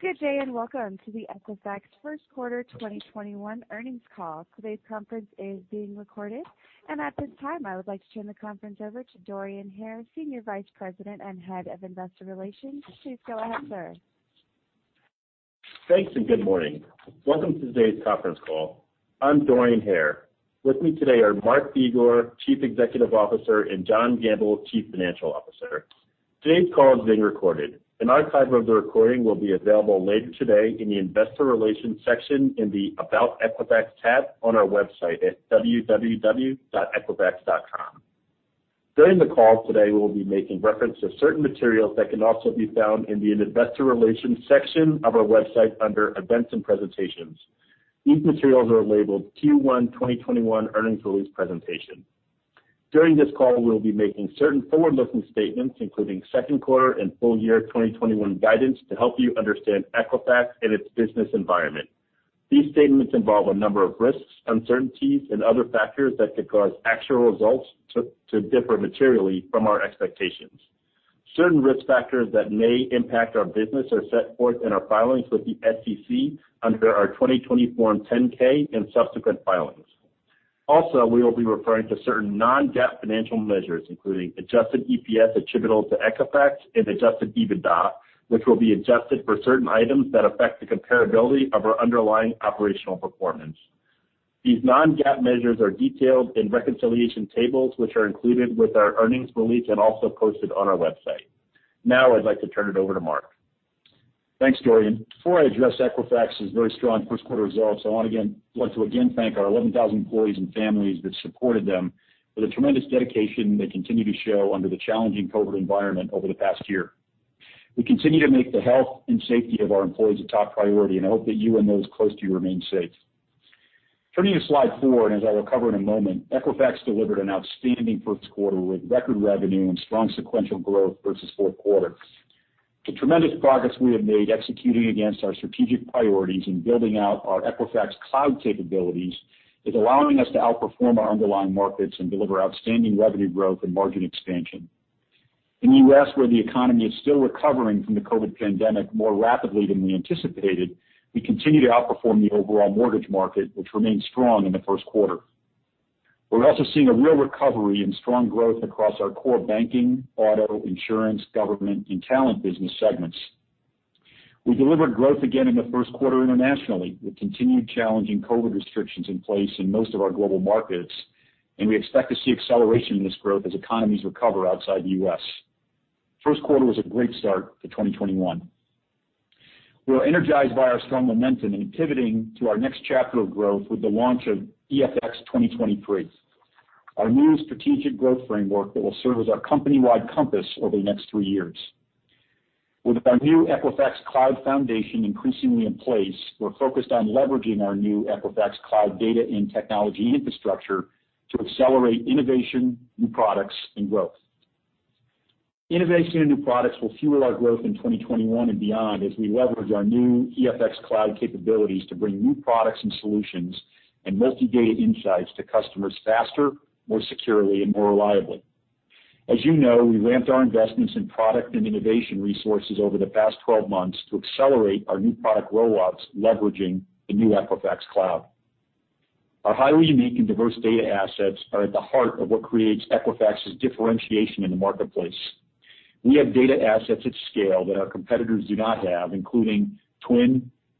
Good day, welcome to the Equifax first quarter 2021 earnings call. Today's conference is being recorded. At this time, I would like to turn the conference over to Dorian Hare, Senior Vice President and Head of Investor Relations. Please go ahead, sir. Thanks, good morning. Welcome to today's conference call. I'm Dorian Hare. With me today are Mark Begor, Chief Executive Officer, and John Gamble, Chief Financial Officer. Today's call is being recorded. An archive of the recording will be available later today in the investor relations section in the About Equifax tab on our website at www.equifax.com. During the call today, we'll be making reference to certain materials that can also be found in the investor relations section of our website under Events and Presentations. These materials are labeled Q1 2021 earnings release presentation. During this call, we'll be making certain forward-looking statements, including second quarter and full year 2021 guidance to help you understand Equifax and its business environment. These statements involve a number of risks, uncertainties, and other factors that could cause actual results to differ materially from our expectations. Certain risk factors that may impact our business are set forth in our filings with the SEC under our 2020 Form 10-K and subsequent filings. We will be referring to certain non-GAAP financial measures, including adjusted EPS attributable to Equifax and adjusted EBITDA, which will be adjusted for certain items that affect the comparability of our underlying operational performance. These non-GAAP measures are detailed in reconciliation tables, which are included with our earnings release and also posted on our website. I'd like to turn it over to Mark. Thanks, Dorian. Before I address Equifax's very strong first quarter results, I want to again thank our 11,000 employees and families that supported them for the tremendous dedication they continue to show under the challenging COVID-19 environment over the past year. We continue to make the health and safety of our employees a top priority, and I hope that you and those close to you remain safe. Turning to slide 4, as I will cover in a moment, Equifax delivered an outstanding first quarter with record revenue and strong sequential growth versus fourth quarter. The tremendous progress we have made executing against our strategic priorities and building out our Equifax Cloud capabilities is allowing us to outperform our underlying markets and deliver outstanding revenue growth and margin expansion. In the U.S., where the economy is still recovering from the COVID pandemic more rapidly than we anticipated, we continue to outperform the overall mortgage market, which remains strong in the first quarter. We're also seeing a real recovery and strong growth across our core banking, auto, insurance, government, and Talent Solutions business segments. We delivered growth again in the first quarter internationally with continued challenging COVID restrictions in place in most of our global markets. We expect to see acceleration in this growth as economies recover outside the U.S. First quarter was a great start to 2021. We're energized by our strong momentum and pivoting to our next chapter of growth with the launch of EFX 2023, our new strategic growth framework that will serve as our company-wide compass over the next three years. With our new Equifax Cloud foundation increasingly in place, we're focused on leveraging our new Equifax Cloud data and technology infrastructure to accelerate innovation, new products, and growth. Innovation and new products will fuel our growth in 2021 and beyond as we leverage our new EFX Cloud capabilities to bring new products and solutions and multi-data insights to customers faster, more securely, and more reliably. As you know, we ramped our investments in product and innovation resources over the past 12-months to accelerate our new product rollouts leveraging the new Equifax Cloud. Our highly unique and diverse data assets are at the heart of what creates Equifax's differentiation in the marketplace. We have data assets at scale that our competitors do not have, including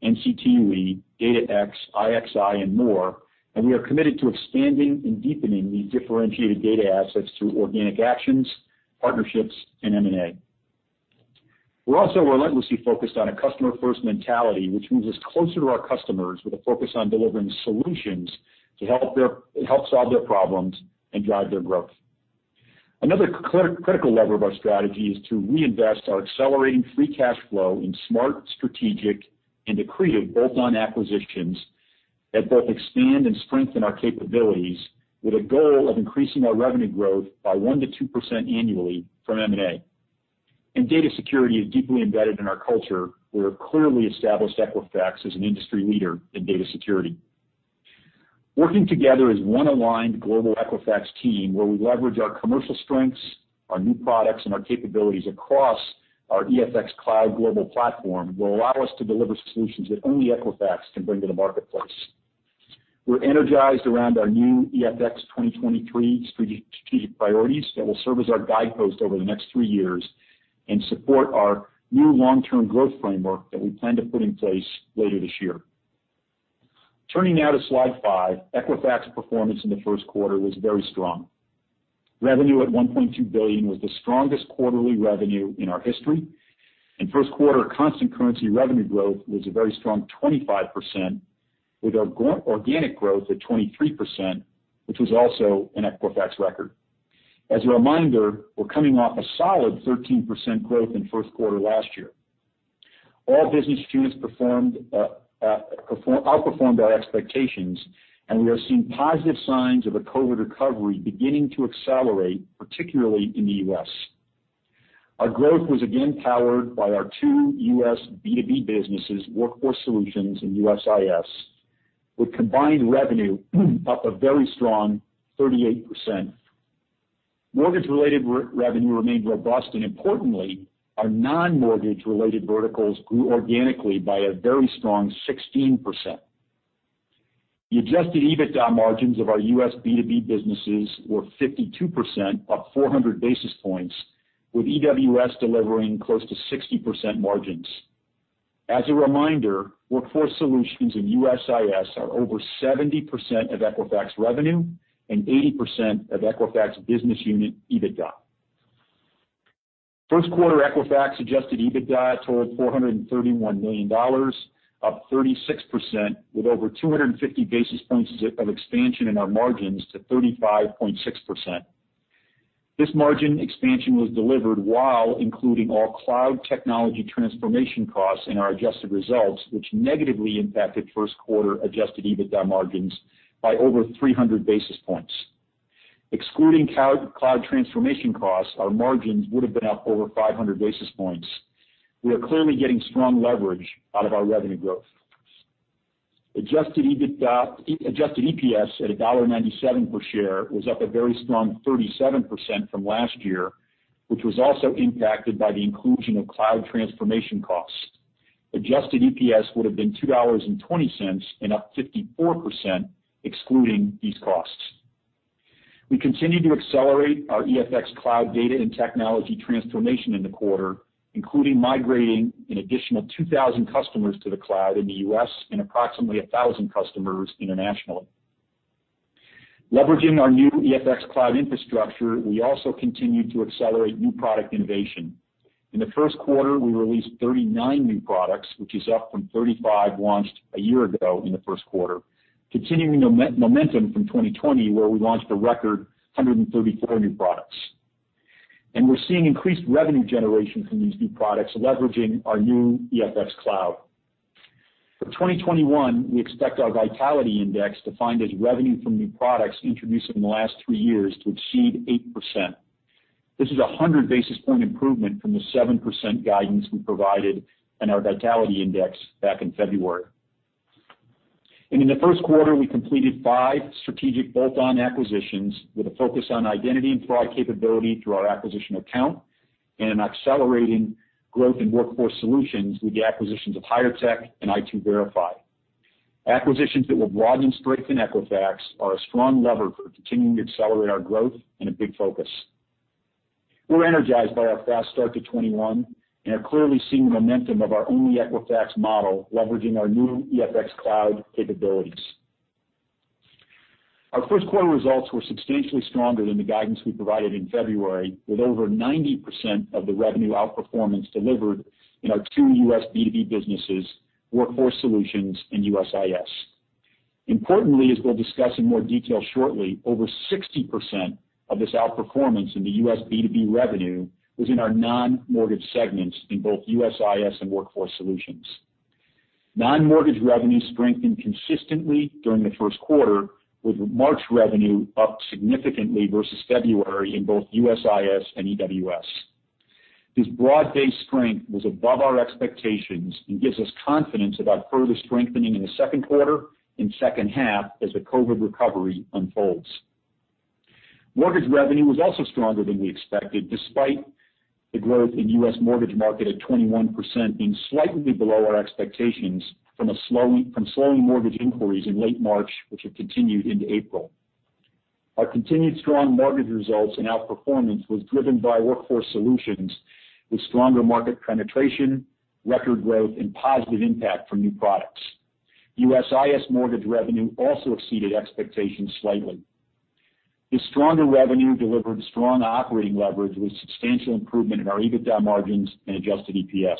TWN, NCTUE, DataX, IXI, and more, and we are committed to expanding and deepening these differentiated data assets through organic actions, partnerships, and M&A. We're also relentlessly focused on a customer-first mentality, which moves us closer to our customers with a focus on delivering solutions to help solve their problems and drive their growth. Another critical lever of our strategy is to reinvest our accelerating free cash flow in smart, strategic, and accretive bolt-on acquisitions that both expand and strengthen our capabilities with a goal of increasing our revenue growth by 1%-2% annually from M&A. Data security is deeply embedded in our culture where it clearly established Equifax as an industry leader in data security. Working together as one aligned global Equifax team where we leverage our commercial strengths, our new products, and our capabilities across our EFX Cloud global platform will allow us to deliver solutions that Only Equifax can bring to the marketplace. We're energized around our new EFX 2023 strategic priorities that will serve as our guidepost over the next three years and support our new long-term growth framework that we plan to put in place later this year. Turning now to slide 5, Equifax performance in the first quarter was very strong. Revenue at $1.2 billion was the strongest quarterly revenue in our history, and first quarter constant currency revenue growth was a very strong 25%, with our organic growth at 23%, which was also an Equifax record. As a reminder, we're coming off a solid 13% growth in first quarter last year. All business units outperformed our expectations, and we are seeing positive signs of a COVID recovery beginning to accelerate, particularly in the U.S. Our growth was again powered by our two U.S. B2B businesses, Workforce Solutions and USIS, with combined revenue up a very strong 38%. Mortgage related revenue remained robust, and importantly, our non-mortgage related verticals grew organically by a very strong 16%. The adjusted EBITDA margins of our U.S. B2B businesses were 52%, up 400 basis points, with EWS delivering close to 60% margins. As a reminder, Workforce Solutions and USIS are over 70% of Equifax revenue and 80% of Equifax business unit EBITDA. First quarter Equifax adjusted EBITDA totaled $431 million, up 36% with over 250 basis points of expansion in our margins to 35.6%. This margin expansion was delivered while including all cloud technology transformation costs in our adjusted results, which negatively impacted first quarter adjusted EBITDA margins by over 300 basis points. Excluding cloud transformation costs, our margins would have been up over 500 basis points. We are clearly getting strong leverage out of our revenue growth. Adjusted EPS at $1.97 per share was up a very strong 37% from last year, which was also impacted by the inclusion of cloud transformation costs. Adjusted EPS would have been $2.20 and up 54% excluding these costs. We continue to accelerate our EFX Cloud data and technology transformation in the quarter, including migrating an additional 2,000 customers to the cloud in the U.S. and approximately 1,000 customers internationally. Leveraging our new EFX Cloud infrastructure, we also continued to accelerate new product innovation. In the first quarter, we released 39 new products, which is up from 35 launched a year ago in the first quarter, continuing momentum from 2020, where we launched a record 134 new products. We're seeing increased revenue generation from these new products leveraging our new EFX Cloud. For 2021, we expect our Vitality Index, defined as revenue from new products introduced in the last three years, to exceed 8%. This is a 100 basis point improvement from the 7% guidance we provided in our Vitality Index back in February. In the first quarter, we completed five strategic bolt-on acquisitions with a focus on identity and fraud capability through our acquisition of Kount and an accelerating growth in Workforce Solutions with the acquisitions of HIREtech and i2verify. Acquisitions that will broaden strength in Equifax are a strong lever for continuing to accelerate our growth and a big focus. We're energized by our fast start to 2021 and are clearly seeing the momentum of our Only Equifax model leveraging our new EFX Cloud capabilities. Our first quarter results were substantially stronger than the guidance we provided in February, with over 90% of the revenue outperformance delivered in our two U.S. B2B businesses, Workforce Solutions and USIS. Importantly, as we'll discuss in more detail shortly, over 60% of this outperformance in the U.S. B2B revenue was in our non-mortgage segments in both USIS and Workforce Solutions. Non-mortgage revenue strengthened consistently during the first quarter, with March revenue up significantly versus February in both USIS and EWS. This broad-based strength was above our expectations and gives us confidence about further strengthening in the second quarter and second half as the COVID recovery unfolds. Mortgage revenue was also stronger than we expected, despite the growth in U.S. mortgage market at 21% being slightly below our expectations from slowing mortgage inquiries in late March, which have continued into April. Our continued strong mortgage results and outperformance was driven by Workforce Solutions with stronger market penetration, record growth and positive impact from new products. USIS mortgage revenue also exceeded expectations slightly. This stronger revenue delivered strong operating leverage with substantial improvement in our EBITDA margins and adjusted EPS.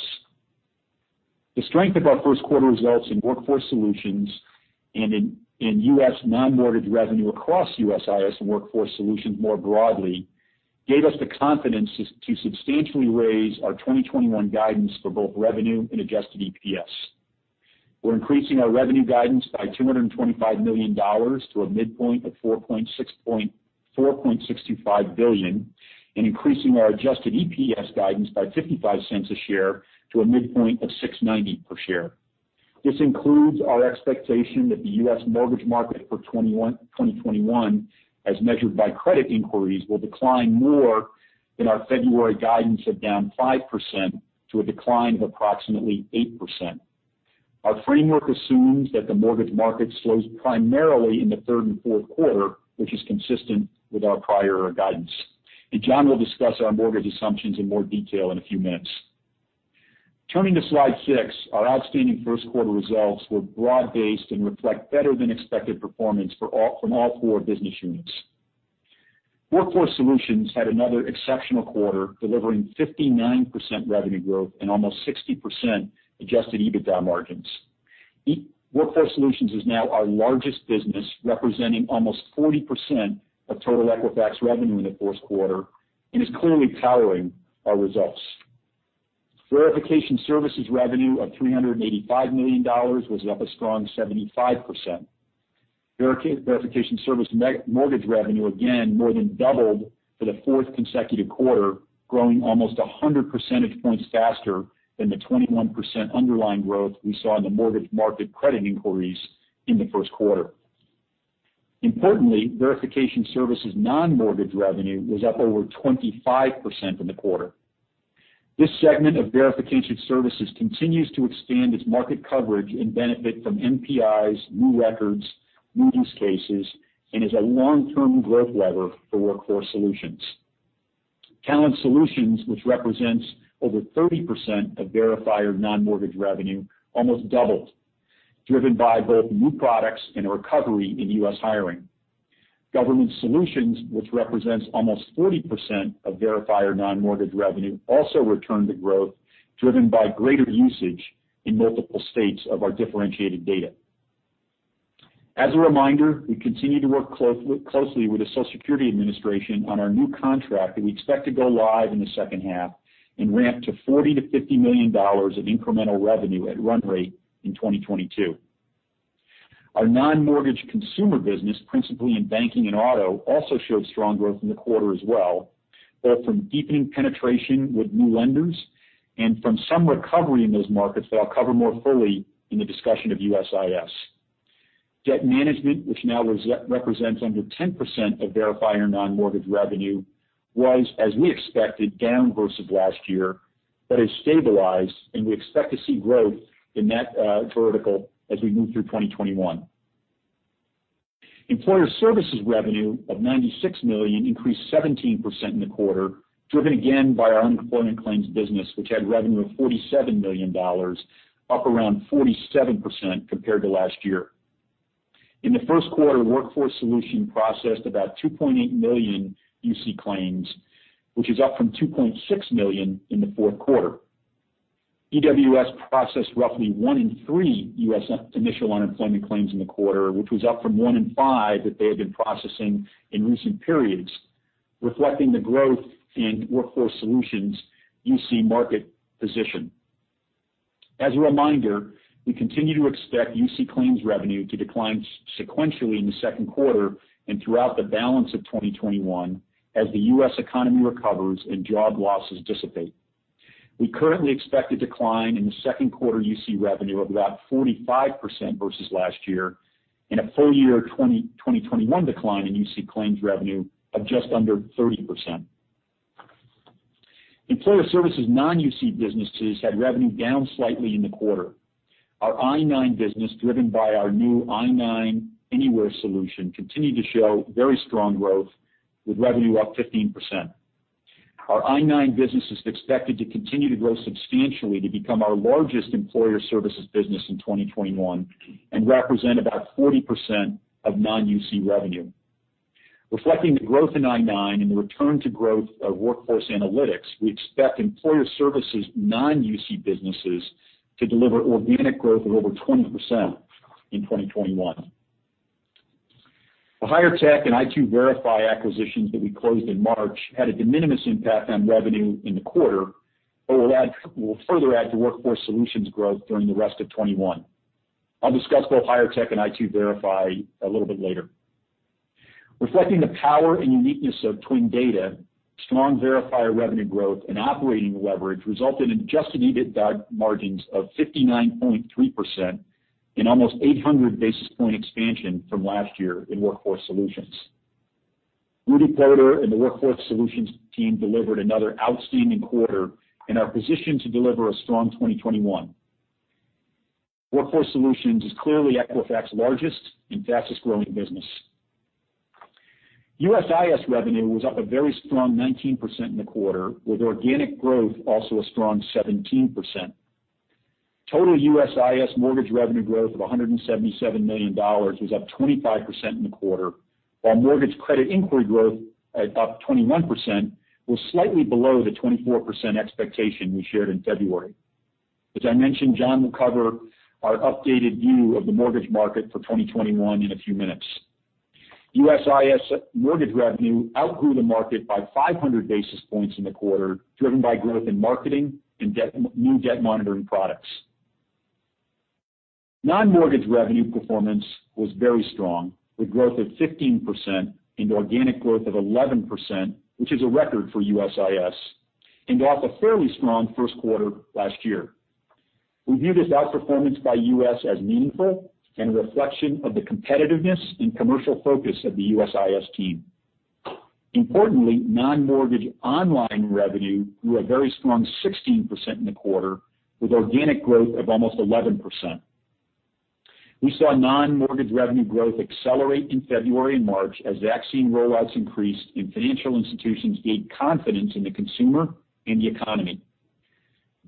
The strength of our first quarter results in Workforce Solutions and in U.S. non-mortgage revenue across USIS and Workforce Solutions more broadly gave us the confidence to substantially raise our 2021 guidance for both revenue and adjusted EPS. We're increasing our revenue guidance by $225 million to a midpoint of $4.65 billion and increasing our adjusted EPS guidance by $0.55 a share to a midpoint of $6.90 per share. This includes our expectation that the U.S. mortgage market for 2021, as measured by credit inquiries, will decline more than our February guidance of down 5% to a decline of approximately 8%. Our framework assumes that the mortgage market slows primarily in the third and fourth quarter, which is consistent with our prior guidance. John will discuss our mortgage assumptions in more detail in a few minutes. Turning to slide 6, our outstanding first quarter results were broad-based and reflect better than expected performance from all four business units. Workforce Solutions had another exceptional quarter, delivering 59% revenue growth and almost 60% adjusted EBITDA margins. Workforce Solutions is now our largest business, representing almost 40% of total Equifax revenue in the first quarter and is clearly powering our results. Verification Services revenue of $385 million was up a strong 75%. Verification Services mortgage revenue, again, more than doubled for the fourth consecutive quarter, growing almost 100 percentage points faster than the 21% underlying growth we saw in the mortgage market credit inquiries in the first quarter. Importantly, Verification Services non-mortgage revenue was up over 25% in the quarter. This segment of verification services continues to expand its market coverage and benefit from NPIs, new records, new use cases, and is a long-term growth lever for Workforce Solutions. Talent Solutions, which represents over 30% of Verifier non-mortgage revenue, almost doubled, driven by both new products and a recovery in U.S. hiring. Government Solutions, which represents almost 40% of Verifier non-mortgage revenue, also returned to growth, driven by greater usage in multiple states of our differentiated data. As a reminder, we continue to work closely with the Social Security Administration on our new contract that we expect to go live in the second half and ramp to $40 million-$50 million of incremental revenue at run rate in 2022. Our non-mortgage consumer business, principally in banking and auto, also showed strong growth in the quarter as well, both from deepening penetration with new lenders and from some recovery in those markets that I'll cover more fully in the discussion of USIS. Debt management, which now represents under 10% of Verification Services non-mortgage revenue, was, as we expected, down versus last year, but has stabilized, and we expect to see growth in that vertical as we move through 2021. Employer services revenue of $96 million increased 17% in the quarter, driven again by our unemployment claims business, which had revenue of $47 million, up around 47% compared to last year. In the first quarter, Workforce Solutions processed about 2.8 million UC claims, which is up from 2.6 million in the fourth quarter. EWS processed roughly one in three U.S. initial unemployment claims in the quarter, which was up from one in five that they had been processing in recent periods, reflecting the growth in Workforce Solutions UC market position. As a reminder, we continue to expect UC claims revenue to decline sequentially in the second quarter and throughout the balance of 2021 as the U.S. economy recovers and job losses dissipate. We currently expect a decline in the second quarter UC revenue of about 45% versus last year and a full year 2021 decline in UC claims revenue of just under 30%. Employer services non-UC businesses had revenue down slightly in the quarter. Our I-9 business, driven by our new I-9 Anywhere solution, continued to show very strong growth, with revenue up 15%. Our I-9 business is expected to continue to grow substantially to become our largest employer services business in 2021 and represent about 40% of non-UC revenue. Reflecting the growth in I-9 and the return to growth of Workforce Analytics, we expect employer services non-UC businesses to deliver organic growth of over 20% in 2021. The HIREtech and i2verify acquisitions that we closed in March had a de minimis impact on revenue in the quarter but will further add to Workforce Solutions growth during the rest of 2021. I'll discuss both HIREtech and i2verify a little bit later. Reflecting the power and uniqueness of TWN Data, strong Verifier revenue growth and operating leverage resulted in adjusted EBITDA margins of 59.3% and almost 800 basis point expansion from last year in Workforce Solutions. Rudy Ploder and the Workforce Solutions team delivered another outstanding quarter and are positioned to deliver a strong 2021. Workforce Solutions is clearly Equifax's largest and fastest-growing business. USIS revenue was up a very strong 19% in the quarter, with organic growth also a strong 17%. Total USIS mortgage revenue growth of $177 million was up 25% in the quarter, while mortgage credit inquiry growth at up 21% was slightly below the 24% expectation we shared in February. I mentioned, John will cover our updated view of the mortgage market for 2021 in a few minutes. USIS mortgage revenue outgrew the market by 500 basis points in the quarter, driven by growth in marketing and new debt monitoring products. Non-mortgage revenue performance was very strong, with growth of 15% and organic growth of 11%, which is a record for USIS and off a fairly strong first quarter last year. We view this outperformance by USIS as meaningful and a reflection of the competitiveness and commercial focus of the USIS team. Importantly, non-mortgage online revenue grew a very strong 16% in the quarter, with organic growth of almost 11%. We saw non-mortgage revenue growth accelerate in February and March as vaccine rollouts increased and financial institutions gained confidence in the consumer and the economy.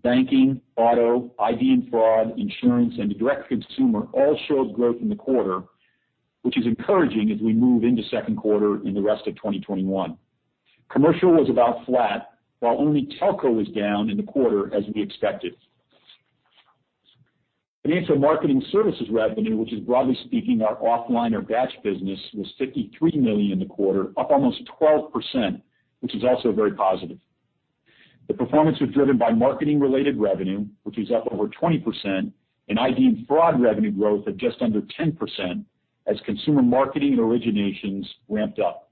Banking, auto, ID and fraud, insurance, and direct consumer all showed growth in the quarter, which is encouraging as we move into second quarter and the rest of 2021. Commercial was about flat, while only telco was down in the quarter as we expected. Financial marketing services revenue, which is broadly speaking our offline or batch business, was $53 million in the quarter, up almost 12%, which is also very positive. The performance was driven by marketing-related revenue, which was up over 20%, and ID fraud revenue growth of just under 10% as consumer marketing and originations ramped up.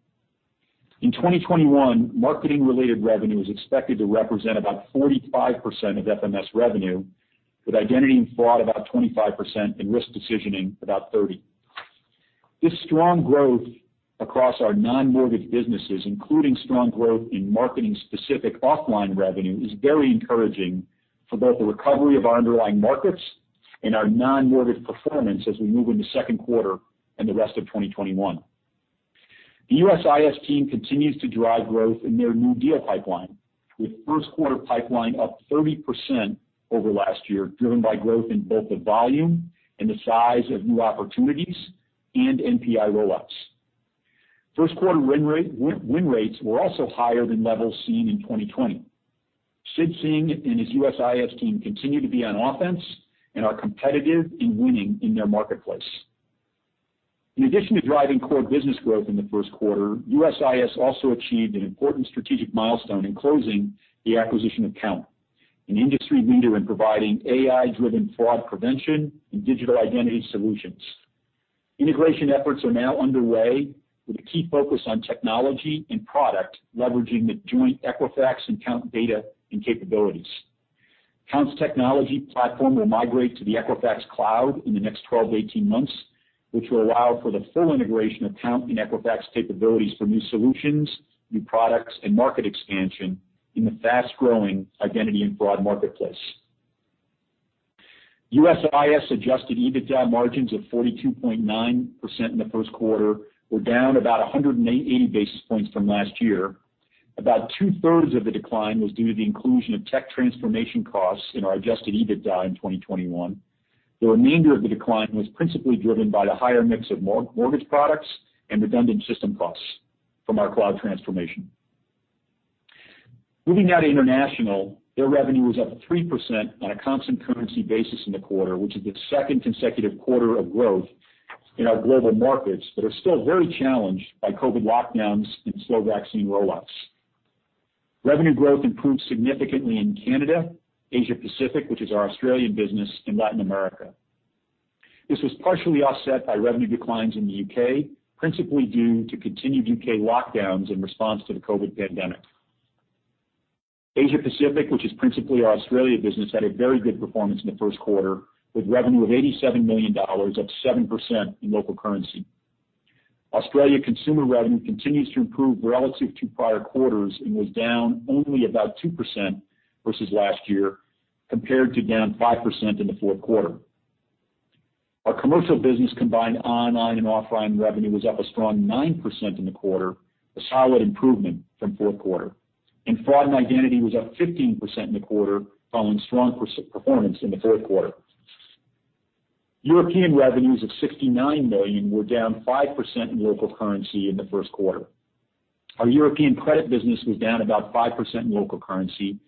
In 2021, marketing-related revenue is expected to represent about 45% of FMS revenue, with identity and fraud about 25% and risk decisioning about 30%. This strong growth across our non-mortgage businesses, including strong growth in marketing-specific offline revenue, is very encouraging for both the recovery of our underlying markets and our non-mortgage performance as we move into second quarter and the rest of 2021. The USIS team continues to drive growth in their new deal pipeline, with first quarter pipeline up 30% over last year, driven by growth in both the volume and the size of new opportunities and NPI roll-ups. First quarter win rates were also higher than levels seen in 2020. Sid Singh and his USIS team continue to be on offense and are competitive in winning in their marketplace. In addition to driving core business growth in the first quarter, USIS also achieved an important strategic milestone in closing the acquisition of Kount, an industry leader in providing AI-driven fraud prevention and digital identity solutions. Integration efforts are now underway with a key focus on technology and product, leveraging the joint Equifax and Kount data and capabilities. Kount's technology platform will migrate to the Equifax Cloud in the next 12-18 months, which will allow for the full integration of Kount and Equifax capabilities for new solutions, new products, and market expansion in the fast-growing identity and fraud marketplace. USIS adjusted EBITDA margins of 42.9% in the first quarter were down about 180 basis points from last year. About 2/3 of the decline was due to the inclusion of tech transformation costs in our adjusted EBITDA in 2021. The remainder of the decline was principally driven by the higher mix of mortgage products and redundant system costs from our cloud transformation. Moving now to international, their revenue was up 3% on a constant currency basis in the quarter, which is the second consecutive quarter of growth in our global markets that are still very challenged by COVID lockdowns and slow vaccine rollouts. Revenue growth improved significantly in Canada, Asia Pacific, which is our Australian business, and Latin America. This was partially offset by revenue declines in the U.K., principally due to continued U.K. lockdowns in response to the COVID pandemic. Asia Pacific, which is principally our Australia business, had a very good performance in the first quarter, with revenue of $87 million, up 7% in local currency. Australia consumer revenue continues to improve relative to prior quarters and was down only about 2% versus last year, compared to down 5% in the fourth quarter. Our commercial business combined online and offline revenue was up a strong 9% in the quarter, a solid improvement from fourth quarter. Fraud and identity was up 15% in the quarter, following strong performance in the fourth quarter. European revenues of $69 million were down 5% in local currency in the first quarter. Our European credit business was down about 5% in local currency.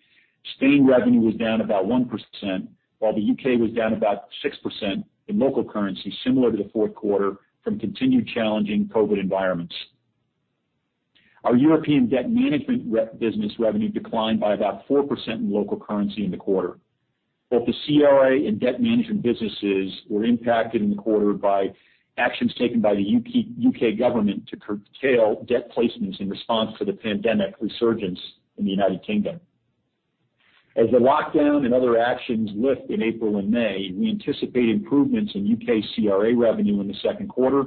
Spain revenue was down about 1%, while the U.K. was down about 6% in local currency, similar to the fourth quarter from continued challenging COVID-19 environments. Our European debt management business revenue declined by about 4% in local currency in the quarter. Both the CRA and debt management businesses were impacted in the quarter by actions taken by the U.K. government to curtail debt placements in response to the pandemic resurgence in the United Kingdom. As the lockdown and other actions lift in April and May, we anticipate improvements in U.K. CRA revenue in the second quarter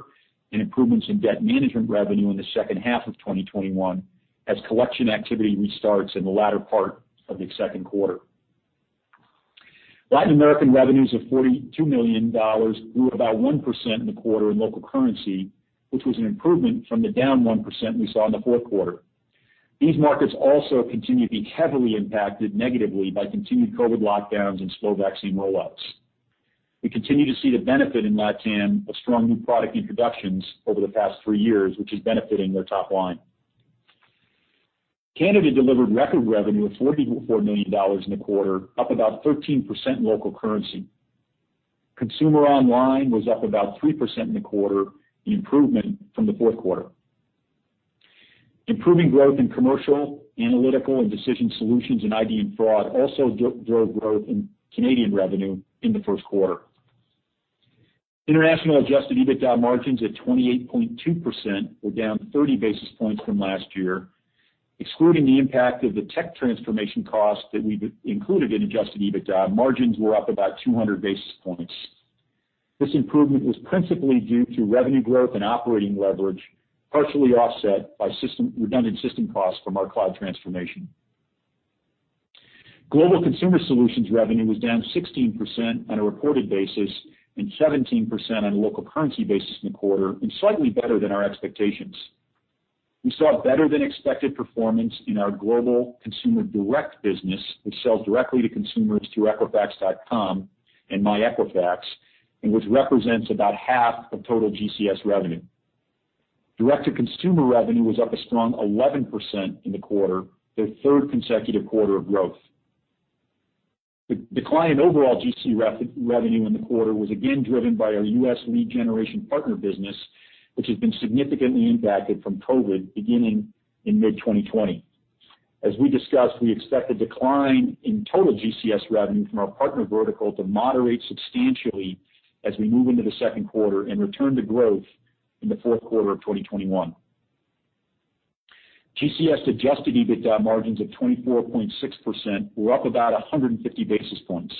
and improvements in debt management revenue in the second half of 2021 as collection activity restarts in the latter part of the second quarter. Latin American revenues of $42 million grew about 1% in the quarter in local currency, which was an improvement from the down 1% we saw in the fourth quarter. These markets also continue to be heavily impacted negatively by continued COVID lockdowns and slow vaccine rollouts. We continue to see the benefit in LatAm of strong new product introductions over the past three years, which is benefiting their top line. Canada delivered record revenue of $44 million in the quarter, up about 13% in local currency. Consumer online was up about 3% in the quarter, the improvement from the fourth quarter. Improving growth in commercial, analytical, and decision solutions in ID and fraud also drove growth in Canadian revenue in the first quarter. International adjusted EBITDA margins at 28.2% were down 30 basis points from last year. Excluding the impact of the tech transformation costs that we've included in adjusted EBITDA, margins were up about 200 basis points. This improvement was principally due to revenue growth and operating leverage, partially offset by redundant system costs from our cloud transformation. Global Consumer Solutions revenue was down 16% on a reported basis and 17% on a local currency basis in the quarter and slightly better than our expectations. We saw better-than-expected performance in our Global Consumer Solutions business, which sells directly to consumers through equifax.com and myEquifax, and which represents about half of total GCS revenue. Direct-to-consumer revenue was up a strong 11% in the quarter, their third consecutive quarter of growth. The decline in overall GCS revenue in the quarter was again driven by our U.S. lead generation partner business, which has been significantly impacted from COVID-19 beginning in mid-2020. As we discussed, we expect a decline in total GCS revenue from our partner vertical to moderate substantially as we move into the second quarter and return to growth in the fourth quarter of 2021. GCS adjusted EBITDA margins of 24.6% were up about 150 basis points.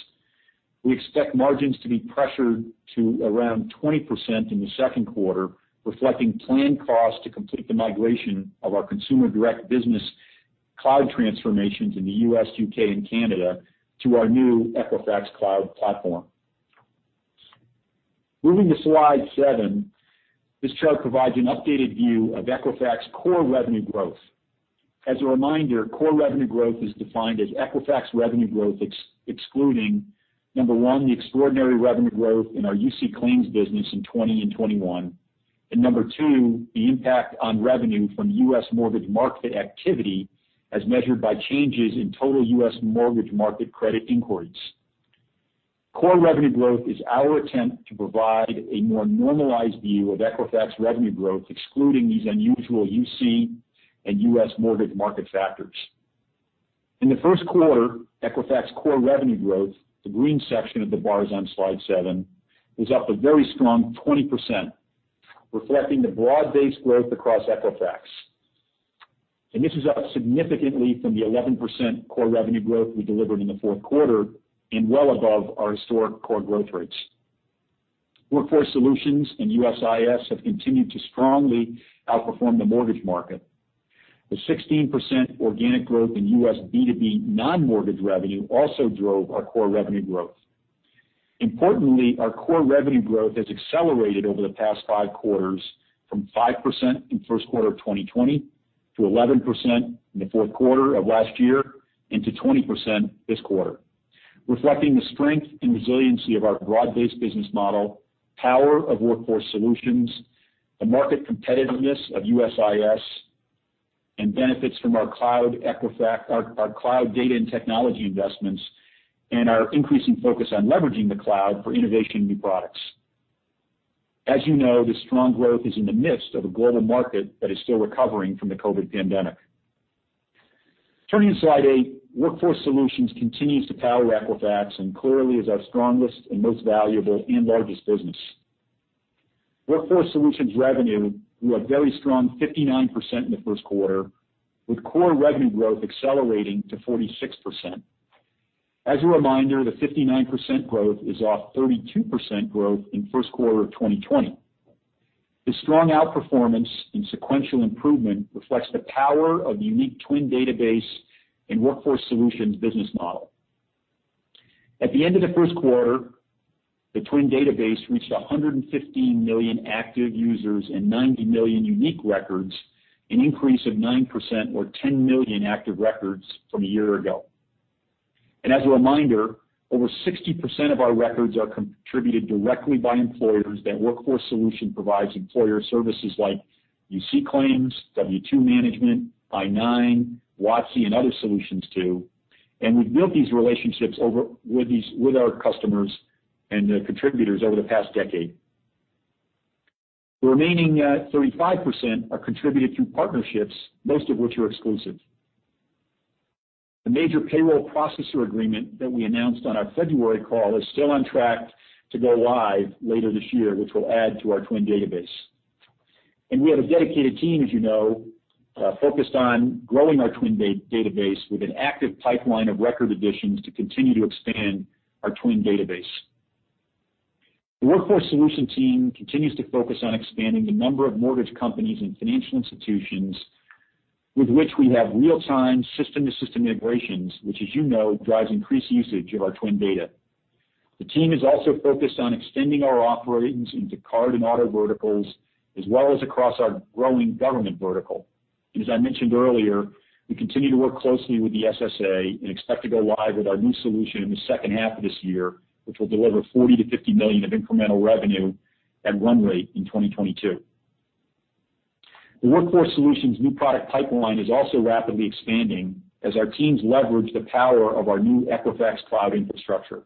We expect margins to be pressured to around 20% in the second quarter, reflecting planned costs to complete the migration of our consumer direct business cloud transformations in the U.S., U.K. and Canada to our new Equifax Cloud platform. Moving to slide 7. This chart provides an updated view of Equifax core revenue growth. As a reminder, core revenue growth is defined as Equifax revenue growth excluding, number one, the extraordinary revenue growth in our UC claims business in 2020 and 2021. And number two, the impact on revenue from U.S. mortgage market activity as measured by changes in total U.S. mortgage market credit inquiries. Core revenue growth is our attempt to provide a more normalized view of Equifax revenue growth, excluding these unusual UC and U.S. mortgage market factors. In the first quarter, Equifax core revenue growth, the green section of the bars on slide seven, was up a very strong 20%, reflecting the broad-based growth across Equifax. This is up significantly from the 11% core revenue growth we delivered in the fourth quarter and well above our historic core growth rates. Workforce Solutions and USIS have continued to strongly outperform the mortgage market. The 16% organic growth in U.S. B2B non-mortgage revenue also drove our core revenue growth. Importantly, our core revenue growth has accelerated over the past five quarters from 5% in first quarter of 2020 to 11% in the fourth quarter of last year and to 20% this quarter, reflecting the strength and resiliency of our broad-based business model, power of Workforce Solutions, the market competitiveness of USIS, and benefits from our cloud data and technology investments, and our increasing focus on leveraging the cloud for innovation in new products. As you know, this strong growth is in the midst of a global market that is still recovering from the COVID-19 pandemic. Turning to slide 8. Workforce Solutions continues to power Equifax and clearly is our strongest and most valuable and largest business. Workforce Solutions revenue grew a very strong 59% in the first quarter, with core revenue growth accelerating to 46%. As a reminder, the 59% growth is off 32% growth in first quarter of 2020. This strong outperformance and sequential improvement reflects the power of the unique TWN database and Workforce Solutions business model. At the end of the first quarter, the TWN database reached 115 million active users and 90 million unique records, an increase of 9% or 10 million active records from a year ago. As a reminder, over 60% of our records are contributed directly by employers that Workforce Solutions provides employer services like UC claims, W-2 management, I-9, WOTC and other solutions too. We've built these relationships over with our customers and the contributors over the past decade. The remaining 35% are contributed through partnerships, most of which are exclusive. The major payroll processor agreement that we announced on our February call is still on track to go live later this year, which will add to our TWN database. We have a dedicated team, as you know, focused on growing our TWN database with an active pipeline of record additions to continue to expand our TWN database. The Workforce Solutions team continues to focus on expanding the number of mortgage companies and financial institutions with which we have real-time system-to-system integrations, which, as you know, drives increased usage of our TWN data. The team is also focused on extending our operations into card and auto verticals, as well as across our growing government vertical. As I mentioned earlier, we continue to work closely with the SSA and expect to go live with our new solution in the second half of this year, which will deliver $40 million-$50 million of incremental revenue at run rate in 2022. The Workforce Solutions new product pipeline is also rapidly expanding as our teams leverage the power of our new Equifax Cloud infrastructure.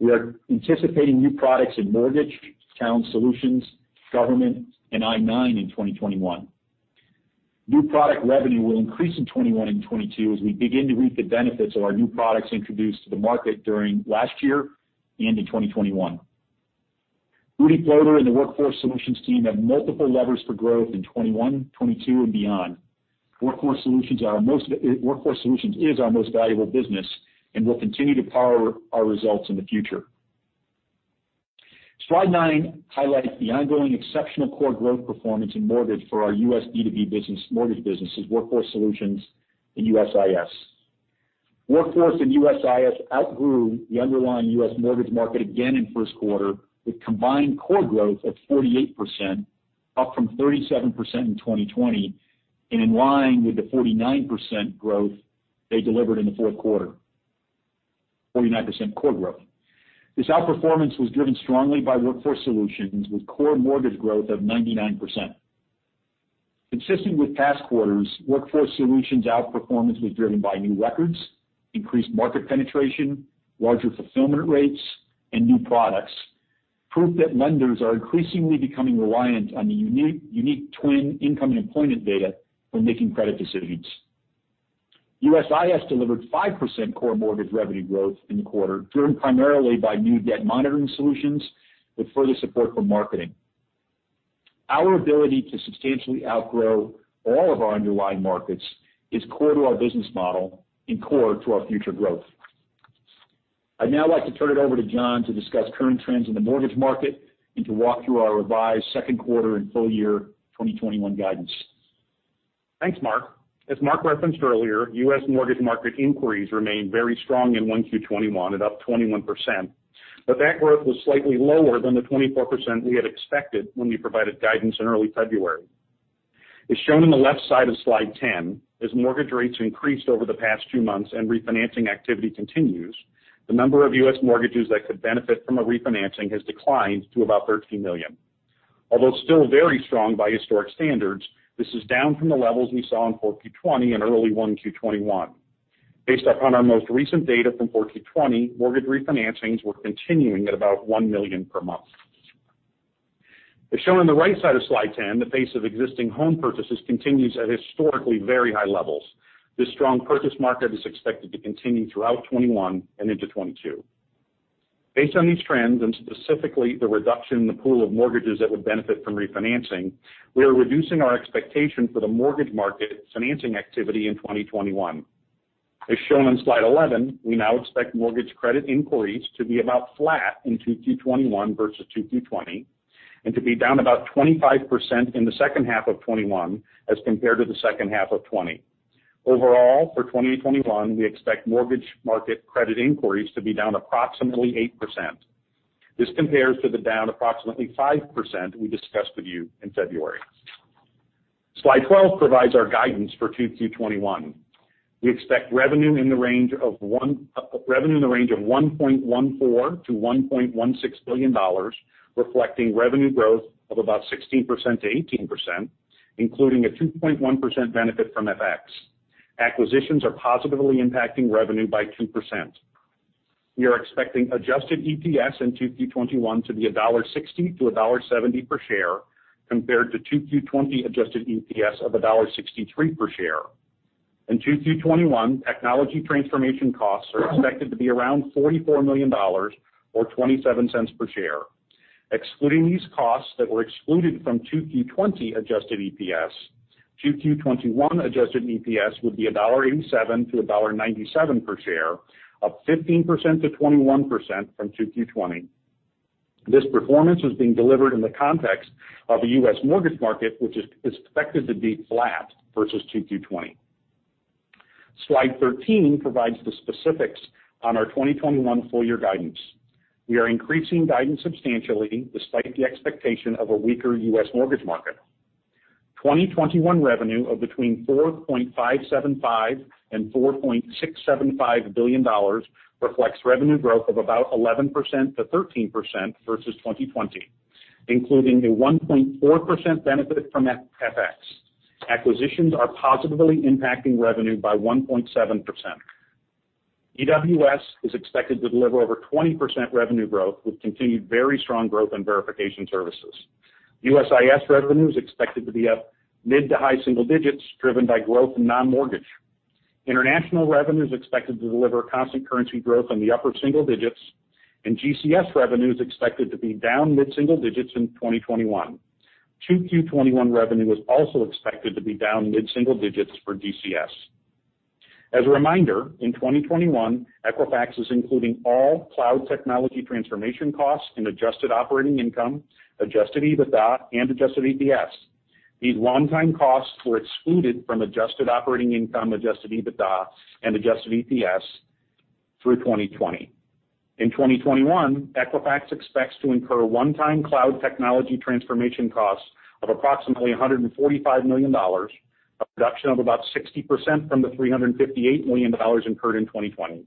We are anticipating new products in mortgage, Talent Solutions, government and I-9 in 2021. New product revenue will increase in 2021 and 2022 as we begin to reap the benefits of our new products introduced to the market during last year and in 2021. Rudy Ploder and the Workforce Solutions team have multiple levers for growth in 2021, 2022 and beyond. Workforce Solutions is our most valuable business and will continue to power our results in the future. Slide 9 highlights the ongoing exceptional core growth performance in mortgage for our U.S. B2B mortgage businesses, Workforce Solutions and USIS. Workforce Solutions and USIS outgrew the underlying U.S. mortgage market again in first quarter with combined core growth of 48%, up from 37% in 2020 and in line with the 49% growth they delivered in the fourth quarter. 49% core growth. This outperformance was driven strongly by Workforce Solutions with core mortgage growth of 99%. Consistent with past quarters, Workforce Solutions outperformance was driven by new records, increased market penetration, larger fulfillment rates and new products. Proof that lenders are increasingly becoming reliant on the unique TWN income employment data when making credit decisions. USIS delivered 5% core mortgage revenue growth in the quarter, driven primarily by new debt monitoring solutions with further support from marketing. Our ability to substantially outgrow all of our underlying markets is core to our business model and core to our future growth. I'd now like to turn it over to John to discuss current trends in the mortgage market and to walk through our revised second quarter and full year 2021 guidance. Thanks, Mark. As Mark referenced earlier, U.S. mortgage market inquiries remained very strong in 1Q 2021 at up 21%. That growth was slightly lower than the 24% we had expected when we provided guidance in early February. As shown on the left side of slide 10, as mortgage rates increased over the past two months and refinancing activity continues, the number of U.S. mortgages that could benefit from a refinancing has declined to about 13 million. Although still very strong by historic standards, this is down from the levels we saw in 4Q 2020 and early 1Q 2021. Based upon our most recent data from 4Q 2020, mortgage refinancings were continuing at about 1 million per month. As shown on the right side of slide 10, the pace of existing home purchases continues at historically very high levels. This strong purchase market is expected to continue throughout 2021 and into 2022. Based on these trends, and specifically the reduction in the pool of mortgages that would benefit from refinancing, we are reducing our expectation for the mortgage market financing activity in 2021. As shown on Slide 11, we now expect mortgage credit inquiries to be about flat in 2Q 2021 versus 2Q 2020, and to be down about 25% in the second half of 2021 as compared to the second half of 2020. Overall, for 2021, we expect mortgage market credit inquiries to be down approximately 8%. This compares to the down approximately 5% we discussed with you in February. Slide 12 provides our guidance for 2Q 2021. We expect revenue in the range of $1.14 billion-$1.16 billion, reflecting revenue growth of about 16%-18%, including a 2.1% benefit from FX. Acquisitions are positively impacting revenue by 2%. We are expecting adjusted EPS in 2Q 2021 to be $1.60-$1.70 per share compared to 2Q 2020 adjusted EPS of $1.63 per share. In 2Q 2021, technology transformation costs are expected to be around $44 million or $0.27 per share. Excluding these costs that were excluded from 2Q 2020 adjusted EPS, 2Q 2021 adjusted EPS would be $1.87-$1.97 per share, up 15%-21% from 2Q 2020. This performance is being delivered in the context of a U.S. mortgage market, which is expected to be flat versus 2Q 2020. Slide 13 provides the specifics on our 2021 full year guidance. We are increasing guidance substantially despite the expectation of a weaker U.S. mortgage market. 2021 revenue of between $4.575 billion-$4.675 billion reflects revenue growth of about 11%-13% versus 2020, including a 1.4% benefit from FX. Acquisitions are positively impacting revenue by 1.7%. EWS is expected to deliver over 20% revenue growth with continued very strong growth in Verification Services. USIS revenue is expected to be up mid to high single digits, driven by growth in non-mortgage. International revenue is expected to deliver constant currency growth in the upper single digits, and GCS revenue is expected to be down mid-single digits in 2021. 2Q 2021 revenue is also expected to be down mid-single digits for GCS. As a reminder, in 2021, Equifax is including all cloud technology transformation costs in adjusted operating income, adjusted EBITDA and adjusted EPS. These one-time costs were excluded from adjusted operating income, adjusted EBITDA and adjusted EPS through 2020. In 2021, Equifax expects to incur one-time cloud technology transformation costs of approximately $145 million, a reduction of about 60% from the $358 million incurred in 2020.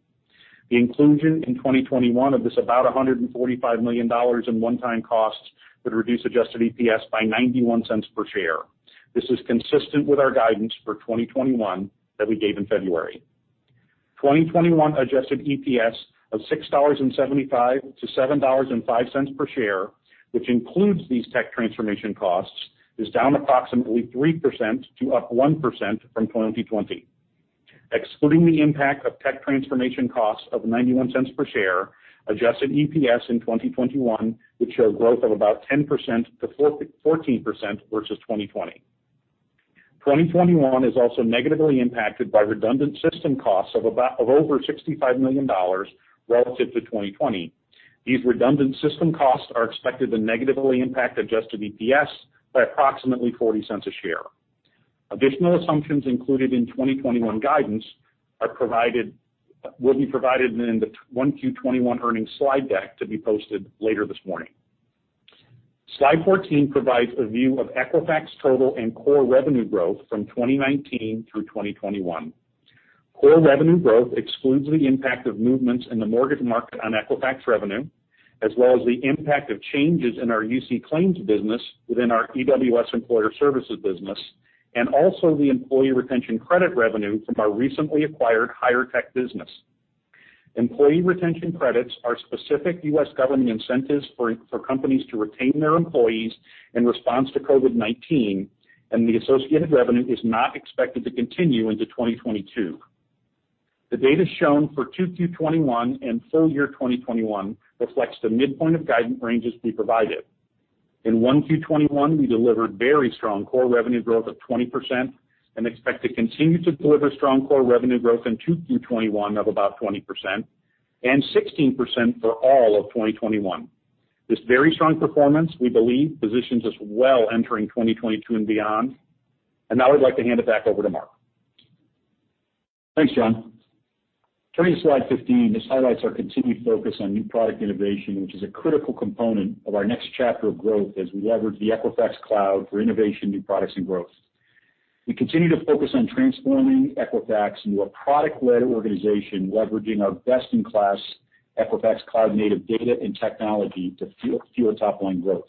The inclusion in 2021 of this about $145 million in one-time costs would reduce adjusted EPS by $0.91 per share. This is consistent with our guidance for 2021 that we gave in February. 2021 adjusted EPS of $6.75-$7.05 per share, which includes these tech transformation costs, is down approximately 3% to up 1% from 2020. Excluding the impact of tech transformation costs of $0.91 per share, adjusted EPS in 2021 would show growth of about 10%-14% versus 2020. 2021 is also negatively impacted by redundant system costs of over $65 million relative to 2020. These redundant system costs are expected to negatively impact adjusted EPS by approximately $0.40 a share. Additional assumptions included in 2021 guidance are provided, will be provided in the 1Q 2021 earnings slide deck to be posted later this morning. Slide 14 provides a view of Equifax total and core revenue growth from 2019 through 2021. Core revenue growth excludes the impact of movements in the mortgage market on Equifax revenue, as well as the impact of changes in our UC claims business within our EWS employer services business. Also the Employee Retention Credit revenue from our recently acquired HIREtech business. Employee Retention Credits are specific U.S. government incentives for companies to retain their employees in response to COVID-19, and the associated revenue is not expected to continue into 2022. The data shown for 2Q 2021 and full year 2021 reflects the midpoint of guidance ranges we provided. In 1Q 2021, we delivered very strong core revenue growth of 20%. We expect to continue to deliver strong core revenue growth in 2Q 2021 of about 20% and 16% for all of 2021. This very strong performance, we believe, positions us well entering 2022 and beyond. Now I'd like to hand it back over to Mark. Thanks, John. Turning to slide 15, this highlights our continued focus on new product innovation, which is a critical component of our next chapter of growth as we leverage the Equifax Cloud for innovation, new products and growth. We continue to focus on transforming Equifax into a product-led organization, leveraging our best-in-class Equifax cloud-native data and technology to fuel top line growth.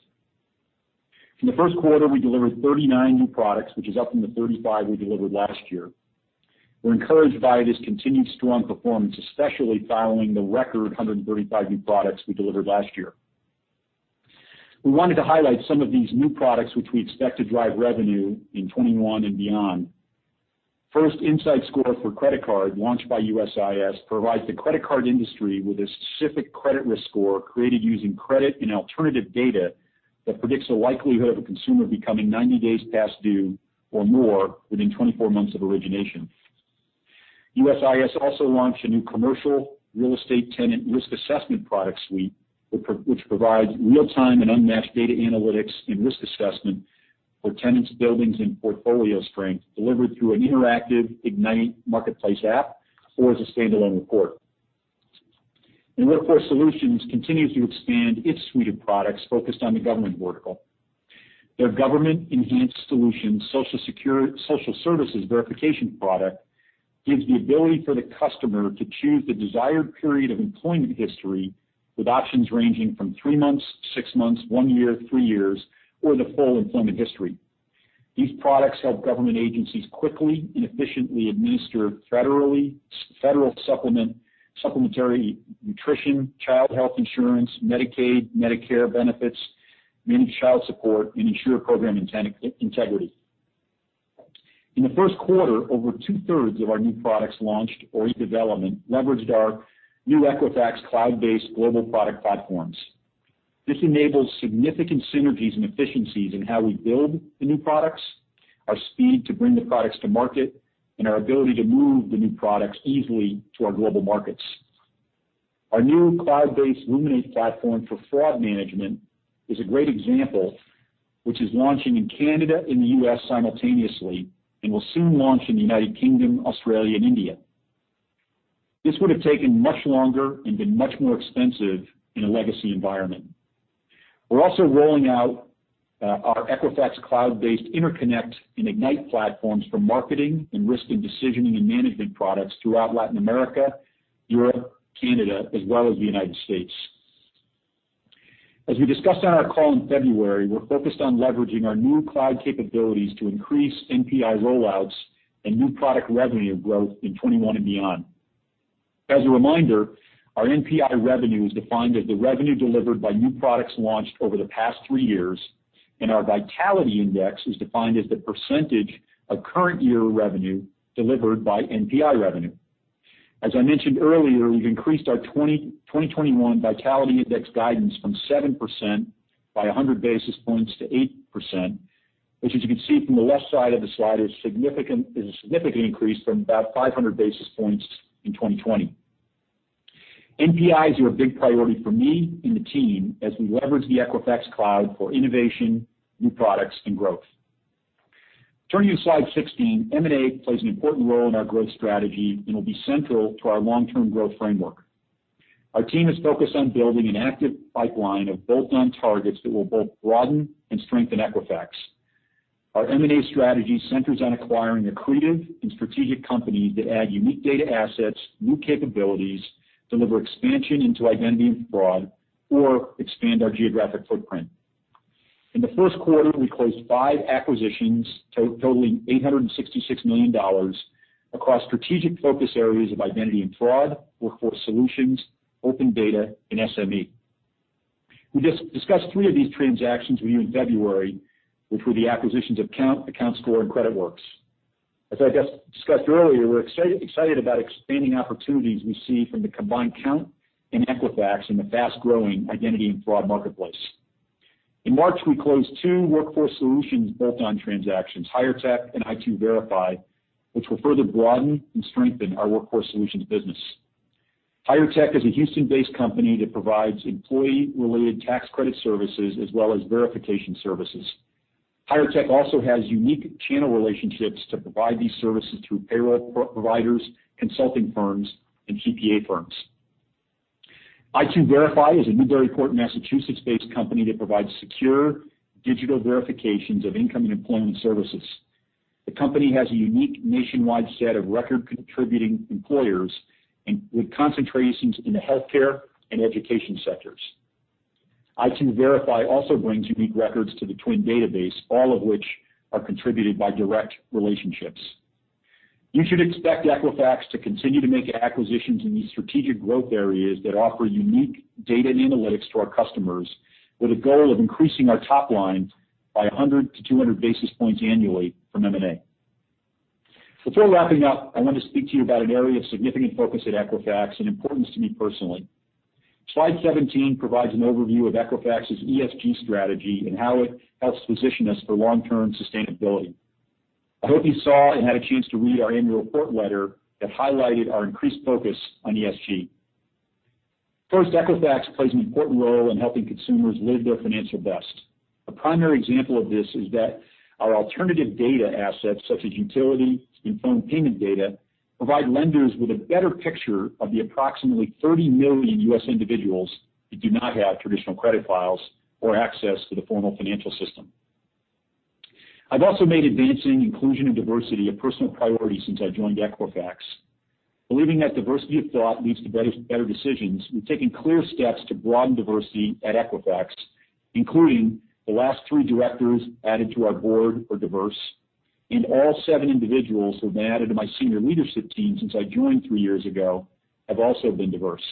In the first quarter, we delivered 39 new products, which is up from the 35 we delivered last year. We're encouraged by this continued strong performance, especially following the record 135 new products we delivered last year. We wanted to highlight some of these new products which we expect to drive revenue in 2021 and beyond. First, Insight Score for Credit Cards, launched by USIS, provides the credit card industry with a specific credit risk score created using credit and alternative data that predicts the likelihood of a consumer becoming 90-days past due or more within 24-months of origination. USIS also launched a new commercial real estate tenant risk assessment product suite which provides real-time and unmatched data analytics and risk assessment for tenants, buildings, and portfolio strength delivered through an interactive Equifax Ignite Marketplace app or as a standalone report. Workforce Solutions continues to expand its suite of products focused on the government vertical. Their Government Enhanced Solutions Social Service Verification product gives the ability for the customer to choose the desired period of employment history with options ranging from three months, six months, one year, three years, or the full employment history. These products help government agencies quickly and efficiently administer federal supplement, supplementary nutrition, child health insurance, Medicaid, Medicare benefits, manage child support, and ensure program integrity. In the first quarter, over 2/3 of our new products launched or in development leveraged our new Equifax Cloud-based global product platforms. This enables significant synergies and efficiencies in how we build the new products, our speed to bring the products to market, and our ability to move the new products easily to our global markets. Our new cloud-based Luminate platform for fraud management is a great example, which is launching in Canada and the U.S. simultaneously and will soon launch in the United Kingdom, Australia, and India. This would have taken much longer and been much more expensive in a legacy environment. We're also rolling out our Equifax Cloud-based InterConnect and Ignite platforms for marketing and risk and decisioning and management products throughout Latin America, Europe, Canada, as well as the United States. As we discussed on our call in February, we're focused on leveraging our new cloud capabilities to increase NPI rollouts and new product revenue growth in 2021 and beyond. As a reminder, our NPI revenue is defined as the revenue delivered by new products launched over the past three years, and our Vitality Index is defined as the percentage of current year revenue delivered by NPI revenue. As I mentioned earlier, we've increased our 2021 Vitality Index guidance from 7% by 100 basis points to 8%, which as you can see from the left side of the slide is a significant increase from about 500 basis points in 2020. NPIs are a big priority for me and the team as we leverage the Equifax Cloud for innovation, new products, and growth. Turning to slide 16, M&A plays an important role in our growth strategy and will be central to our long-term growth framework. Our team is focused on building an active pipeline of bolt-on targets that will both broaden and strengthen Equifax. Our M&A strategy centers on acquiring accretive and strategic companies that add unique data assets, new capabilities, deliver expansion into identity and fraud, or expand our geographic footprint. In the first quarter, we closed five acquisitions totaling $866 million across strategic focus areas of identity and fraud, Workforce Solutions, open data, and SME. We discussed three of these transactions with you in February, which were the acquisitions of Kount, AccountScore, and CreditWorks. As I just discussed earlier, we're excited about expanding opportunities we see from the combined Kount and Equifax in the fast-growing identity and fraud marketplace. In March, we closed two Workforce Solutions bolt-ontransactions, HIREtech and i2verify, which will further broaden and strengthen our Workforce Solutions business. HIREtech is a Houston-based company that provides employee-related tax credit services as well asVerification Services. HIREtech also has unique channel relationships to provide these services through payroll providers, consulting firms, and CPA firms. i2verify is a Newburyport, Massachusetts-based company that provides secure digital verifications of income and employment services. The company has a unique nationwide set of record contributing employers and with concentrations in the healthcare and education sectors. i2verify also brings unique records to the TWN database, all of which are contributed by direct relationships. You should expect Equifax to continue to make acquisitions in these strategic growth areas that offer unique data and analytics to our customers with a goal of increasing our top line by 100-200 basis points annually from M&A. Before wrapping up, I want to speak to you about an area of significant focus at Equifax and importance to me personally. Slide 17 provides an overview of Equifax's ESG strategy and how it helps position us for long-term sustainability. I hope you saw and had a chance to read our annual report letter that highlighted our increased focus on ESG. First, Equifax plays an important role in helping consumers live their financial best. A primary example of this is that our alternative data assets, such as utility and phone payment data, provide lenders with a better picture of the approximately 30 million U.S. individuals that do not have traditional credit files or access to the formal financial system. I've also made advancing inclusion and diversity a personal priority since I joined Equifax. Believing that diversity of thought leads to better decisions, we've taken clear steps to broaden diversity at Equifax, including the last three directors added to our board are diverse, and all seven individuals who have been added to my senior leadership team since I joined three years ago have also been diverse.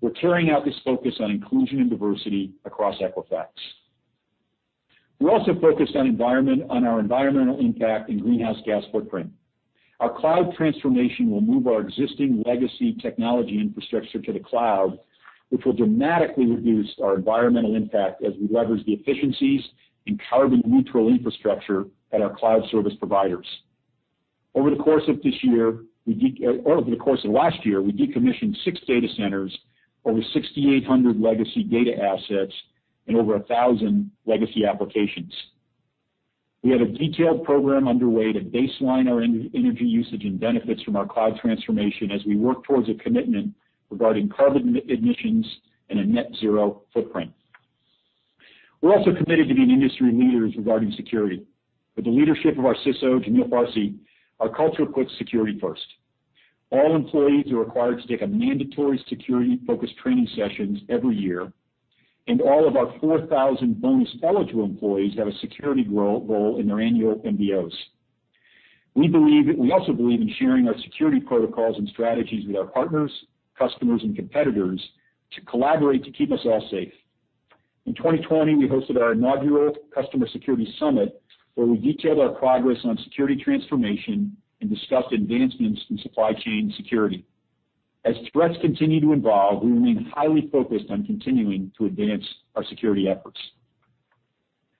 We're carrying out this focus on inclusion and diversity across Equifax. We're also focused on our environmental impact and greenhouse gas footprint. Our cloud transformation will move our existing legacy technology infrastructure to the cloud, which will dramatically reduce our environmental impact as we leverage the efficiencies and carbon neutral infrastructure at our cloud service providers. Over the course of last year, we decommissioned six data centers, over 6,800 legacy data assets, and over 1,000 legacy applications. We have a detailed program underway to baseline our energy usage and benefits from our cloud transformation as we work towards a commitment regarding carbon emissions and a net zero footprint. We're also committed to being industry leaders regarding security. With the leadership of our CISO, Jamil Farshchi, our culture puts security first. All employees are required to take a mandatory security-focused training sessions every year, and all of our 4,000 bonus eligible employees have a security role in their annual MBOs. We also believe in sharing our security protocols and strategies with our partners, customers, and competitors to collaborate to keep us all safe. In 2020, we hosted our inaugural Customer Security Summit, where we detailed our progress on security transformation and discussed advancements in supply chain security. As threats continue to evolve, we remain highly focused on continuing to advance our security efforts.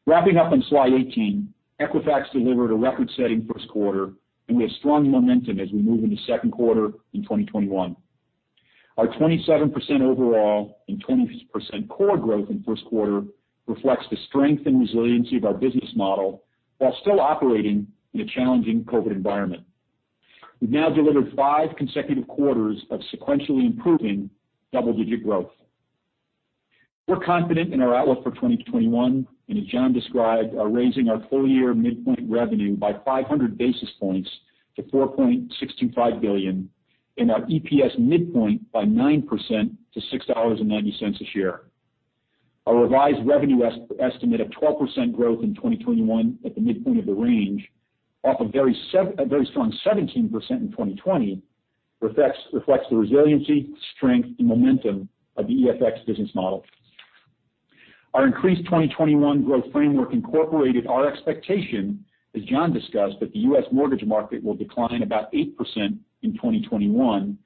Wrapping up on slide 18, Equifax delivered a record-setting first quarter, and we have strong momentum as we move into second quarter in 2021. Our 27% overall and 20% core growth in first quarter reflects the strength and resiliency of our business model while still operating in a challenging COVID environment. We've now delivered five consecutive quarters of sequentially improving double-digit growth. We're confident in our outlook for 2021, and as John described, are raising our full year midpoint revenue by 500 basis points to $4.625 billion and our EPS midpoint by 9% to $6.90 a year. Our revised revenue estimate of 12% growth in 2021 at the midpoint of the range, off a very strong 17% in 2020 reflects the resiliency, strength, and momentum of the EFX business model. Our increased 2021 growth framework incorporated our expectation, as John discussed, that the U.S. mortgage market will decline about 8% in 2021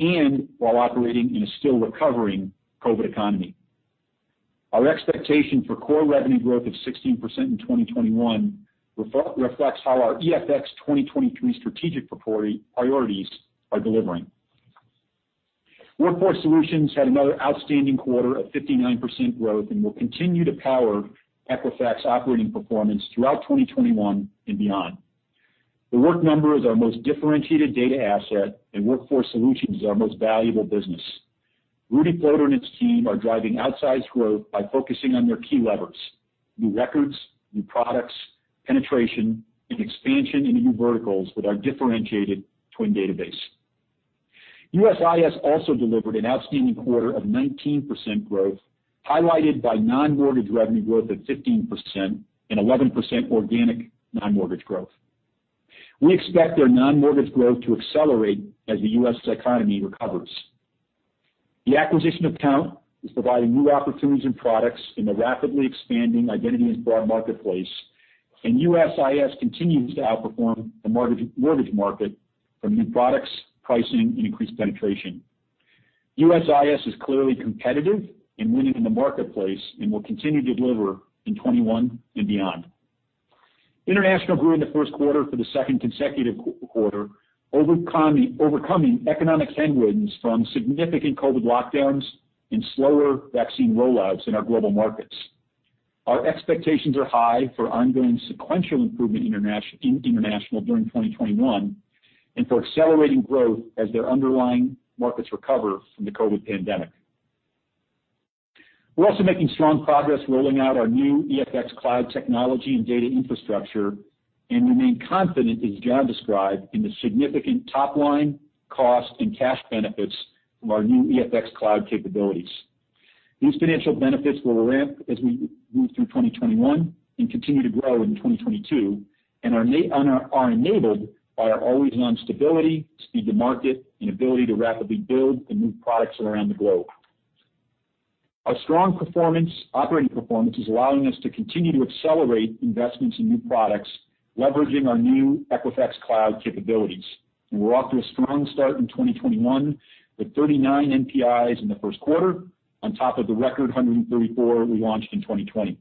and while operating in a still recovering COVID economy. Our expectation for core revenue growth of 16% in 2021 reflects how our EFX 2023 strategic priorities are delivering. Workforce Solutions had another outstanding quarter of 59% growth and will continue to power Equifax operating performance throughout 2021 and beyond. The Work Number is our most differentiated data asset, and Workforce Solutions is our most valuable business. Rudy Ploder and his team are driving outsized growth by focusing on their key levers, new records, new products, penetration, and expansion into new verticals with our differentiated TWN database. USIS also delivered an outstanding quarter of 19% growth, highlighted by non-mortgage revenue growth of 15% and 11% organic non-mortgage growth. We expect their non-mortgage growth to accelerate as the U.S. economy recovers. The acquisition of Kount is providing new opportunities and products in the rapidly expanding identity and fraud marketplace, and USIS continues to outperform the mortgage market from new products, pricing, and increased penetration. USIS is clearly competitive and winning in the marketplace and will continue to deliver in 2021 and beyond. International grew in the first quarter for the second consecutive quarter, overcoming economic headwinds from significant COVID lockdowns and slower vaccine rollouts in our global markets. Our expectations are high for ongoing sequential improvement in international during 2021 and for accelerating growth as their underlying markets recover from the COVID pandemic. We're also making strong progress rolling out our new EFX Cloud technology and data infrastructure. We remain confident, as John described, in the significant top line cost and cash benefits from our new EFX Cloud capabilities. These financial benefits will ramp as we move through 2021 and continue to grow into 2022 and are enabled by our always-on stability, speed to market, and ability to rapidly build the new products around the globe. Our strong operating performance is allowing us to continue to accelerate investments in new products, leveraging our new Equifax Cloud capabilities. We're off to a strong start in 2021 with 39 NPIs in the first quarter on top of the record 134 we launched in 2020.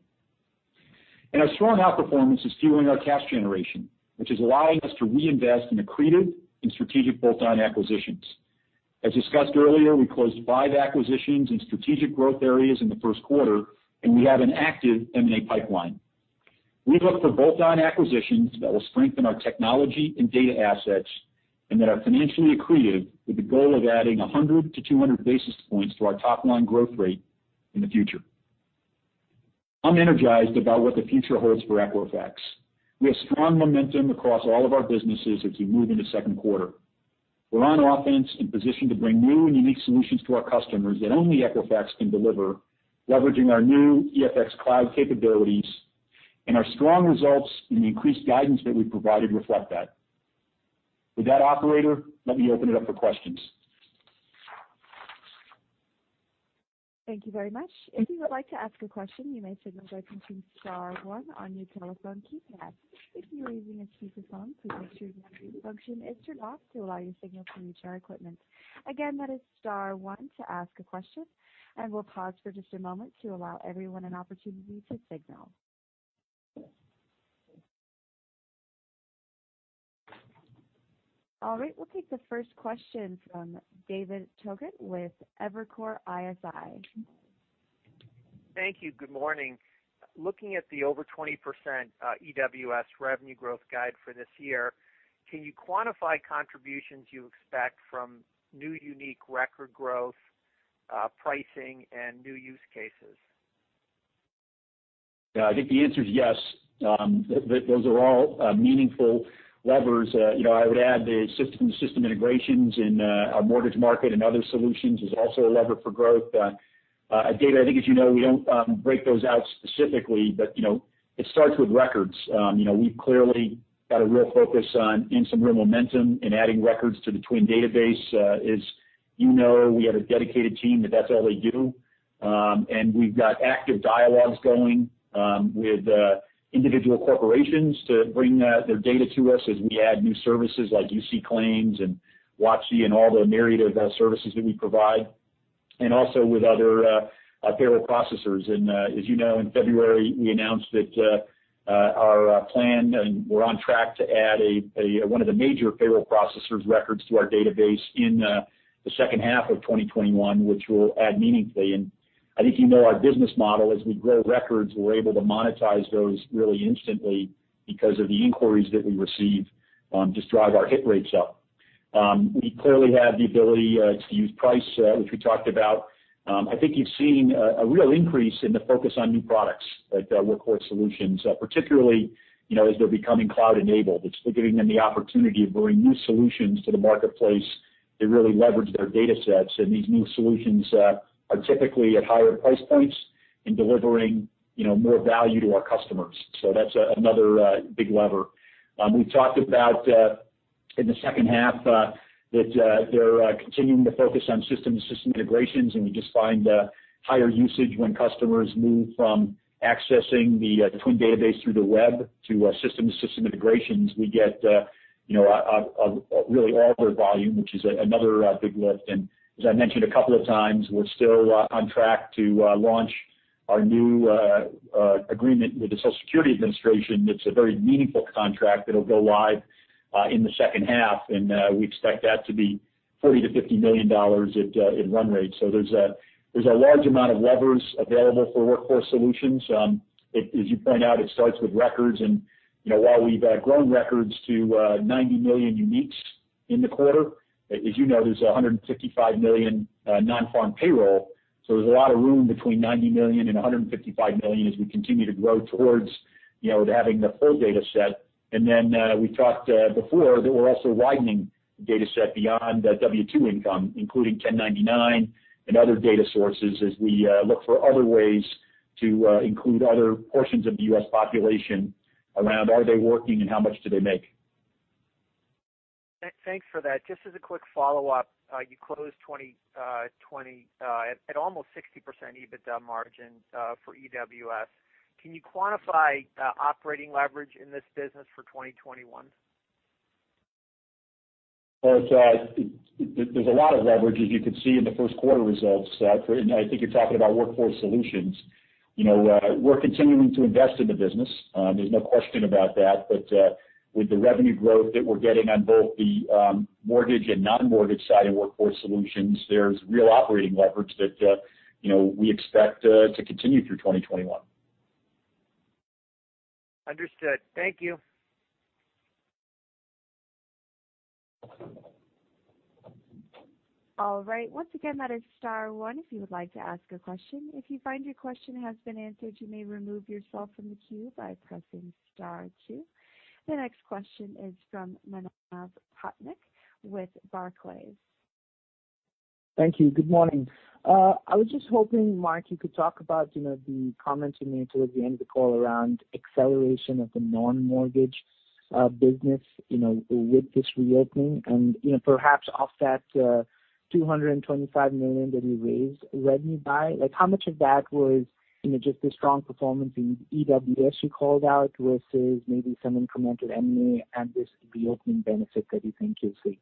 Our strong outperformance is fueling our cash generation, which is allowing us to reinvest in accretive and strategic bolt-on acquisitions. As discussed earlier, we closed five acquisitions in strategic growth areas in the first quarter, and we have an active M&A pipeline. We look for bolt-on acquisitions that will strengthen our technology and data assets and that are financially accretive with the goal of adding 100-200 basis points to our top line growth rate in the future. I'm energized about what the future holds for Equifax. We have strong momentum across all of our businesses as we move into second quarter. We're on offense and positioned to bring new and unique solutions to our customers that only Equifax can deliver, leveraging our new EFX Cloud capabilities, and our strong results and the increased guidance that we provided reflect that. With that, operator, let me open it up for questions. Thank you very much. If you would like to ask a question, you may signal by pressing star one on your telephone keypad. If you are using a speakerphone, please make sure the mute function is turned off to allow your signal to reach our equipment. Again, that is star one to ask a question, and we'll pause for just a moment to allow everyone an opportunity to signal. All right. We'll take the first question from David Togut with Evercore ISI. Thank you. Good morning. Looking at the over 20% EWS revenue growth guide for this year, can you quantify contributions you expect from new unique record growth, pricing, and new use cases? I think the answer is yes. Those are all meaningful levers. You know, I would add the system-to-system integrations in our mortgage market and other solutions is also a lever for growth. David, I think as you know, we don't break those out specifically, but, you know, it starts with records. You know, we've clearly got a real focus on and some real momentum in adding records to the TWN database. As you know, we have a dedicated team that that's all they do. And we've got active dialogues going with individual corporations to bring their data to us as we add new services like UC Claims and WOTC and all the myriad of health services that we provide, and also with other payroll processors. As you know, in February, we announced that our plan and we're on track to add one of the major payroll processors records to our database in the second half of 2021, which will add meaningfully. I think you know our business model as we grow records, we're able to monetize those really instantly because of the inquiries that we receive, just drive our hit rates up. We clearly have the ability to use price, which we talked about. I think you've seen a real increase in the focus on new products like Workforce Solutions, particularly, you know, as they're becoming cloud enabled. It's giving them the opportunity to bring new solutions to the marketplace that really leverage their datasets. These new solutions are typically at higher price points and delivering, you know, more value to our customers. That's another big lever. We talked about in the second half that they're continuing to focus on system-to-system integrations, and we just find higher usage when customers move from accessing the TWN database through the web to system-to-system integrations. We get, you know, a really order volume, which is another big lift. As I mentioned a couple of times, we're still on track to launch our new agreement with the Social Security Administration. It's a very meaningful contract that'll go live in the second half, we expect that to be $40 million-$50 million at in run rate. There's a large amount of levers available for Workforce Solutions. As you point out, it starts with records and, you know, while we've grown records to 90 million uniques in the quarter, as you know, there's 155 million non-farm payroll. There's a lot of room between 90 million and 155 million as we continue to grow towards, you know, having the full dataset. We talked before that we're also widening the dataset beyond the W-2 income, including 1099 and other data sources as we look for other ways to include other portions of the U.S. population around are they working and how much do they make. Thanks for that. Just as a quick follow-up, you closed 2020 at almost 60% EBITDA margin for EWS. Can you quantify operating leverage in this business for 2021? Well, there's a lot of leverage as you can see in the first quarter results. I think you're talking about Workforce Solutions. You know, we're continuing to invest in the business. There's no question about that. With the revenue growth that we're getting on both the mortgage and non-mortgage side of Workforce Solutions, there's real operating leverage that, you know, we expect to continue through 2021. Understood. Thank you. All right. Once again, that is star one if you would like to ask a question. If you find your question has been answered, you may remove yourself from the queue by pressing star two. The next question is from Manav Patnaik with Barclays. Thank you. Good morning. I was just hoping, Mark, you could talk about, you know, the comments you made towards the end of the call around acceleration of the non-mortgage business, you know, with this reopening. You know, perhaps off that $225 million that you raised revenue by, like, how much of that was, you know, just the strong performance in EWS you called out versus maybe some incremental M&A and this reopening benefit that you think you'll see?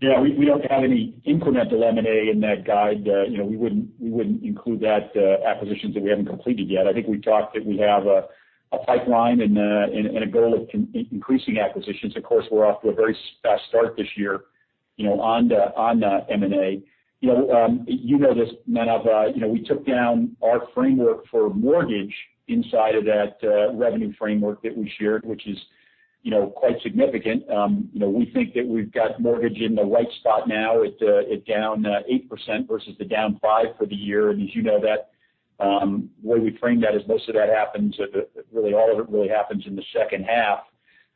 Yeah. We don't have any incremental M&A in that guide. you know, we wouldn't include that acquisitions that we haven't completed yet. I think we talked that we have a pipeline and a goal of increasing acquisitions. Of course, we're off to a very fast start this year, you know, on the M&A. You know, you know this, Manav, you know, we took down our framework for mortgage inside of that revenue framework that we shared, which is, you know, quite significant. you know, we think that we've got mortgage in the right spot now. It down 8% versus the down five for the year. As you know, that way we frame that is most of that happens, really all of it really happens in the second half.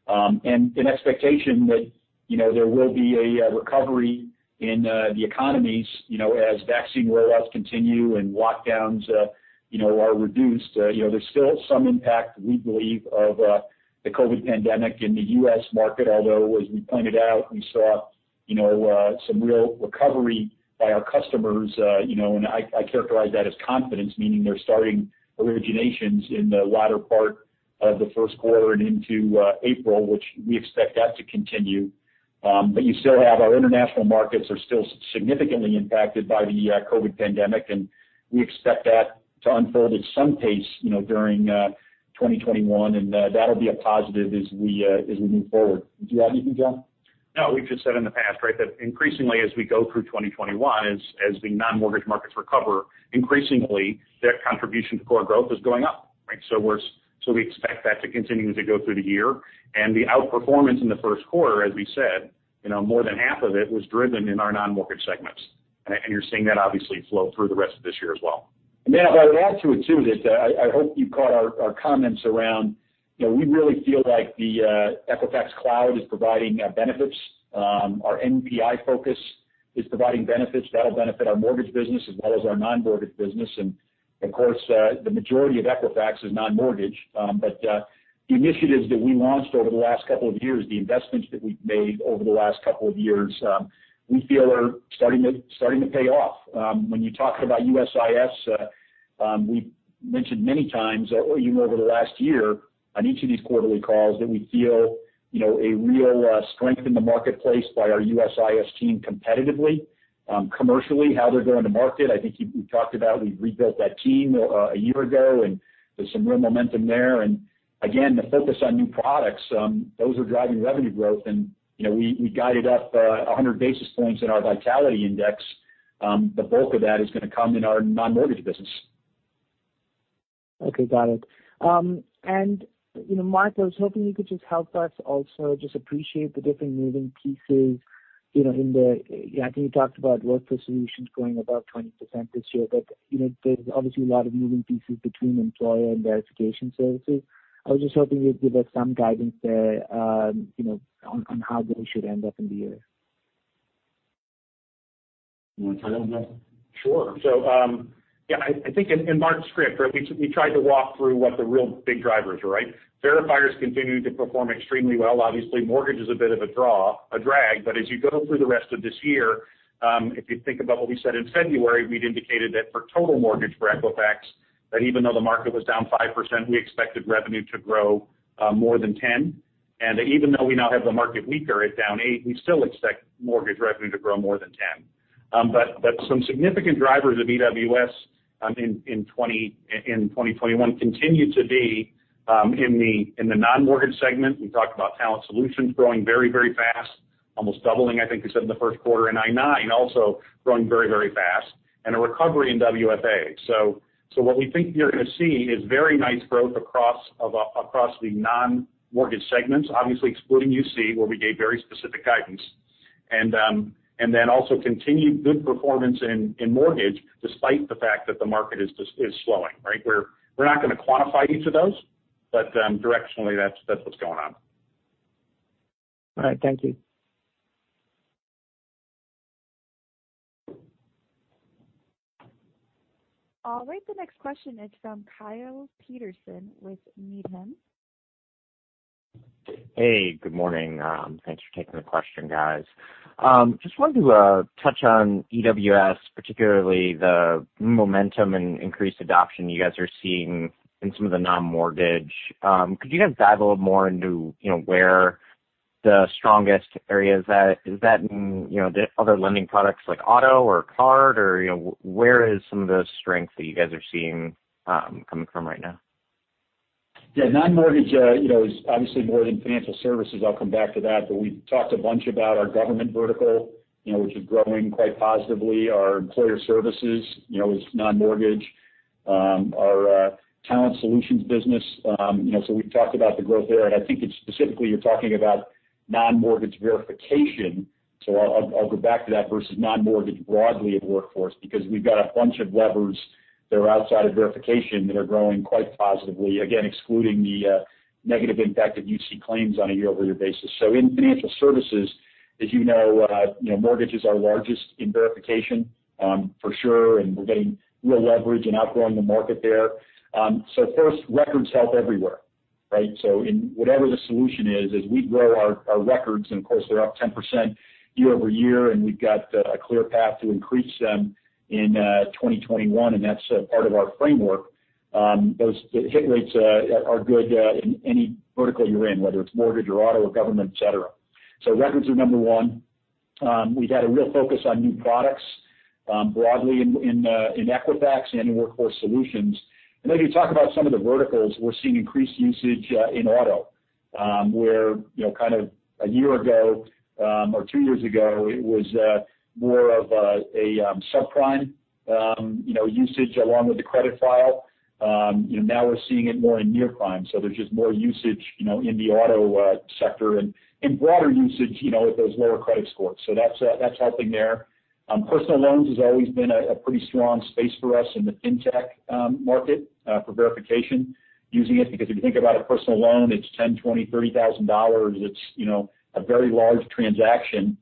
An expectation that there will be a recovery in the economies as vaccine rollouts continue and lockdowns are reduced. There's still some impact, we believe, of the COVID pandemic in the U.S. market, although as we pointed out, we saw some real recovery by our customers. I characterize that as confidence, meaning they're starting originations in the latter part of the first quarter and into April, which we expect that to continue. You still have our international markets are still significantly impacted by the COVID pandemic, and we expect that to unfold at some pace, you know, during 2021, and that'll be a positive as we move forward. Did you add anything, John? No. We've just said in the past, right, that increasingly as we go through 2021, as the non-mortgage markets recover, increasingly their contribution to core growth is going up, right? We expect that to continue as we go through the year. The outperformance in the first quarter, as we said, you know, more than half of it was driven in our non-mortgage segments. You're seeing that obviously flow through the rest of this year as well. If I would add to it too, that, I hope you caught our comments around, you know, we really feel like the Equifax Cloud is providing benefits. Our NPI focus is providing benefits. That'll benefit our mortgage business as well as our non-mortgage business. Of course, the majority of Equifax is non-mortgage. The initiatives that we launched over the last couple of years, the investments that we've made over the last couple of years, we feel are starting to pay off. When you talk about USIS, we've mentioned many times or even over the last year on each of these quarterly calls that we feel, you know, a real strength in the marketplace by our USIS team competitively, commercially, how they're going to market. I think we talked about we rebuilt that team a year ago, there's some real momentum there. Again, the focus on new products, those are driving revenue growth. You know, we guided up 100 basis points in our Vitality Index. The bulk of that is gonna come in our non-mortgage business. Okay. Got it. You know, Mark, I was hoping you could just help us also just appreciate the different moving pieces, you know, I think you talked about Workforce Solutions growing about 20% this year. You know, there's obviously a lot of moving pieces between employer and Verification Services. I was just hoping you'd give us some guidance there, you know, on how they should end up in the year. You wanna tackle that? Sure. Yeah, I think in Mark's script, right, we tried to walk through what the real big drivers were, right? Verifiers continued to perform extremely well. Obviously, mortgage is a bit of a draw, a drag. As you go through the rest of this year, if you think about what we said in February, we'd indicated that for total mortgage for Equifax, that even though the market was down 5%, we expected revenue to grow more than 10. Even though we now have the market weaker at down eight, we still expect mortgage revenue to grow more than 10. Some significant drivers of EWS in 2021 continue to be in the non-mortgage segment. We talked about Talent Solutions growing very, very fast, almost doubling, I think we said in the first quarter. I-9 also growing very, very fast. A recovery in WFA. What we think you're gonna see is very nice growth across the non-mortgage segments, obviously excluding UC, where we gave very specific guidance. Also continued good performance in mortgage despite the fact that the market is slowing, right? We're not gonna quantify each of those, but directionally, that's what's going on. All right. Thank you. All right. The next question is from Kyle Peterson with Needham. Hey, good morning. Thanks for taking the question, guys. Just wanted to touch on EWS, particularly the momentum and increased adoption you guys are seeing in some of the non-mortgage. Could you guys dive a little more into, you know, where the strongest areas at? Is that in, you know, the other lending products like auto or card or, you know, where is some of the strength that you guys are seeing coming from right now? Yeah. Non-mortgage, you know, is obviously more in financial services. I'll come back to that. We've talked a bunch about our government vertical, you know, which is growing quite positively. Our employer services, you know, is non-mortgage. Our Talent Solutions business, you know, so we've talked about the growth there, and I think it's specifically you're talking about non-mortgage verification. I'll go back to that versus non-mortgage broadly at Workforce, because we've got a bunch of levers that are outside of verification that are growing quite positively, again, excluding the negative impact of UC claims on a year-over-year basis. In financial services, as you know, you know, mortgage is our largest in verification, for sure, and we're getting real leverage and outgrowing the market there. First, records help everywhere, right? Whatever the solution is, as we grow our records, of course, they're up 10% year over year, we've got a clear path to increase them in 2021, that's part of our framework, those hit rates are good in any vertical you're in, whether it's mortgage or auto or government, et cetera. Records are number one. We've had a real focus on new products broadly in Equifax and Workforce Solutions. If you talk about some of the verticals, we're seeing increased usage in auto, where, you know, kind of one year ago, or two years ago, it was more of a subprime, you know, usage along with the credit file. You know, now we're seeing it more in near prime. There's just more usage, you know, in the auto sector and broader usage, you know, at those lower credit scores. That's that's helping there. Personal loans has always been a pretty strong space for us in the fintech market for verification, using it because if you think about a personal loan, it's $10,000, $20,000, $30,000. It's, you know, a very large transaction.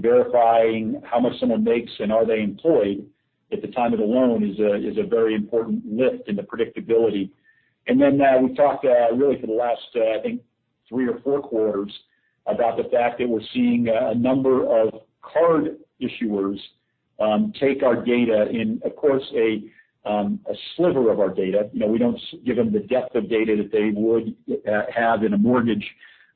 Verifying how much someone makes and are they employed at the time of the loan is a very important lift in the predictability. Then we've talked really for the last, I think three or four quarters about the fact that we're seeing a number of card issuers take our data in, of course, a sliver of our data. You know, we don't give them the depth of data that they would have in a mortgage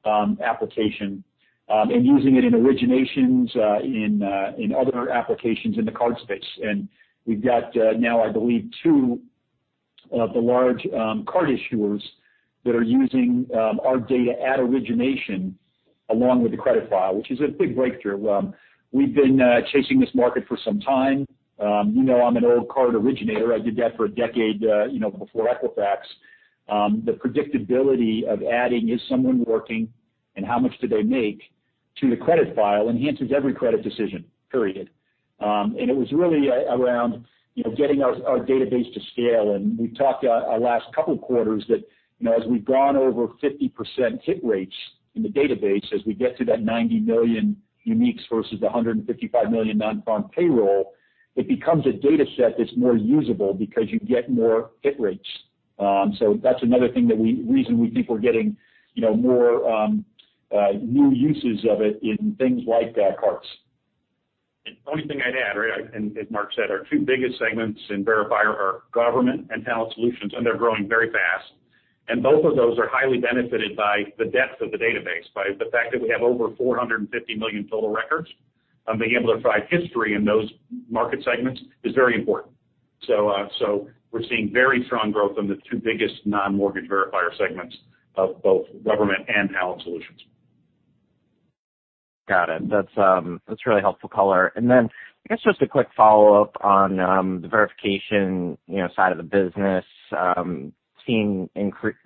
application and using it in originations in other applications in the card space. We've got now, I believe, two of the large card issuers that are using our data at origination along with the credit file, which is a big breakthrough. We've been chasing this market for some time. You know, I'm an old card originator. I did that for a decade, you know, before Equifax. The predictability of adding is someone working and how much do they make to the credit file enhances every credit decision, period. It was really around, you know, getting our database to scale. We've talked, our last couple quarters that, you know, as we've gone over 50% hit rates in the database, as we get to that 90 million uniques versus the 155 million non-farm payroll, it becomes a data set that's more usable because you get more hit rates. That's another thing that reason we think we're getting, you know, more new uses of it in things like cards. The only thing I'd add, right, as Mark said, our two biggest segments in Verifier are government and Talent Solutions, and they're growing very fast. Both of those are highly benefited by the depth of the database, by the fact that we have over 450 million total records. Being able to provide history in those market segments is very important. We're seeing very strong growth in the two biggest non-mortgage Verifier segments of both government and Talent Solutions. Got it. That's really helpful color. Then I guess just a quick follow-up on the Verification Services, you know, side of the business, seeing increased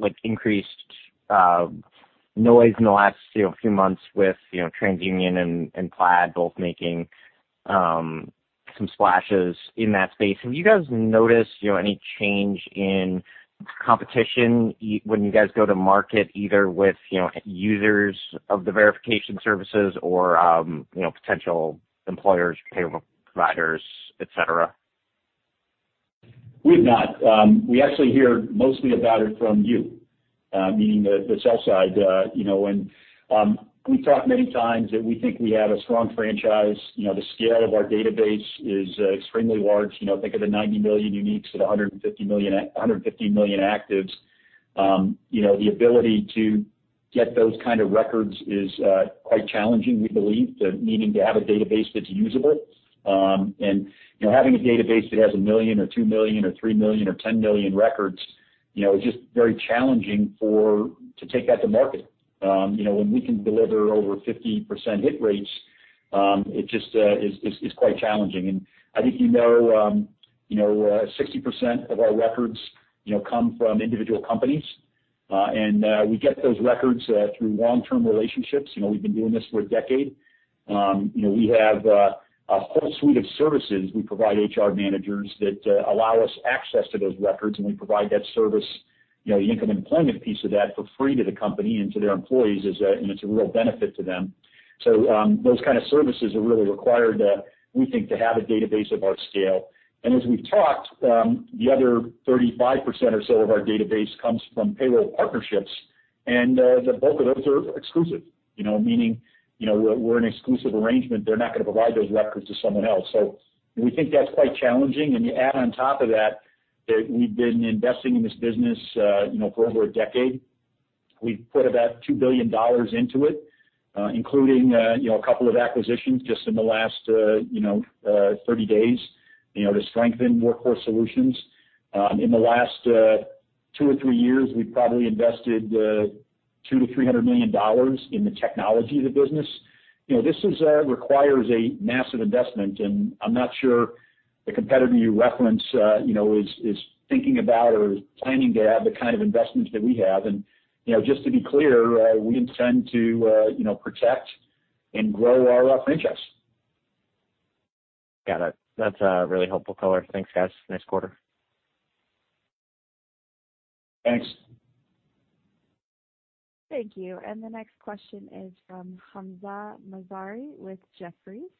noise in the last, you know, few months with, you know, TransUnion and Plaid both making some splashes in that space. Have you guys noticed, you know, any change in competition when you guys go to market, either with, you know, users of the Verification Services or, you know, potential employers, payroll providers, et cetera? We have not. We actually hear mostly about it from you, meaning the sell side. You know, we've talked many times that we think we have a strong franchise. You know, the scale of our database is extremely large. You know, think of the 90 million uniques to the 150 million actives. You know, the ability to get those kind of records is quite challenging, we believe, meaning to have a database that's usable. You know, having a database that has 1 million or 2 million or 3 million or 10 million records, you know, is just very challenging to take that to market. You know, when we can deliver over 50% hit rates, it just is quite challenging. I think, you know, 60% of our records, you know, come from individual companies. We get those records through long-term relationships. You know, we've been doing this for a decade. You know, we have a whole suite of services we provide HR managers that allow us access to those records, and we provide that service, you know, the income employment piece of that for free to the company and to their employees, and it's a real benefit to them. Those kind of services are really required, we think, to have a database of our scale. As we've talked, the other 35% or so of our database comes from payroll partnerships, and the bulk of those are exclusive. You know, meaning, you know, we're an exclusive arrangement. They're not gonna provide those records to someone else. We think that's quite challenging. You add on top of that we've been investing in this business, you know, for over a decade. We've put about $2 billion into it, including, you know, a couple of acquisitions just in the last, you know, 30-days, you know, to strengthen Workforce Solutions. In the last two or three years, we've probably invested $200 million-$300 million in the technology of the business. You know, this is requires a massive investment, and I'm not sure the competitor you reference, you know, is thinking about or is planning to have the kind of investments that we have. You know, just to be clear, we intend to, you know, protect and grow our franchise. Got it. That's a really helpful color. Thanks, guys. Nice quarter. Thanks. Thank you. The next question is from Hamzah Mazari with Jefferies.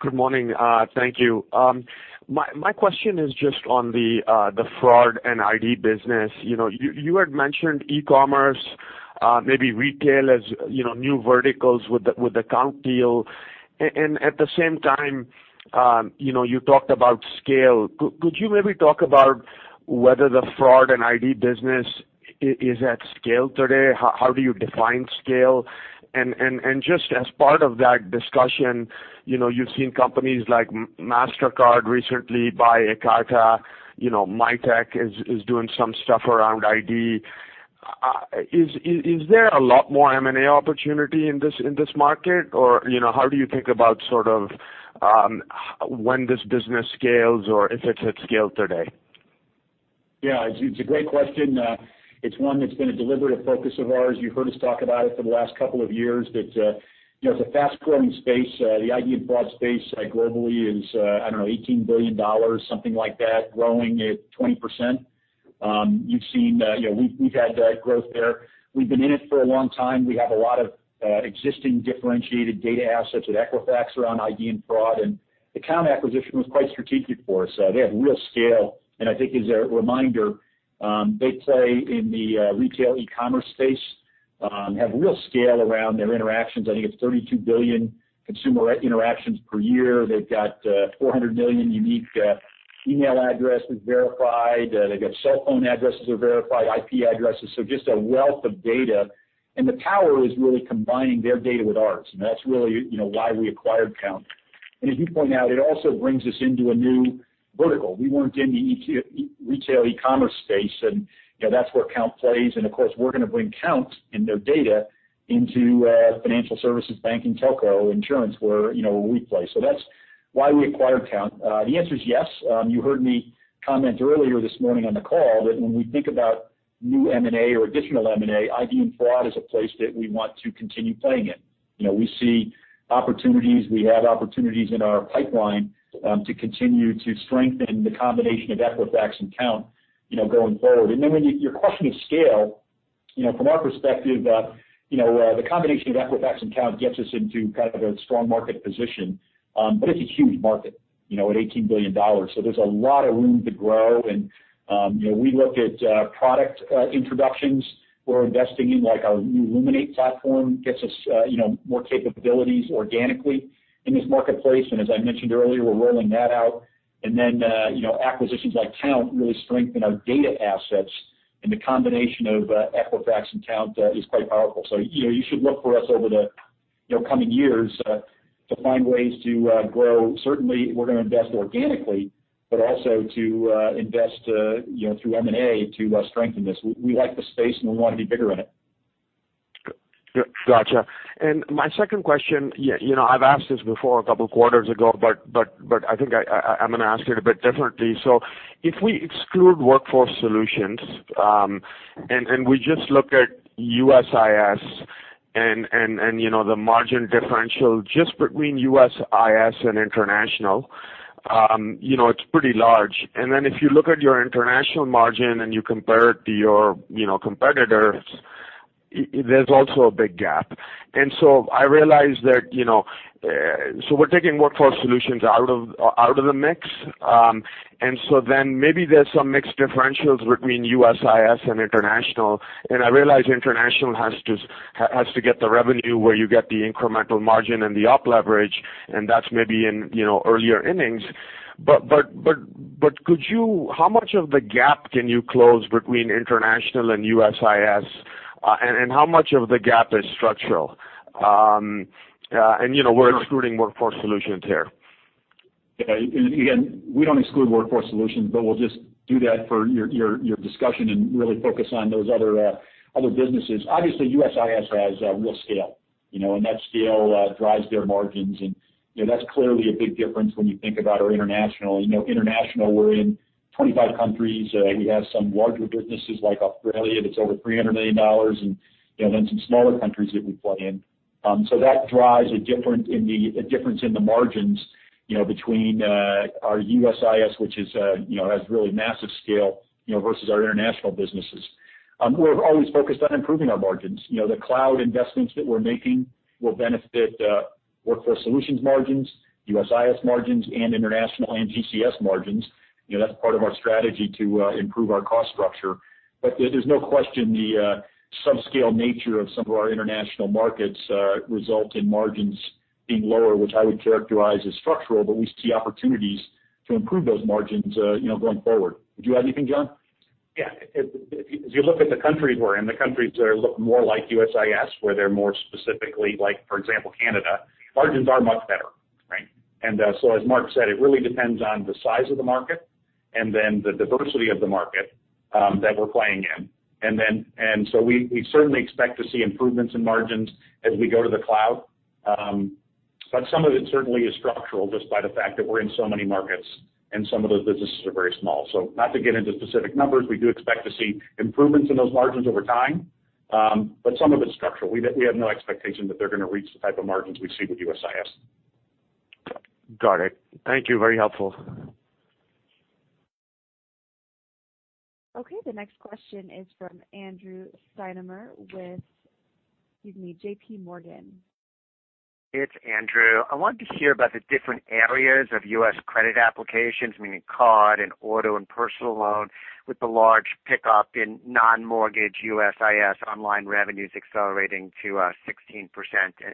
Good morning. Thank you. My question is just on the fraud and ID business. You know, you had mentioned e-commerce, maybe retail as, you know, new verticals with the AccountScore deal. At the same time, you know, you talked about scale. Could you maybe talk about whether the fraud and ID business is at scale today? How do you define scale? Just as part of that discussion, you know, you've seen companies like Mastercard recently buy Ekata. You know, Mitek is doing some stuff around ID. Is there a lot more M&A opportunity in this market? Or, you know, how do you think about sort of when this business scales or if it's at scale today? Yeah. It's a great question. It's one that's been a deliberative focus of ours. You heard us talk about it for the last couple of years that, you know, it's a fast-growing space. The ID and fraud space globally is, I don't know, $18 billion, something like that, growing at 20%. You've seen, you know, we've had growth there. We've been in it for a long time. We have a lot of existing differentiated data assets at Equifax around ID and fraud, and the Kount acquisition was quite strategic for us. They have real scale. I think as a reminder, they play in the retail e-commerce space, have real scale around their interactions. I think it's 32 billion consumer interactions per year. They've got 400 million unique email addresses verified. They've got cell phone addresses are verified, IP addresses. Just a wealth of data. The power is really combining their data with ours, and that's really, you know, why we acquired Kount. As you point out, it also brings us into a new vertical. We weren't in the retail e-commerce space and, you know, that's where Kount plays. Of course, we're gonna bring Kount and their data into financial services, bank and telco, insurance, where, you know, where we play. That's why we acquired Kount. The answer is yes. You heard me comment earlier this morning on the call that when we think about new M&A or additional M&A, ID and fraud is a place that we want to continue playing in. You know, we see opportunities, we have opportunities in our pipeline, to continue to strengthen the combination of Equifax and Kount, you know, going forward. Your question is scale, you know, from our perspective, you know, the combination of Equifax and Kount gets us into kind of a strong market position. It's a huge market, you know, at $18 billion. There's a lot of room to grow. You know, we look at product introductions we're investing in, like our new Luminate platform gets us, you know, more capabilities organically in this marketplace. As I mentioned earlier, we're rolling that out. You know, acquisitions like Kount really strengthen our data assets, and the combination of Equifax and Kount is quite powerful. You know, you should look for us over the, you know, coming years, to find ways to grow. Certainly, we're gonna invest organically, but also to invest, you know, through M&A to strengthen this. We like the space and we wanna be bigger in it. Gotcha. My second question, you know, I'm gonna ask it a bit differently. If we exclude Workforce Solutions, and we just look at USIS and, you know, the margin differential just between USIS and international, you know, it's pretty large. If you look at your international margin and you compare it to your, you know, competitors, it there's also a big gap. I realize that, you know, we're taking Workforce Solutions out of the mix. Maybe there's some mixed differentials between USIS and international, and I realize international has to get the revenue where you get the incremental margin and the op leverage, and that's maybe in, you know, earlier innings. How much of the gap can you close between international and USIS? How much of the gap is structural? You know, we're excluding Workforce Solutions here. Yeah. Again, we don't exclude Workforce Solutions, but we'll just do that for your, your discussion and really focus on those other businesses. Obviously, USIS has real scale, you know, and that scale drives their margins. You know, that's clearly a big difference when you think about our International. You know, International, we're in 25 countries. We have some larger businesses like Australia that's over $300 million and, you know, then some smaller countries that we play in. That drives a difference in the margins, you know, between our USIS, which is, you know, has really massive scale, you know, versus our International businesses. We're always focused on improving our margins. You know, the cloud investments that we're making will benefit, Workforce Solutions margins, USIS margins, and international and GCS margins. You know, that's part of our strategy to improve our cost structure. There's no question the subscale nature of some of our international markets, result in margins being lower, which I would characterize as structural, but we see opportunities to improve those margins, you know, going forward. Did you have anything, John? Yeah. If you look at the countries we're in, the countries that look more like USIS, where they're more specifically like, for example, Canada, margins are much better. As Mark said, it really depends on the size of the market and then the diversity of the market that we're playing in. We certainly expect to see improvements in margins as we go to the cloud. Some of it certainly is structural just by the fact that we're in so many markets, and some of those businesses are very small. Not to get into specific numbers, we do expect to see improvements in those margins over time. Some of it's structural. We have no expectation that they're gonna reach the type of margins we see with USIS. Got it. Thank you. Very helpful. Okay. The next question is from Andrew Steinerman with, excuse me, JPMorgan. It's Andrew. I wanted to hear about the different areas of U.S. credit applications, meaning card and auto and personal loan, with the large pickup in non-mortgage USIS online revenues accelerating to 16%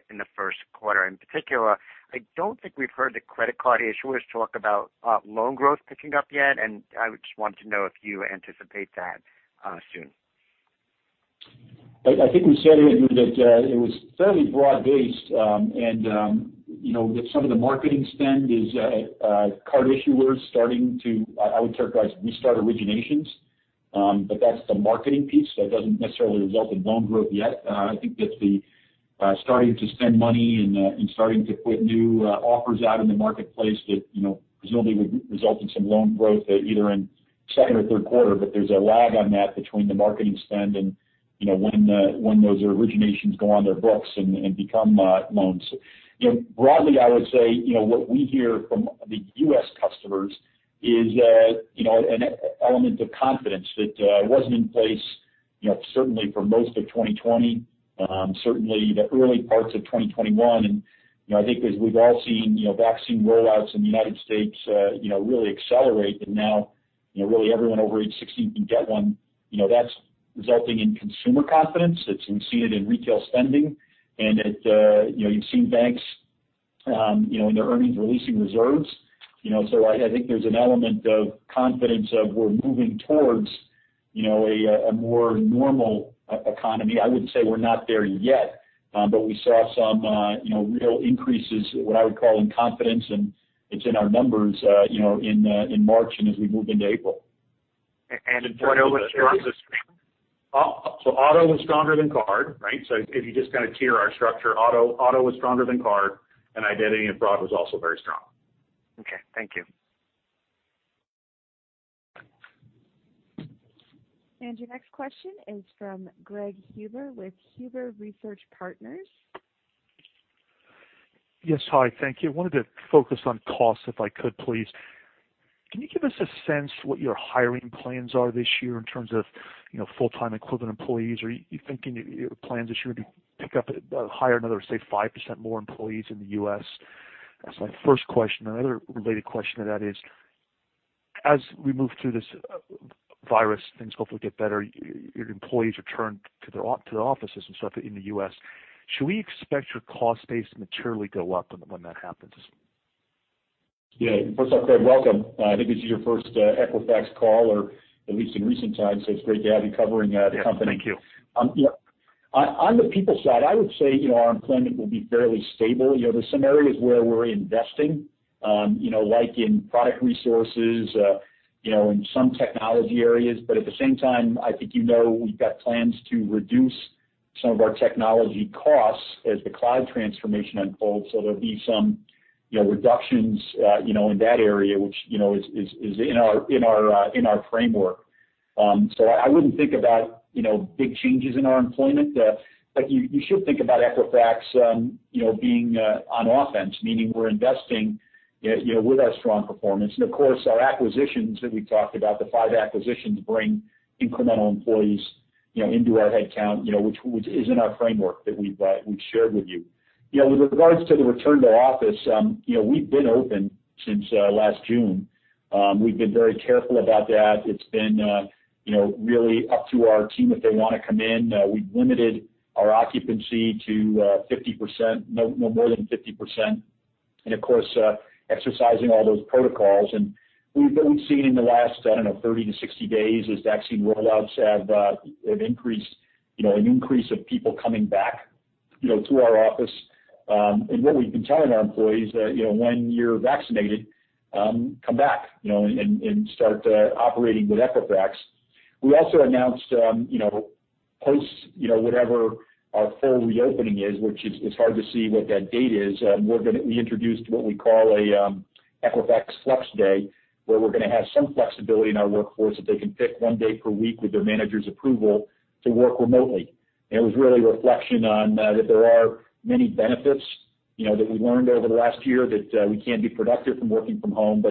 in the first quarter. In particular, I don't think we've heard the credit card issuers talk about loan growth picking up yet, and I just wanted to know if you anticipate that soon. I think we said, Andrew, that it was fairly broad-based. You know, that some of the marketing spend is card issuers starting to I would characterize restart originations. That's the marketing piece. That doesn't necessarily result in loan growth yet. I think that's the starting to spend money and starting to put new offers out in the marketplace that, you know, presumably would result in some loan growth either in second or third quarter. There's a lag on that between the marketing spend and, you know, when those originations go on their books and become loans. You know, broadly, I would say, you know, what we hear from the U.S. customers is, you know, an element of confidence that wasn't in place, you know, certainly for most of 2020, certainly the early parts of 2021. You know, I think as we've all seen, you know, vaccine rollouts in the United States, you know, really accelerate, and now, you know, really everyone over age 16 can get one. You know, that's resulting in consumer confidence that's been seen in retail spending and that, you know, you've seen banks, you know, in their earnings releasing reserves. You know, so I think there's an element of confidence of we're moving towards, you know, a more normal economy. I would say we're not there yet, but we saw some, you know, real increases, what I would call in confidence, and it's in our numbers, you know, in March and as we move into April. Auto was strong the same? Auto was stronger than card, right? If you just kinda tier our structure, auto was stronger than card, and identity and fraud was also very strong. Okay. Thank you. Your next question is from Craig Huber with Huber Research Partners. Yes. Hi. Thank you. I wanted to focus on costs if I could, please. Can you give us a sense what your hiring plans are this year in terms of, you know, full-time equivalent employees? Are you thinking your plans this year would be pick up, hire another, say, 5% more employees in the U.S.? That's my first question. Another related question to that is, as we move through this virus, things hopefully get better, your employees return to their to their offices and stuff in the U.S., should we expect your cost base to materially go up when that happens? Yeah. First of all, Craig Huber, welcome. I think this is your first Equifax call, or at least in recent times, so it's great to have you covering the company. Yeah. Thank you. On the people side, I would say, you know, our employment will be fairly stable. You know, there's some areas where we're investing, you know, like in product resources, you know, in some technology areas. At the same time, I think you know we've got plans to reduce some of our technology costs as the cloud transformation unfolds. There'll be some, you know, reductions, you know, in that area which, you know, is in our, in our framework. I wouldn't think about, you know, big changes in our employment. You, you should think about Equifax, you know, being on offense, meaning we're investing, you know, with our strong performance. Of course, our acquisitions that we talked about, the five acquisitions bring incremental employees, you know, into our head count, you know, which is in our framework that we've shared with you. With regards to the return to office, you know, we've been open since last June. We've been very careful about that. It's been, you know, really up to our team if they wanna come in. We've limited our occupancy to 50%, no more than 50% and, of course, exercising all those protocols. We've seen in the last, I don't know, 30-60-days as vaccine rollouts have increased, you know, an increase of people coming back, you know, to our office. What we've been telling our employees that, you know, when you're vaccinated, come back, you know, and start operating with Equifax. We also announced, you know, post, you know, whatever our full reopening is, which is, it's hard to see what that date is, we're gonna be introduced to what we call a Equifax flex day, where we're gonna have some flexibility in our workforce that they can pick one day per week with their manager's approval to work remotely. It was really a reflection on that there are many benefits, you know, that we learned over the last year that we can be productive from working from home.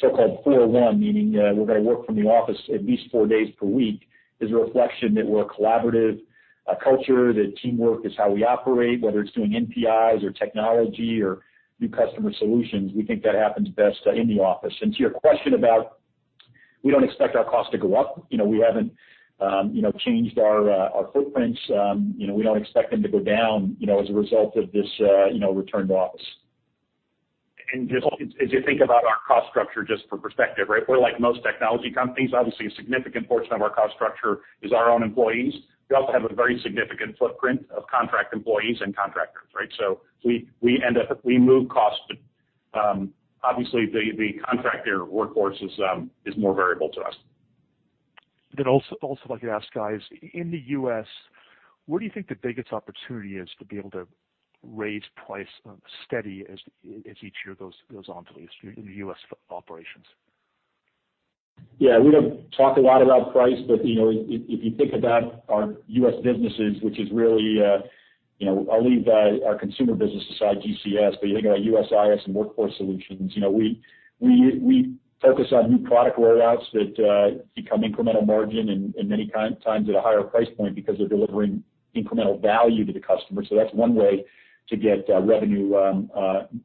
So-called 4-1, meaning, we're gonna work from the office at least four days per week, is a reflection that we're a collaborative culture, that teamwork is how we operate, whether it's doing NPIs or technology or new customer solutions. We think that happens best in the office. To your question about we don't expect our cost to go up. You know, we haven't, you know, changed our footprints. You know, we don't expect them to go down, you know, as a result of this, you know, return to office. Just as you think about our cost structure just for perspective, right? We're like most technology companies. Obviously, a significant portion of our cost structure is our own employees. We also have a very significant footprint of contract employees and contractors, right? We move costs to obviously the contractor workforce is more variable to us. also like to ask guys, in the U.S., where do you think the biggest opportunity is to be able to raise price, steady as each year goes on for these in the U.S. operations? Yeah. We don't talk a lot about price, you know, if you think about our U.S. businesses, which is really, you know, I'll leave our consumer business aside, GCS. You think about USIS and Workforce Solutions, you know, we focus on new product rollouts that become incremental margin and many times at a higher price point because they're delivering incremental value to the customer. That's one way to get revenue,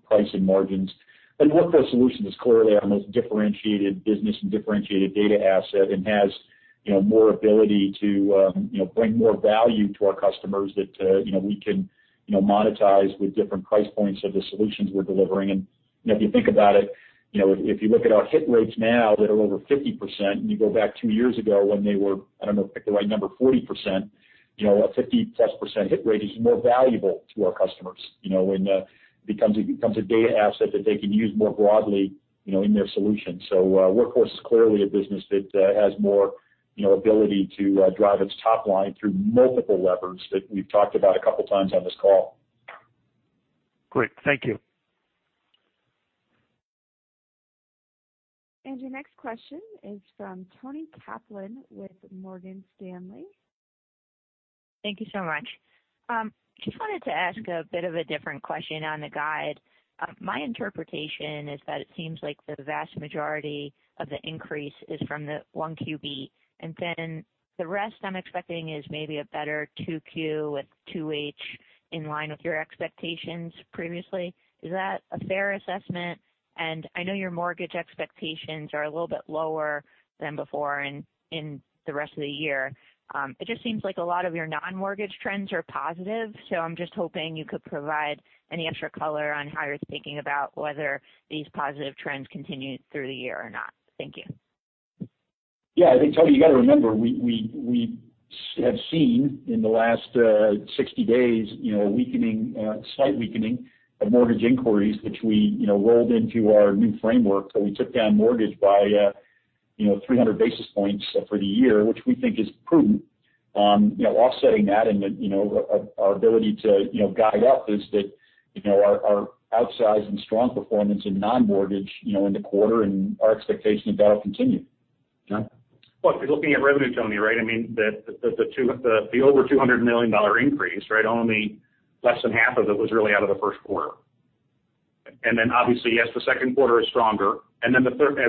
price and margins. Workforce Solutions is clearly our most differentiated business and differentiated data asset and has, you know, more ability to, you know, bring more value to our customers that, you know, we can, you know, monetize with different price points of the solutions we're delivering. You know, if you think about it, you know, if you look at our hit rates now that are over 50% and you go back two years ago when they were, I don't know, pick the right number, 40%, you know what, 50%-plus hit rate is more valuable to our customers, you know, and becomes a data asset that they can use more broadly, you know, in their solution. Workforce is clearly a business that has more, you know, ability to drive its top line through multiple levers that we've talked about a couple times on this call. Great. Thank you. Your next question is from Toni Kaplan with Morgan Stanley. Thank you so much. Just wanted to ask a bit of a different question on the guide. My interpretation is that it seems like the vast majority of the increase is from the 1Q, then the rest I'm expecting is maybe a better 2Q with 2H in line with your expectations previously. Is that a fair assessment? I know your mortgage expectations are a little bit lower than before in the rest of the year. It just seems like a lot of your non-mortgage trends are positive. I'm just hoping you could provide any extra color on how you're thinking about whether these positive trends continue through the year or not. Thank you. Yeah. I think, Toni, you got to remember, we have seen in the last 60-days, you know, a weakening, slight weakening of mortgage inquiries, which we, you know, rolled into our new framework. We took down mortgage by, you know, 300 basis points for the year, which we think is prudent. You know, offsetting that and the, you know, our ability to, you know, guide up is that, you know, our outsized and strong performance in non-mortgage, you know, in the quarter and our expectation that that'll continue. John? Well, if you're looking at revenue, Toni, right? I mean, the over $200 million increase, right? Only less than half of it was really out of the first quarter. Obviously, yes, the second quarter is stronger. As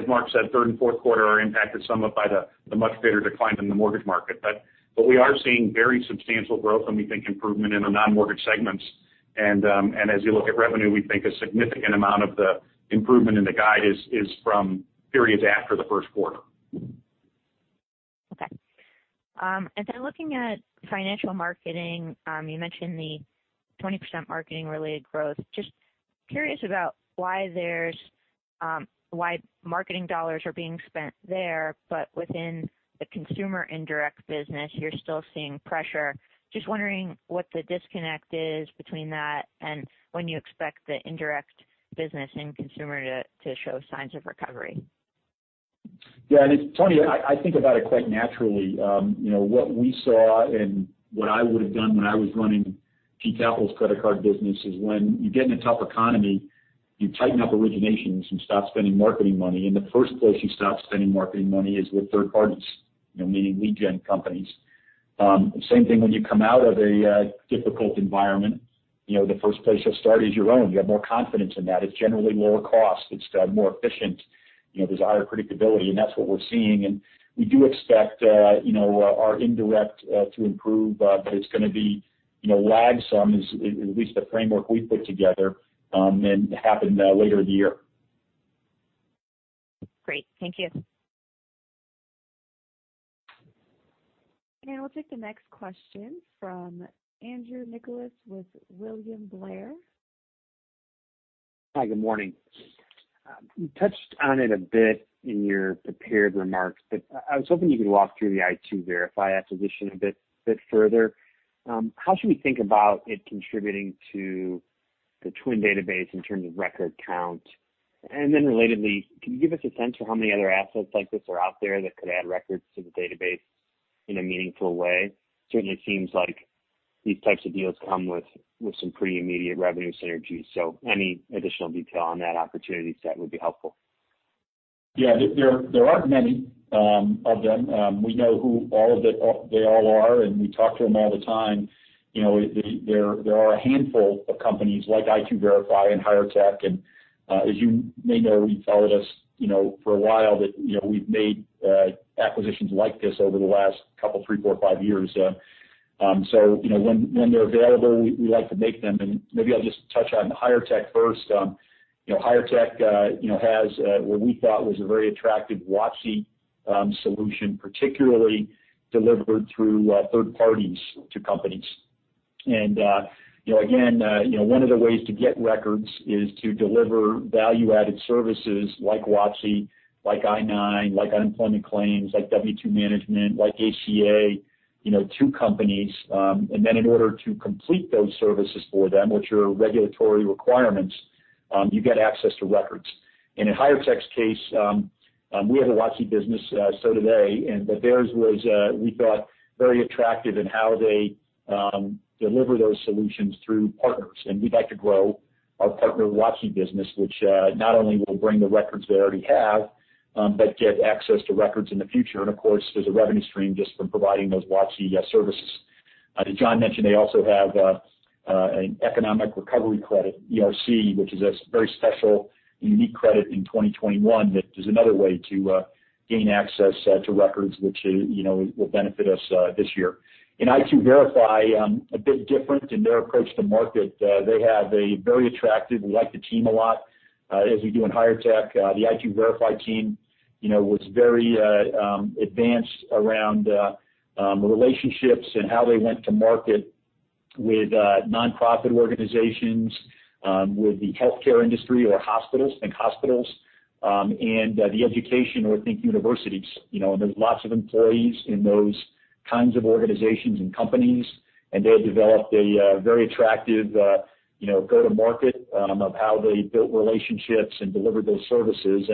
Mark said, third and fourth quarter are impacted somewhat by the much bigger decline in the mortgage market. We are seeing very substantial growth when we think improvement in the non-mortgage segments. As you look at revenue, we think a significant amount of the improvement in the guide is from periods after the first quarter. Okay. Looking at financial marketing, you mentioned the 20% marketing related growth. Just curious about why there's why marketing dollars are being spent there, but within the consumer indirect business, you're still seeing pressure. Just wondering what the disconnect is between that and when you expect the indirect business and consumer to show signs of recovery. Yeah. Toni, I think about it quite naturally. You know, what we saw and what I would have done when I was running GE Capital's credit card business is when you get in a tough economy, you tighten up originations and stop spending marketing money. The first place you stop spending marketing money is with third parties, you know, meaning lead gen companies. Same thing when you come out of a difficult environment. You know, the first place you'll start is your own. You have more confidence in that. It's generally lower cost. It's more efficient. You know, there's higher predictability, and that's what we're seeing. We do expect, you know, our indirect to improve. It's gonna be, you know, lag some is at least the framework we put together, and happen later in the year. Great. Thank you. We'll take the next question from Andrew Nicholas with William Blair. Hi, good morning. You touched on it a bit in your prepared remarks, but I was hoping you could walk through the i2verify acquisition a bit further. How should we think about it contributing to the TWN database in terms of record count? Relatedly, can you give us a sense for how many other assets like this are out there that could add records to the database in a meaningful way? Certainly seems like these types of deals come with some pretty immediate revenue synergies. Any additional detail on that opportunity set would be helpful. Yeah. There, there are many of them. We know who they all are, and we talk to them all the time. You know, there are a handful of companies like i2verify and HIREtech. As you may know, you've followed us, you know, for a while, that, you know, we've made acquisitions like this over the last two, three, four, five years. You know, when they're available, we like to make them. Maybe I'll just touch on HIREtech first. You know, HIREtech, you know, has what we thought was a very attractive WOTC solution, particularly delivered through third parties to companies. You know, again, one of the ways to get records is to deliver value-added services like WOTC, like I-9, like unemployment claims, like W-2 management, like ACA. You know, two companies. In order to complete those services for them, which are regulatory requirements, you get access to records. In HIREtech's case, we have a WOTC business, so do they. Theirs was, we thought very attractive in how they deliver those solutions through partners. We'd like to grow our partner WOTC business, which not only will bring the records they already have, but get access to records in the future. Of course, there's a revenue stream just from providing those WOTC services. Did John mention they also have an Employee Retention Credit, ERC, which is a very special and unique credit in 2021 that is another way to gain access to records which, you know, will benefit us this year. In i2verify, a bit different in their approach to market. They have a very attractive. We like the team a lot, as we do in HIREtech. The i2verify team, you know, was very advanced around relationships and how they went to market with nonprofit organizations, with the healthcare industry or hospitals, think hospitals, and the education or think universities. You know, there's lots of employees in those kinds of organizations and companies, and they have developed a very attractive, you know, go-to-market of how they built relationships and delivered those services.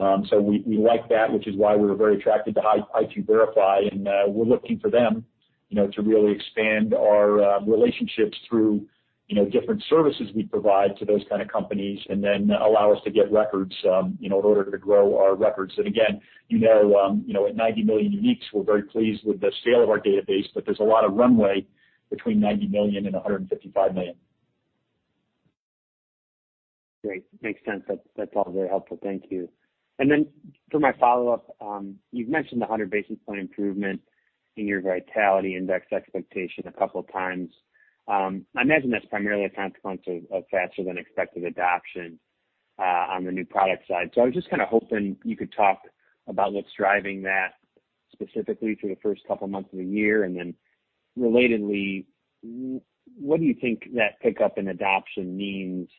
We, we like that, which is why we were very attracted to i2verify, and we're looking for them, you know, to really expand our relationships through, you know, different services we provide to those kind of companies and then allow us to get records, you know, in order to grow our records. Again, you know, at 90 million uniques, we're very pleased with the scale of our database, but there's a lot of runway between 90 million and 155 million. Great. Makes sense. That's all very helpful. Thank you. For my follow-up, you've mentioned the 100 basis point improvement in your Vitality Index expectation a couple of times. I imagine that's primarily a consequence of faster than expected adoption on the new product side. I was just kinda hoping you could talk about what's driving that specifically through the first couple months of the year. Relatedly, what do you think that pickup in adoption means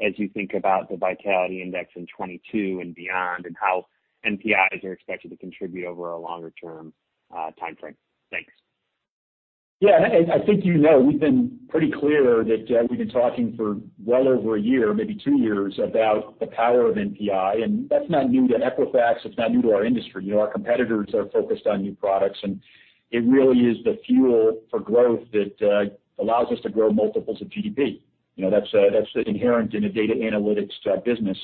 as you think about the Vitality Index in 2022 and beyond, and how NPIs are expected to contribute over a longer-term timeframe? Thanks. Yeah. I think you know, we've been pretty clear that we've been talking for well over a year, maybe two years, about the power of NPI, and that's not new to Equifax. It's not new to our industry. You know, our competitors are focused on new products, and it really is the fuel for growth that allows us to grow multiples of GDP. You know, that's that's inherent in a data analytics business.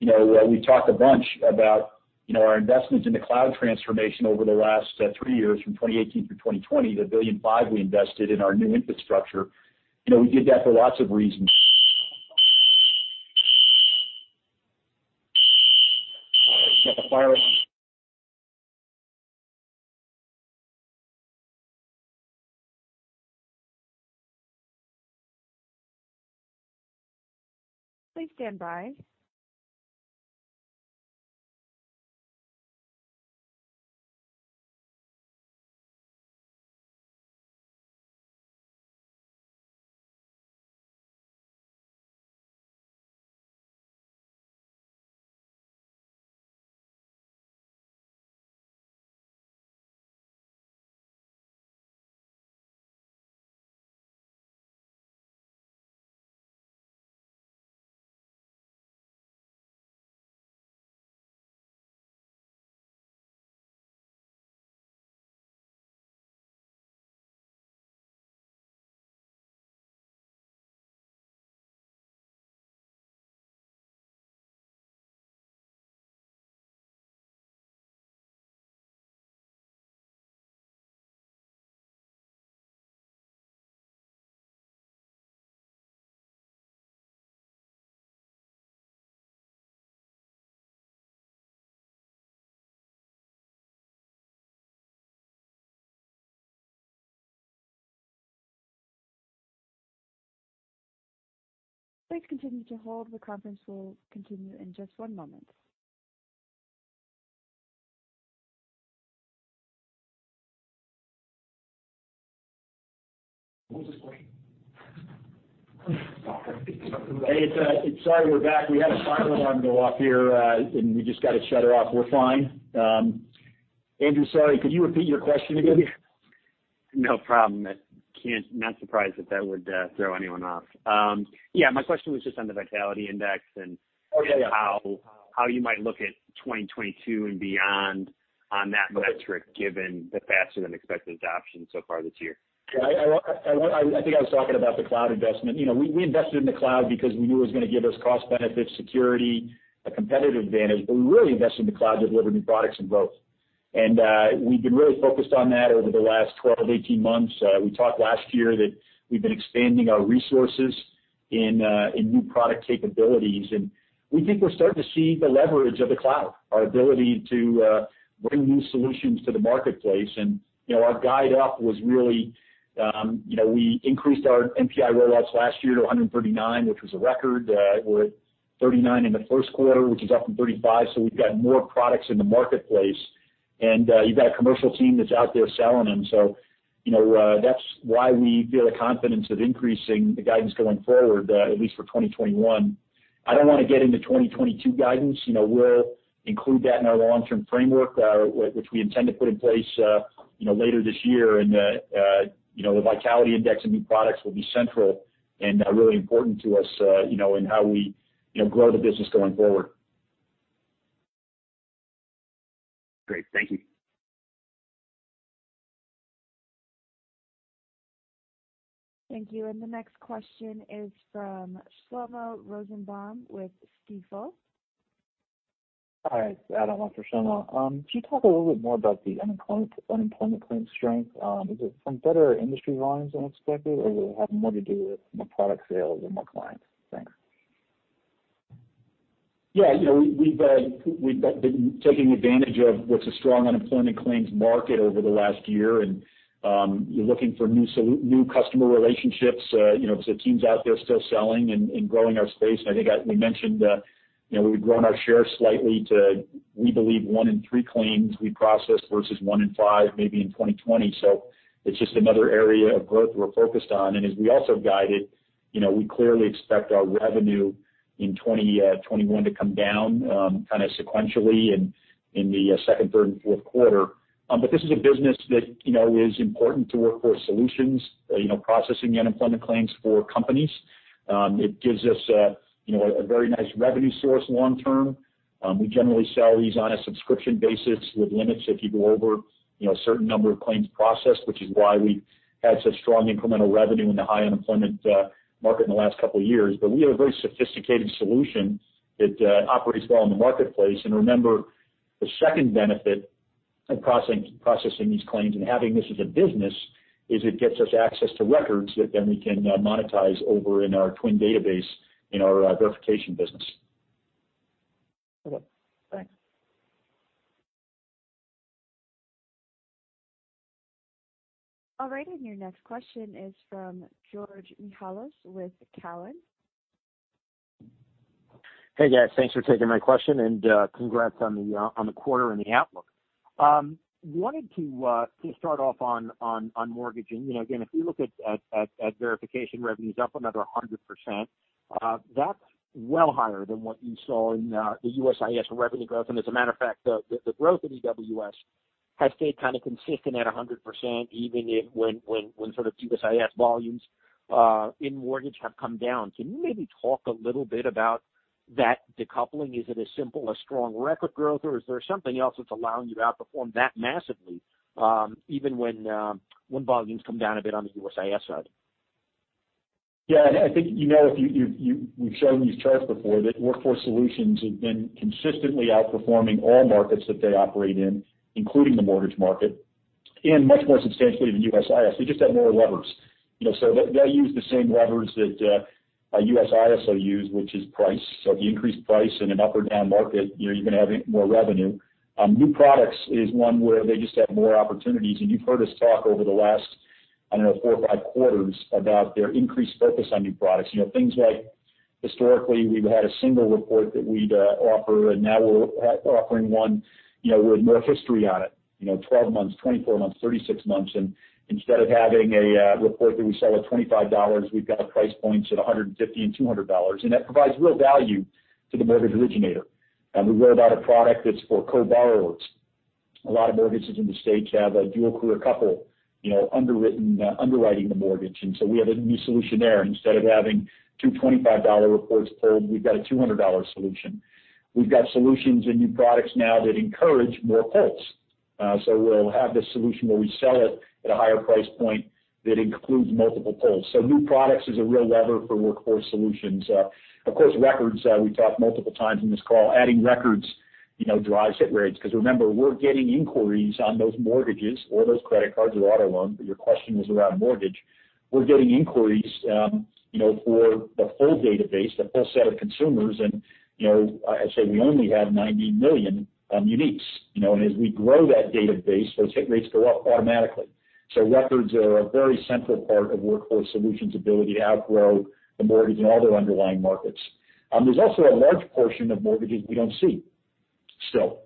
You know, we talked a bunch about, you know, our investment in the Cloud transformation over the last three years from 2018 through 2020, the $1.5 billion we invested in our new infrastructure. You know, we did that for lots of reasons. We got the fire alarm. Please stand by. Please continue to hold. The conference will continue in just one moment. Hey, it's Sorry, we're back. We had a fire alarm go off here, and we just got to shut her off. We're fine. Andrew, sorry, could you repeat your question again? Not surprised that that would throw anyone off. Yeah, my question was just on the Vitality Index. Oh, yeah. how you might look at 2022 and beyond on that metric, given the faster than expected adoption so far this year. Yeah. I think I was talking about the Cloud investment. You know, we invested in the Cloud because we knew it was gonna give us cost benefits, security, a competitive advantage, but we really invested in the Cloud to deliver new products and growth. We've been really focused on that over the last 12-18 months. We talked last year that we've been expanding our resources in new product capabilities. We think we're starting to see the leverage of the Cloud, our ability to bring new solutions to the marketplace. You know, our guide up was really, you know, we increased our NPI rollouts last year to 139, which was a record. We're at 39 in the first quarter, which is up from 35. We've got more products in the marketplace. You've got a commercial team that's out there selling them. You know, that's why we feel the confidence of increasing the guidance going forward, at least for 2021. I don't wanna get into 2022 guidance. You know, we'll include that in our long-term framework, which we intend to put in place, you know, later this year. You know, the Vitality Index and new products will be central and really important to us, you know, in how we, you know, grow the business going forward. Great. Thank you. Thank you. The next question is from Shlomo Rosenbaum with Stifel. Hi, Adam. Well, for Shlomo. Could you talk a little bit more about the unemployment claims strength? Is it from better industry volumes than expected, or does it have more to do with more product sales and more clients? Thanks. Yeah. You know, we've been taking advantage of what's a strong unemployment claims market over the last year and looking for new customer relationships. You know, the team's out there still selling and growing our space. I think as we mentioned, you know, we've grown our share slightly to, we believe one in three claims we processed versus one in five, maybe in 2020. It's just another area of growth we're focused on. As we also guided, you know, we clearly expect our revenue in 2021 to come down, kinda sequentially in the second, third, and fourth quarter. This is a business that, you know, is important to Workforce Solutions, you know, processing unemployment claims for companies. It gives us, you know, a very nice revenue source long term. We generally sell these on a subscription basis with limits if you go over, you know, a certain number of claims processed, which is why we had such strong incremental revenue in the high unemployment market in the last couple of years. We have a very sophisticated solution that operates well in the marketplace. Remember, the second benefit of processing these claims and having this as a business is it gets us access to records that then we can monetize over in our TWN database in our verification business. Okay. Thanks. All right, your next question is from George Mihalos with Cowen. Hey, guys. Thanks for taking my question, congrats on the quarter and the outlook. Wanted to start off on mortgage. You know, again, if we look at verification revenues up another 100%, that's well higher than what you saw in the USIS revenue growth. As a matter of fact, the growth of EWS has stayed kinda consistent at 100%, even if when sort of USIS volumes in mortgage have come down. Can you maybe talk a little bit about that decoupling? Is it as simple as strong record growth, or is there something else that's allowing you to outperform that massively, even when volumes come down a bit on the USIS side? Yeah. I think you know, we've shown these charts before that Workforce Solutions has been consistently outperforming all markets that they operate in, including the mortgage market, and much more substantially than USIS. They just have more levers, you know. They use the same levers that USIS will use, which is price. If you increase price in an up or down market, you know, you're gonna have more revenue. New products is one where they just have more opportunities. You've heard us talk over the last, I don't know, four or five quarters about their increased focus on new products. Things like historically, we've had a single report that we'd offer, and now we're offering one, with more history on it, 12-months, 24-months, 36-months. Instead of having a report that we sell at $25, we've got price points at $150 and $200. That provides real value to the mortgage originator. We rolled out a product that's for co-borrowers. A lot of mortgages in the States have a dual career couple, you know, underwriting the mortgage. We have a new solution there. Instead of having two $25 reports pulled, we've got a $200 solution. We've got solutions and new products now that encourage more pulls. We'll have this solution where we sell it at a higher price point that includes multiple pulls. New products is a real lever for Workforce Solutions. Of course, records, we talked multiple times in this call. Adding records, you know, drives hit rates 'cause remember, we're getting inquiries on those mortgages or those credit cards or auto loans. Your question was around mortgage. We're getting inquiries, you know, for the full database, the full set of consumers. I say we only have 90 million uniques, you know. As we grow that database, those hit rates go up automatically. Records are a very central part of Workforce Solutions' ability to outgrow the mortgage and all their underlying markets. There's also a large portion of mortgages we don't see still.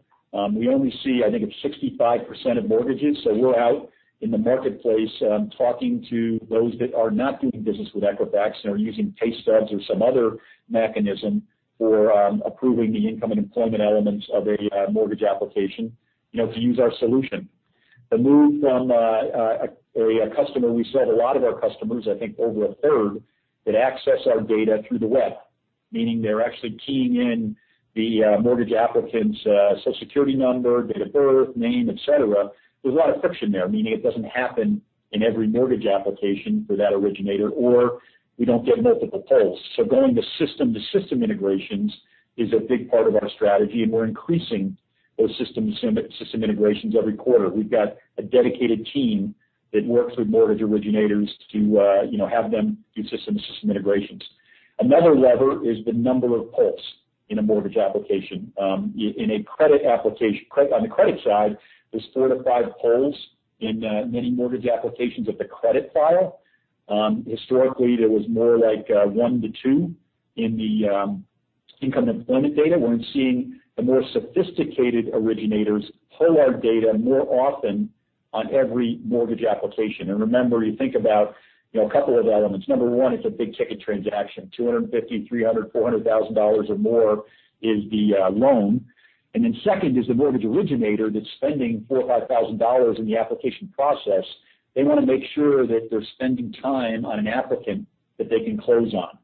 We only see I think it's 65% of mortgages. We're out in the marketplace, talking to those that are not doing business with Equifax and are using pay stubs or some other mechanism for approving the income and employment elements of a mortgage application, you know, to use our solution. The move from a customer, we sell to a lot of our customers, I think over 1/3, that access our data through the web, meaning they're actually keying in the mortgage applicant's Social Security number, date of birth, name, et cetera. There's a lot of friction there, meaning it doesn't happen in every mortgage application for that originator, or we don't get multiple pulls. Going to system-to-system integrations is a big part of our strategy, and we're increasing those systems and system integrations every quarter. We've got a dedicated team that works with mortgage originators to, you know, have them do system-to-system integrations. Another lever is the number of pulls in a mortgage application. In a credit application on the credit side, there's four to five pulls in many mortgage applications of the credit file. Historically, there was more like one to two in the income employment data. We're seeing the more sophisticated originators pull our data more often. On every mortgage application. Remember, you think about, you know, a couple of elements. Number one, it's a big-ticket transaction, $250,000, $300,000, $400,000 or more is the loan. Then second is the mortgage originator that's spending $4,000 or $5,000 in the application process. They wanna make sure that they're spending time on an applicant that they can close on.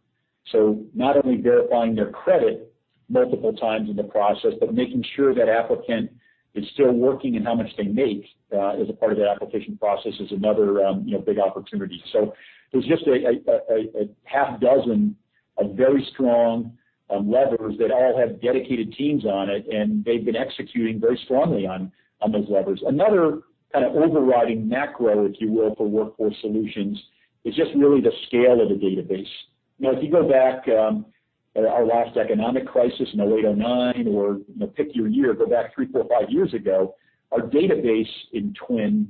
Not only verifying their credit multiple times in the process, but making sure that applicant is still working and how much they make, you know, as a part of that application process is another big opportunity. There's just a half dozen of very strong levers that all have dedicated teams on it, and they've been executing very strongly on those levers. Another kind of overriding macro, if you will, for Workforce Solutions is just really the scale of the database. You know, if you go back, our last economic crisis in 2008, 2009 or, you know, pick your year, go back three, four, five years ago, our database in TWN,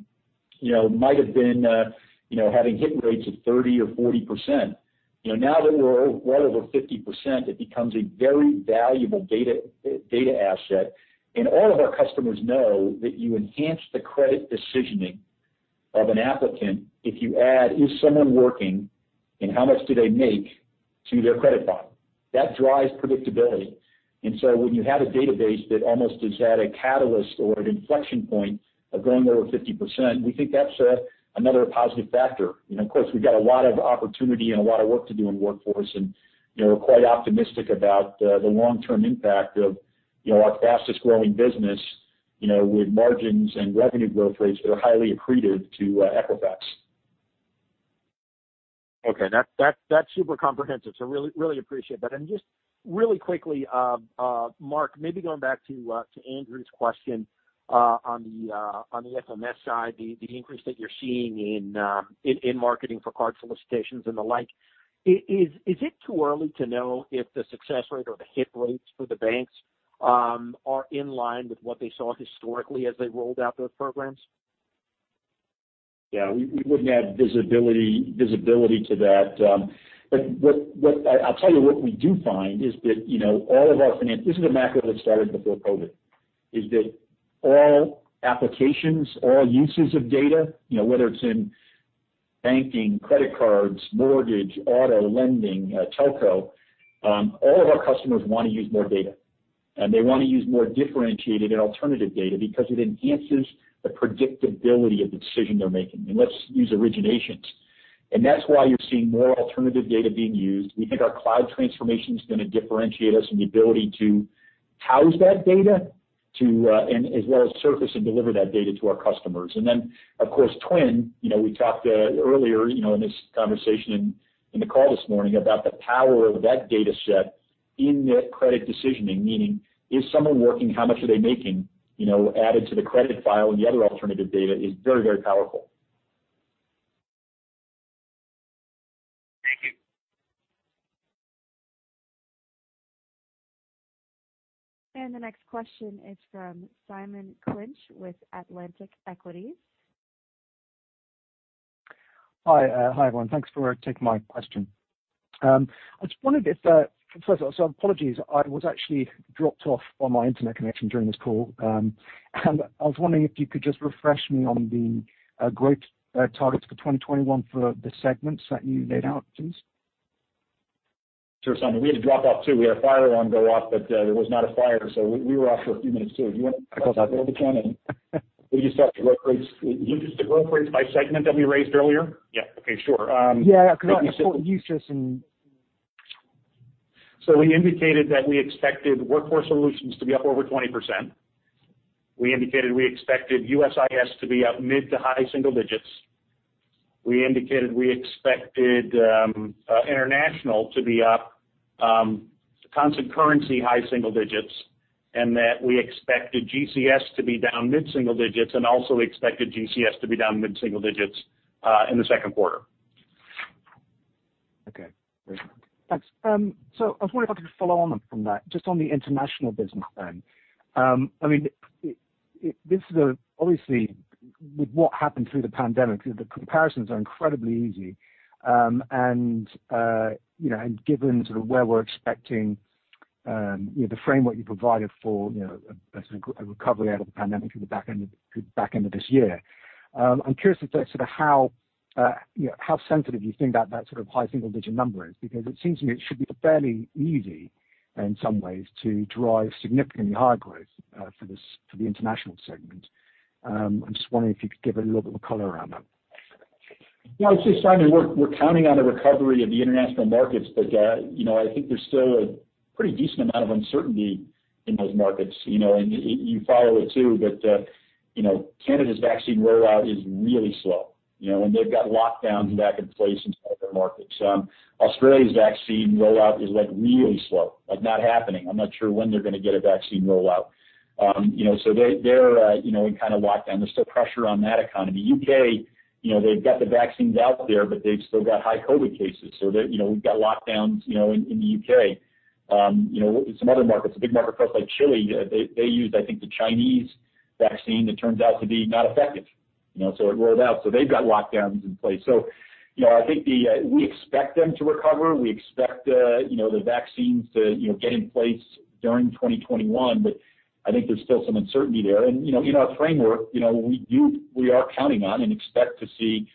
you know, might have been, you know, having hit rates of 30% or 40%. You know, now that we're well over 50%, it becomes a very valuable data asset. All of our customers know that you enhance the credit decisioning of an applicant if you add is someone working and how much do they make to their credit file. That drives predictability. When you have a database that almost has had a catalyst or an inflection point of going over 50%, we think that's another positive factor. Of course, we've got a lot of opportunity and a lot of work to do in Workforce, and, you know, we're quite optimistic about the long-term impact of, you know, our fastest-growing business, you know, with margins and revenue growth rates that are highly accretive to Equifax. Okay. That's super comprehensive, so really, really appreciate that. Just really quickly, Mark, maybe going back to Andrew's question on the FMS side, the increase that you're seeing in marketing for card solicitations and the like, is it too early to know if the success rate or the hit rates for the banks are in line with what they saw historically as they rolled out those programs? Yeah, we wouldn't have visibility to that. What I'll tell you what we do find is that, you know, This is a macro that started before COVID-19, is that all applications, all uses of data, you know, whether it's in banking, credit cards, mortgage, auto lending, telco, all of our customers wanna use more data. They wanna use more differentiated and alternative data because it enhances the predictability of the decision they're making. Let's use originations. That's why you're seeing more alternative data being used. We think our cloud transformation is gonna differentiate us in the ability to house that data to, as well as surface and deliver that data to our customers. Of course, TWN, you know, we talked earlier, you know, in this conversation in the call this morning about the power of that data set in that credit decisioning, meaning is someone working? How much are they making? You know, added to the credit file and the other alternative data is very, very powerful. Thank you. The next question is from Simon Clinch with Atlantic Equities. Hi. Hi, everyone. Thanks for taking my question. I just wondered if, apologies, I was actually dropped off on my internet connection during this call. I was wondering if you could just refresh me on the growth targets for 2021 for the segments that you laid out, please. Sure, Simon. We had a drop off too. We had a fire alarm go off, there was not a fire, we were off for a few minutes too. Do you want Okay. We just talked to growth rates. You just said growth rates by segment that we raised earlier? Yeah. Okay, sure. Yeah, 'cause I thought you said. We indicated that we expected Workforce Solutions to be up over 20%. We indicated we expected USIS to be up mid-to-high single digits. We indicated we expected international to be up constant currency high single digits, and that we expected GCS to be down mid-single digits and also expected GCS to be down mid-single digits in the second quarter. Okay. Thanks. I was wondering if I could follow on from that, just on the international business then. I mean, this is obviously with what happened through the pandemic, the comparisons are incredibly easy. You know, given sort of where we're expecting, you know, the framework you provided for, you know, a recovery out of the pandemic through the back end of this year, I'm curious as to sort of how, you know, how sensitive you think that sort of high single-digit number is because it seems to me it should be fairly easy in some ways to drive significantly higher growth for the international segment. I'm just wondering if you could give a little bit of color around that. Yeah. I'd say, Simon, we're counting on a recovery of the international markets, you know, I think there's still a pretty decent amount of uncertainty in those markets. You know, you follow it too that, you know, Canada's vaccine rollout is really slow. You know, they've got lockdowns back in place in some of their markets. Australia's vaccine rollout is, like, really slow, like not happening. I'm not sure when they're gonna get a vaccine rollout. You know, they're, you know, in kind of lockdown. There's still pressure on that economy. U.K., you know, they've got the vaccines out there, they've still got high COVID cases, they, you know, we've got lockdowns, you know, in the U.K. In some other markets, a big market for us like Chile, they used, I think, the Chinese vaccine that turns out to be not effective. It rolled out, so they've got lockdowns in place. I think we expect them to recover. We expect the vaccines to get in place during 2021, but I think there's still some uncertainty there. In our framework, we are counting on and expect to see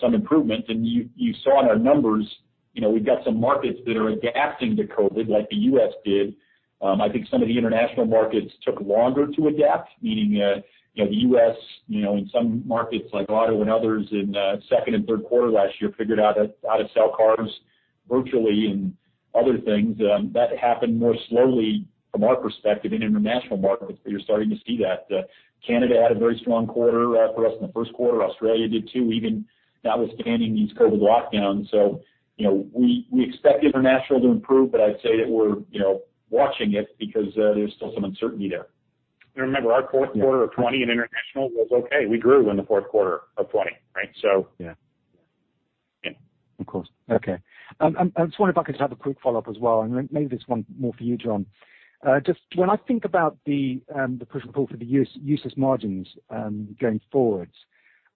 some improvement. You saw in our numbers. You know, we've got some markets that are adapting to COVID like the U.S. did. I think some of the international markets took longer to adapt, meaning, you know, the U.S., you know, in some markets like auto and others in second and third quarter last year figured out how to sell cars virtually and other things, that happened more slowly from our perspective in international markets, but you're starting to see that. Canada had a very strong quarter, for us in the first quarter. Australia did too, even notwithstanding these COVID lockdowns. You know, we expect international to improve, but I'd say that we're, you know, watching it because, there's still some uncertainty there. And remember, our fourth quarter of 2020 in international was okay. We grew in the fourth quarter of 2020, right? Yeah. Yeah. Of course. Okay. I just wonder if I could just have a quick follow-up as well, and maybe this one more for you, John. Just when I think about the push and pull for the USIS margins, going forward,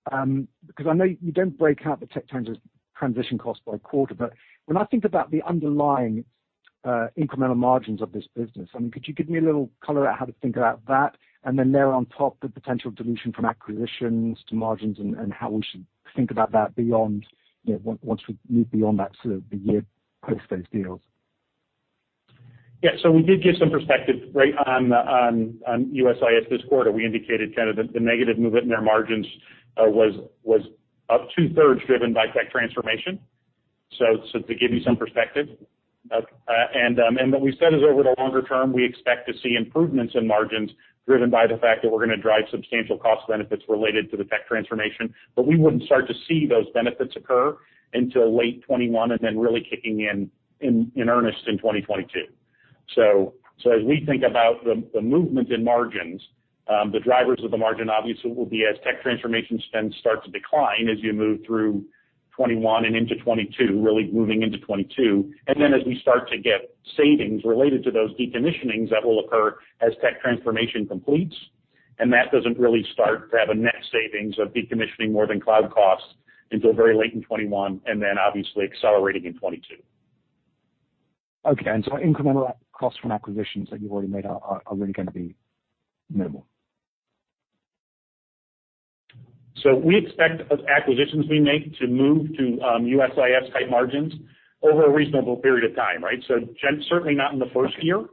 because I know you don't break out the tech transition cost by quarter. When I think about the underlying incremental margins of this business, I mean, could you give me a little color on how to think about that? Then there on top, the potential dilution from acquisitions to margins and how we should think about that beyond, you know, once we move beyond that sort of the year post those deals. We did give some perspective, right, on USIS this quarter. We indicated kind of the negative movement in their margins was up 2/3 driven by tech transformation. To give you some perspective. What we said is over the longer term, we expect to see improvements in margins driven by the fact that we're gonna drive substantial cost benefits related to the tech transformation. We wouldn't start to see those benefits occur until late 2021 and then really kicking in earnest in 2022. As we think about the movement in margins, the drivers of the margin obviously will be as tech transformation spends start to decline as you move through 2021 and into 2022, really moving into 2022. As we start to get savings related to those decommissioning that will occur as tech transformation completes. That doesn't really start to have a net savings of decommissioning more than cloud costs until very late in 2021, and then obviously accelerating in 2022. Okay. Incremental costs from acquisitions that you've already made are really gonna be minimal. We expect those acquisitions we make to move to USIS type margins over a reasonable period of time, right? Certainly not in the first year.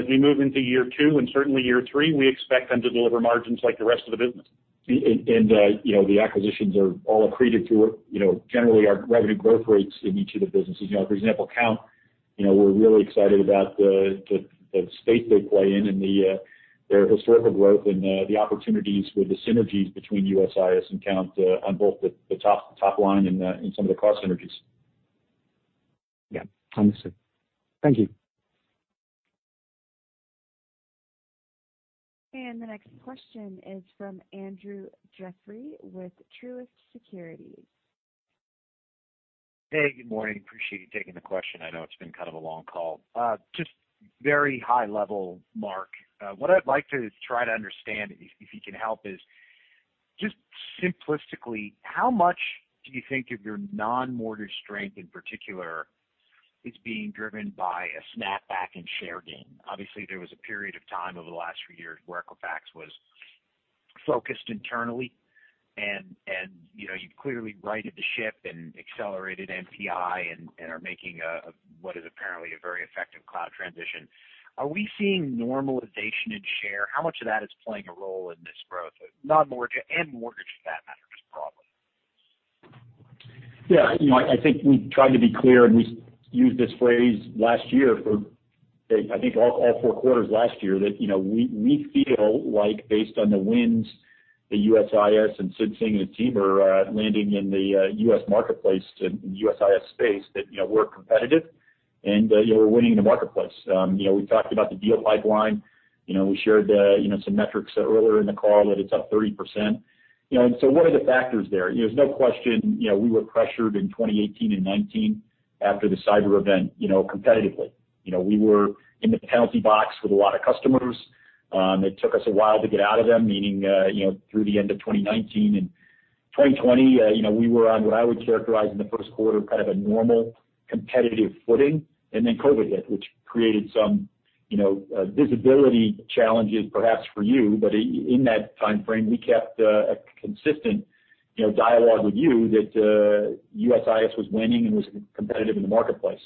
As we move into year two and certainly year three, we expect them to deliver margins like the rest of the business. You know, the acquisitions are all accretive to, you know, generally our revenue growth rates in each of the businesses. You know, for example, Kount, you know, we're really excited about the state they play in and their historical growth and the opportunities for the synergies between USIS and Kount on both the top line and some of the cost synergies. Yeah. Understood. Thank you. The next question is from Andrew Jeffrey with Truist Securities. Hey, good morning. Appreciate you taking the question. I know it's been kind of a long call. Just very high level, Mark. What I'd like to try to understand if you can help is just simplistically, how much do you think of your non-mortgage strength in particular is being driven by a snapback in share gain? Obviously, there was a period of time over the last few years where Equifax was focused internally and, you know, you clearly righted the ship and accelerated NPI and are making what is apparently a very effective cloud transition. Are we seeing normalization in share? How much of that is playing a role in this growth, non-mortgage and mortgage for that matter, just broadly? You know, I think we tried to be clear, and we used this phrase last year for, I think all four quarters last year, that, you know, we feel like based on the wins that USIS and Sid Singh and the team are landing in the U.S. marketplace USIS space, that, you know, we're competitive and, you know, we're winning in the marketplace. You know, we talked about the deal pipeline. You know, we shared, you know, some metrics earlier in the call that it's up 30%. You know, what are the factors there? You know, there's no question, you know, we were pressured in 2018 and 2019 after the cyber event, you know, competitively. You know, we were in the penalty box with a lot of customers. It took us a while to get out of them, meaning, you know, through the end of 2019. 2020, you know, we were on what I would characterize in the first quarter, kind of a normal competitive footing. COVID-19 hit, which created some, you know, visibility challenges perhaps for you. In that timeframe, we kept a consistent, you know, dialogue with you that USIS was winning and was competitive in the marketplace.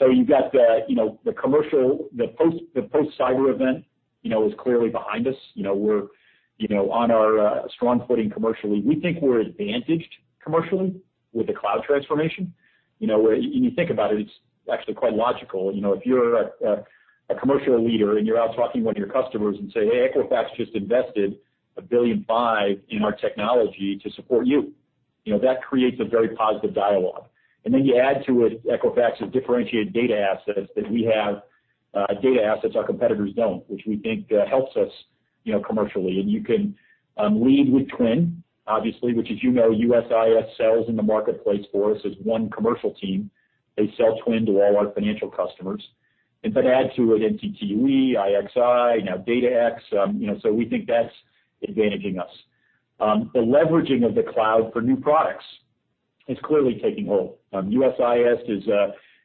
You've got the, you know, the commercial, the post-cyber event, you know, is clearly behind us. You know, we're, you know, on our strong footing commercially. We think we're advantaged commercially with the cloud transformation. You know, when you think about it's actually quite logical. You know, if you're a commercial leader and you're out talking with your customers and say, "Hey, Equifax just invested $1.5 billion in our technology to support you." You know, that creates a very positive dialogue. Then you add to it Equifax's differentiated data assets that we have, data assets our competitors don't, which we think helps us, you know, commercially. You can lead with TWN, obviously, which, as you know, USIS sells in the marketplace for us as one commercial team. They sell TWN to all our financial customers. But add to it NCTUE, IXI, now DataX. You know, so we think that's advantaging us. The leveraging of the cloud for new products is clearly taking hold. USIS is,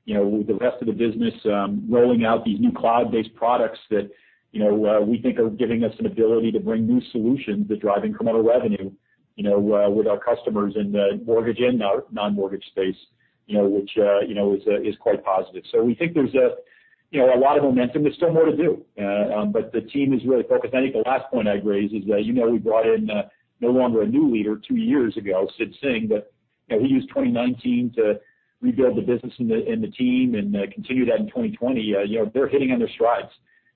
you know, with the rest of the business, rolling out these new cloud-based products that, you know, we think are giving us an ability to bring new solutions to driving incremental revenue. You know, with our customers in the mortgage and non-mortgage space, you know, which, you know, is quite positive. We think there's a, you know, a lot of momentum. There's still more to do. The team is really focused. I think the last point I'd raise is that, you know, we brought in, no longer a new leader two years ago, Sid Singh, but, you know, he used 2019 to rebuild the business and the team and continue that in 2020. You know, they're hitting on their strides.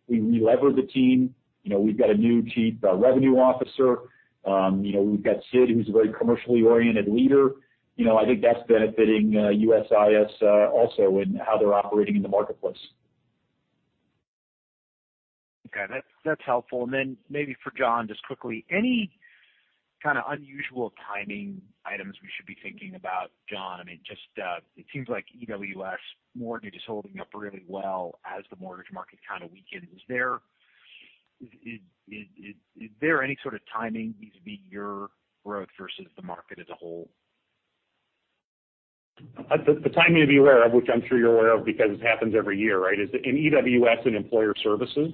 We levered the team. You know, we've got a new Chief Revenue Officer. You know, we've got Sid, who's a very commercially oriented leader. You know, I think that's benefiting USIS also in how they're operating in the marketplace. Okay. That's, that's helpful. Then maybe for John, just quickly, any kind of unusual timing items we should be thinking about, John? I mean, just, it seems like EWS mortgage is holding up really well as the mortgage market kind of weakens. Is there any sort of timing vis-a-vis your growth versus the market as a whole? The timing to be aware of, which I'm sure you're aware of because it happens every year, right, is in EWS and Employer Services,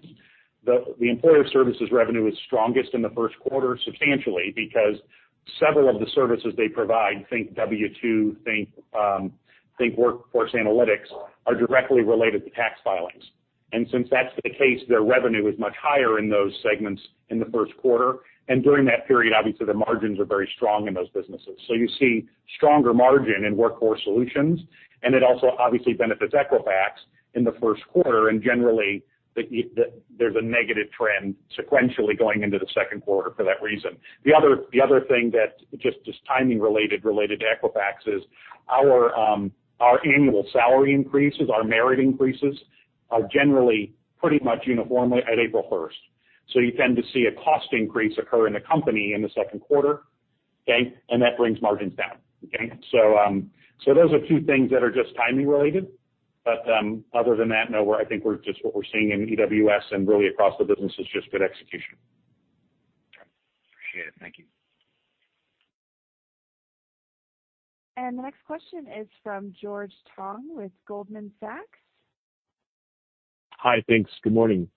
the Employer Services revenue is strongest in the first quarter substantially because several of the services they provide, think W-2, think Workforce Analytics, are directly related to tax filings. Since that's the case, their revenue is much higher in those segments in the first quarter. During that period, obviously, the margins are very strong in those businesses. You see stronger margin in Workforce Solutions, and it also obviously benefits Equifax in the first quarter. Generally, there's a negative trend sequentially going into the second quarter for that reason. The other thing that just is timing related to Equifax is our annual salary increases, our merit increases are generally pretty much uniformly at April first. You tend to see a cost increase occur in the company in the second quarter. That brings margins down. Those are two things that are just timing related. Other than that, no, I think we're just what we're seeing in EWS and really across the business is just good execution. Okay. Appreciate it. Thank you. The next question is from George Tong with Goldman Sachs. Hi. Thanks. Good morning.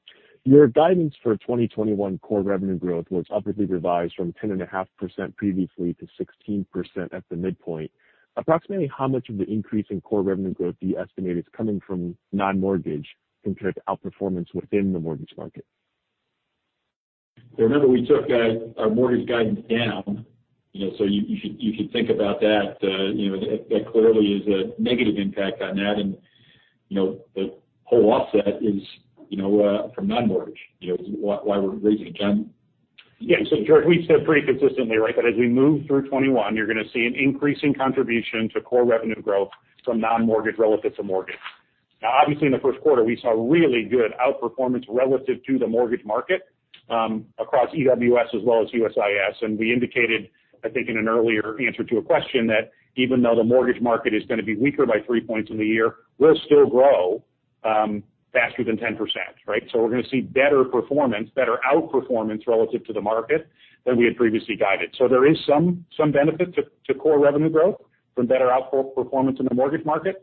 Your guidance for 2021 core revenue growth was upwardly revised from 10.5% previously to 16% at the midpoint. Approximately how much of the increase in core revenue growth do you estimate is coming from non-mortgage compared to outperformance within the mortgage market? Remember, we took our mortgage guidance down. You know, you should think about that. You know, that clearly is a negative impact on that. You know, the whole offset is, you know, from non-mortgage, you know, why we're raising it. John? Yeah. George, we've said pretty consistently, right, that as we move through 2021, you're gonna see an increasing contribution to core revenue growth from non-mortgage relative to mortgage. Now, obviously, in the first quarter, we saw really good outperformance relative to the mortgage market, across EWS as well as USIS. We indicated, I think in an earlier answer to a question, that even though the mortgage market is gonna be weaker by three points in the year, we'll still grow faster than 10%, right? We're gonna see better performance, better outperformance relative to the market than we had previously guided. There is some benefit to core revenue growth from better outperformance in the mortgage market.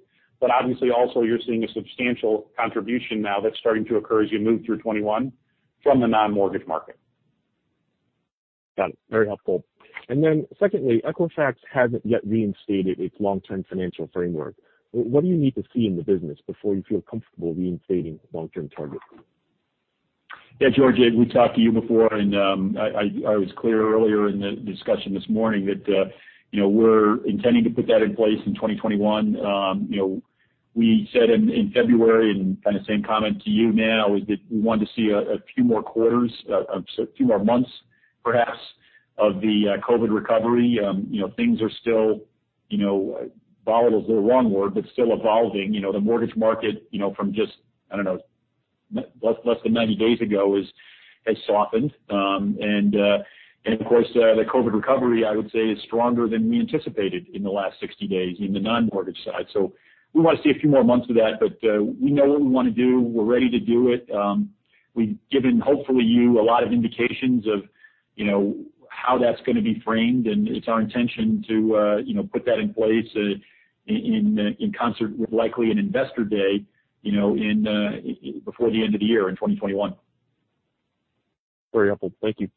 Obviously, also you're seeing a substantial contribution now that's starting to occur as you move through 2021 from the non-mortgage market. Got it. Very helpful. Secondly, Equifax hasn't yet reinstated its long-term financial framework. What do you need to see in the business before you feel comfortable reinstating long-term targets? Yeah, George, we talked to you before and I was clear earlier in the discussion this morning that, you know, we're intending to put that in place in 2021. You know, we said in February and kind of same comment to you now is that we want to see a few more quarters, a few more months perhaps of the COVID recovery. You know, things are still, you know, volatile is the wrong word, but still evolving. You know, the mortgage market, you know, from just, I don't know, less than 90-days ago has softened. And of course, the COVID recovery, I would say, is stronger than we anticipated in the last 60-days in the non-mortgage side. We wanna see a few more months of that. We know what we wanna do. We're ready to do it. We've given, hopefully, you a lot of indications of, you know, how that's gonna be framed, and it's our intention to, you know, put that in place, in concert with likely an investor day, you know, in, before the end of the year in 2021. Very helpful. Thank you.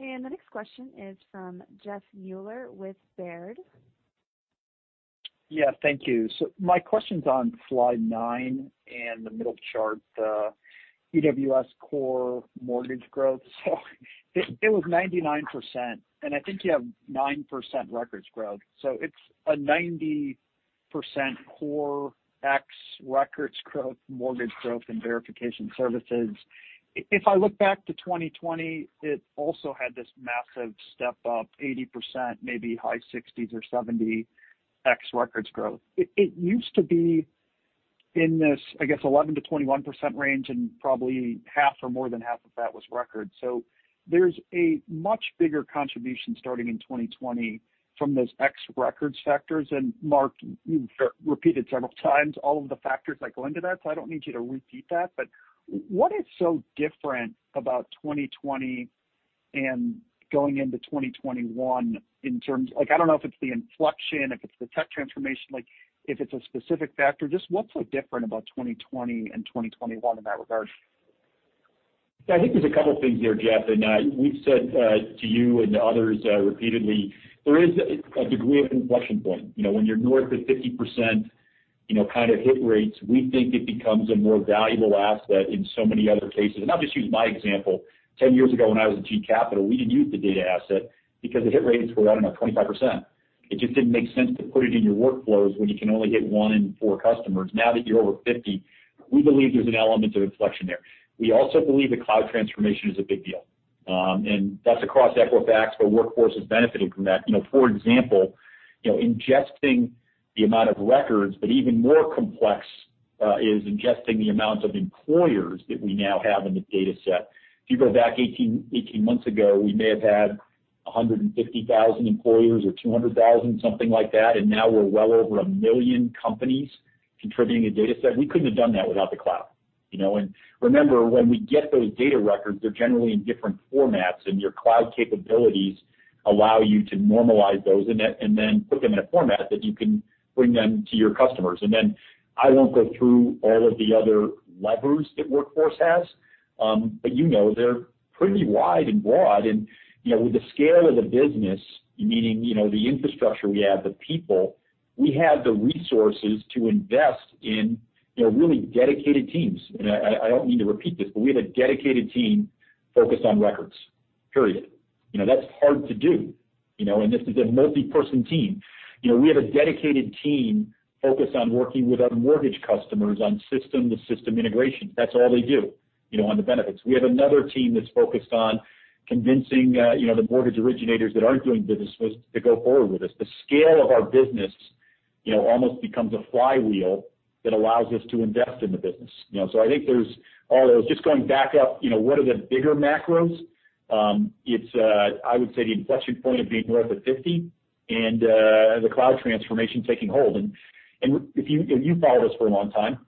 The next question is from Jeff Meuler with Baird. Yeah. Thank you. My question's on slide nine in the middle chart, EWS core mortgage growth. It was 99%, and I think you have 9% records growth. It's a 90% core ex records growth, mortgage growth and Verification Services. If I look back to 2020, it also had this massive step up, 80%, maybe high 60s or 70 ex-records growth. It used to be in this, I guess, 11%-21% range, and probably half or more than half of that was records. So there is a much bigger contribution starting in 2020 from those ex-record sectors. And Mark, you've repeated several times all of the factors that go into that, I don't need you to repeat that. What is so different about 2020 and going into 2021 in terms Like, I don't know if it's the inflection, if it's the tech transformation, like if it's a specific factor, just what's so different about 2020 and 2021 in that regard? Yeah, I think there's a couple of things here, Jeff, we've said to you and others repeatedly, there is a degree of inflection point. You know, when you're north of 50%, you know, kind of hit rates, we think it becomes a more valuable asset in so many other cases. I'll just use my example. 10-years ago, when I was at GE Capital, we didn't use the data asset because the hit rates were, I don't know, 25%. It just didn't make sense to put it in your workflows when you can only hit one in four customers. Now that you're over 50, we believe there's an element of inflection there. We also believe that cloud transformation is a big deal. That's across Equifax, but Workforce is benefiting from that. You know, for example, you know, ingesting the amount of records, but even more complex is ingesting the amount of employers that we now have in the data set. If you go back 18 months ago, we may have had 150,000 employers or 200,000, something like that, and now we're well over 1 million companies contributing a data set. We couldn't have done that without the cloud, you know. Remember, when we get those data records, they're generally in different formats, and your cloud capabilities allow you to normalize those and then put them in a format that you can bring them to your customers. I won't go through all of the other levers that Workforce has, but you know, they're pretty wide and broad. You know, with the scale of the business, meaning, you know, the infrastructure we have, the people, we have the resources to invest in, you know, really dedicated teams. I don't mean to repeat this, but we have a dedicated team focused on records, period. You know, that's hard to do, you know, and this is a multi-person team. You know, we have a dedicated team focused on working with our mortgage customers on system-to-system integration. That's all they do, you know, on the benefits. We have another team that's focused on convincing, you know, the mortgage originators that aren't doing business with us to go forward with us. The scale of our business, you know, almost becomes a flywheel that allows us to invest in the business, you know. I think there's all those. Just going back up, you know, what are the bigger macros? It's I would say the inflection point of being north of 50 and the cloud transformation taking hold. If you've followed us for a long time,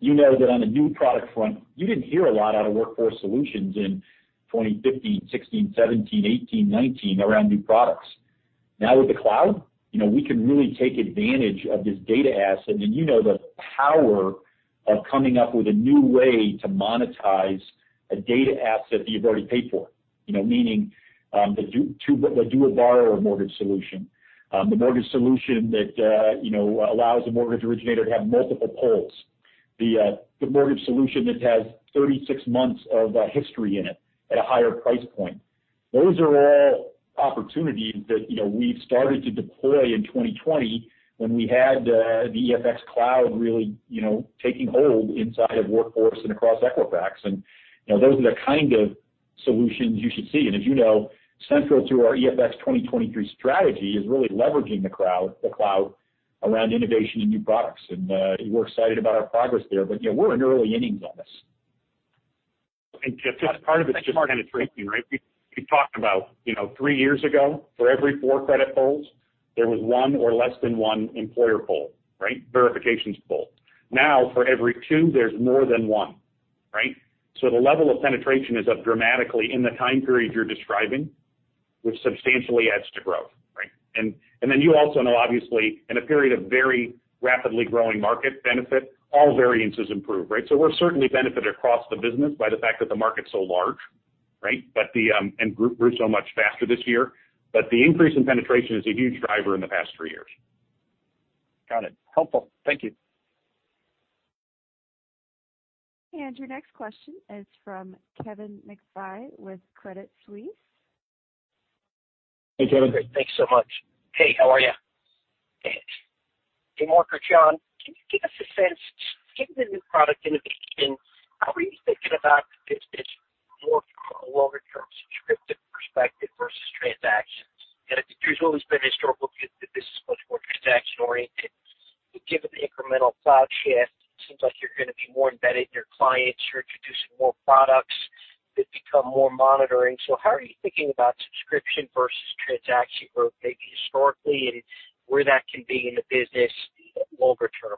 you know that on the new product front, you didn't hear a lot out of Workforce Solutions in 2015, 2016, 2017, 2018, 2019 around new products. Now with the cloud, you know, we can really take advantage of this data asset. You know the power of coming up with a new way to monetize a data asset that you've already paid for. You know, meaning the dual borrower mortgage solution. The mortgage solution that, you know, allows a mortgage originator to have multiple pulls. The mortgage solution that has 36-months of history in it at a higher price point. Those are all opportunities that, you know, we've started to deploy in 2020 when we had the EFX Cloud really, you know, taking hold inside of Workforce and across Equifax. Those are the kind of solutions you should see. As you know, central to our EFX 2023 strategy is really leveraging the cloud around innovation and new products. We're excited about our progress there. Yeah, we're in early innings on this. Jeff, just part of it is just penetration, right? We talked about, you know, three years ago, for every four credit pulls, there was one or less than one employer pull, right? Verifications pull. Now, for every two, there's more than one, right? The level of penetration is up dramatically in the time period you're describing, which substantially adds to growth, right? You also know, obviously, in a period of very rapidly growing market benefit, all variances improve, right? We're certainly benefited across the business by the fact that the market's so large, right, and grew so much faster this year. The increase in penetration is a huge driver in the past three years. Got it. Helpful. Thank you. Your next question is from Kevin McVeigh with Credit Suisse. Hey, Kevin. Great. Thanks so much. Hey, how are you? Hey, Mark or John, can you give us a sense, given the new product innovation, how are you thinking about this more from a longer-term subscription perspective versus transactions? You know, there's always been a historical view that this is much more transaction-oriented. Given the incremental cloud shift, it seems like you're gonna be more embedded in your clients. You're introducing more products that become more monitoring. How are you thinking about subscription versus transaction growth, maybe historically and where that can be in the business longer term?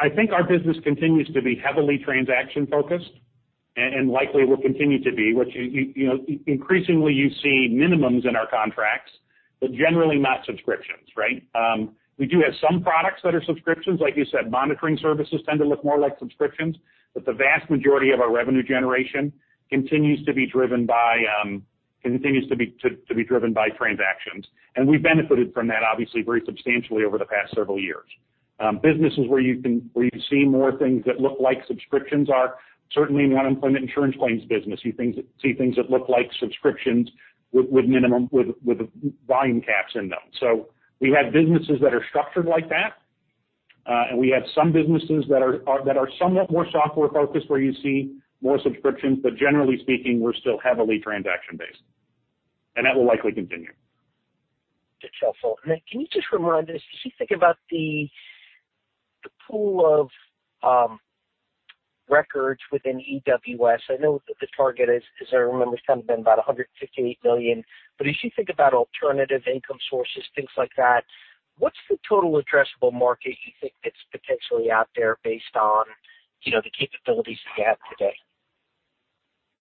I think our business continues to be heavily transaction-focused and likely will continue to be. You know, increasingly you see minimums in our contracts, but generally not subscriptions, right? We do have some products that are subscriptions. Like you said, monitoring services tend to look more like subscriptions, the vast majority of our revenue generation continues to be driven by transactions. We've benefited from that, obviously, very substantially over the past several years. Businesses where you can see more things that look like subscriptions are certainly in the unemployment insurance claims business. You see things that look like subscriptions with minimum with volume caps in them. We have businesses that are structured like that, and we have some businesses that are that are somewhat more software-focused, where you see more subscriptions. Generally speaking, we're still heavily transaction-based, and that will likely continue. That's helpful. Can you just remind us, as you think about the pool of records within EWS, I know that the target is, as I remember, something about 158 million. As you think about alternative income sources, things like that, what's the total addressable market you think that's potentially out there based on, you know, the capabilities you have today?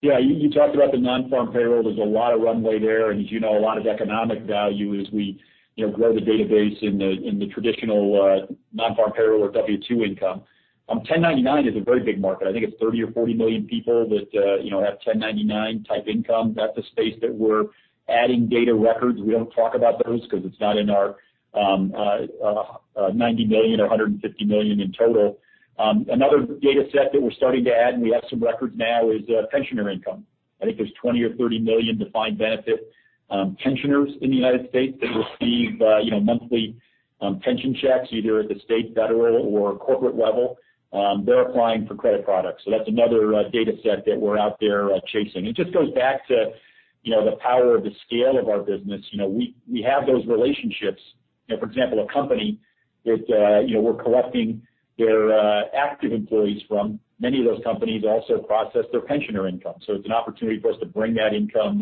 Yeah. You talked about the non-farm payroll. There's a lot of runway there, and as you know, a lot of economic value as we, you know, grow the database in the, in the traditional non-farm payroll or W-2 income. 1099 is a very big market. I think it's 30 or 40 million people that, you know, have 1099 type income. That's a space that we're adding data records. We don't talk about those 'cause it's not in our 90 million or 150 million in total. Another data set that we're starting to add, and we have some records now, is pensioner income. I think there's 20 or 30 million defined benefit pensioners in the United States that receive, you know, monthly pension checks, either at the state, federal, or corporate level. They're applying for credit products. That's another data set that we're out there chasing. It just goes back to, you know, the power of the scale of our business. You know, we have those relationships. You know, for example, a company that, you know, we're collecting their active employees from, many of those companies also process their pensioner income. It's an opportunity for us to bring that income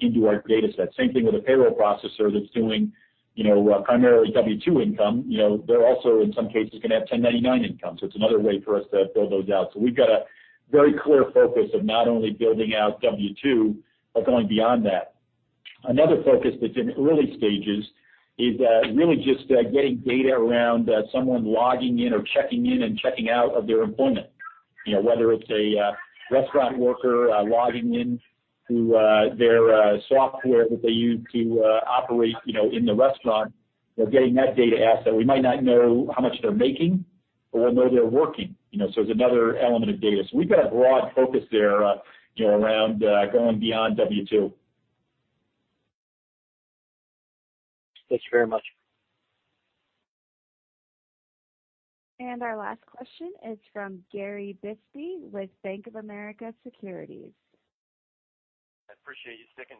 into our data set. Same thing with a payroll processor that's doing, you know, primarily W-2 income. You know, they're also, in some cases, gonna have 1099 income. It's another way for us to build those out. We've got a very clear focus of not only building out W-2, but going beyond that. Another focus that's in early stages is really just getting data around someone logging in or checking in and checking out of their employment. You know, whether it's a restaurant worker logging in through their software that they use to operate, you know, in the restaurant. We're getting that data asset. We might not know how much they're making, but we'll know they're working, you know. It's another element of data. We've got a broad focus there, you know, around going beyond W-2. Thanks very much. Our last question is from Gary Bisbee with Bank of America Securities. I appreciate you sticking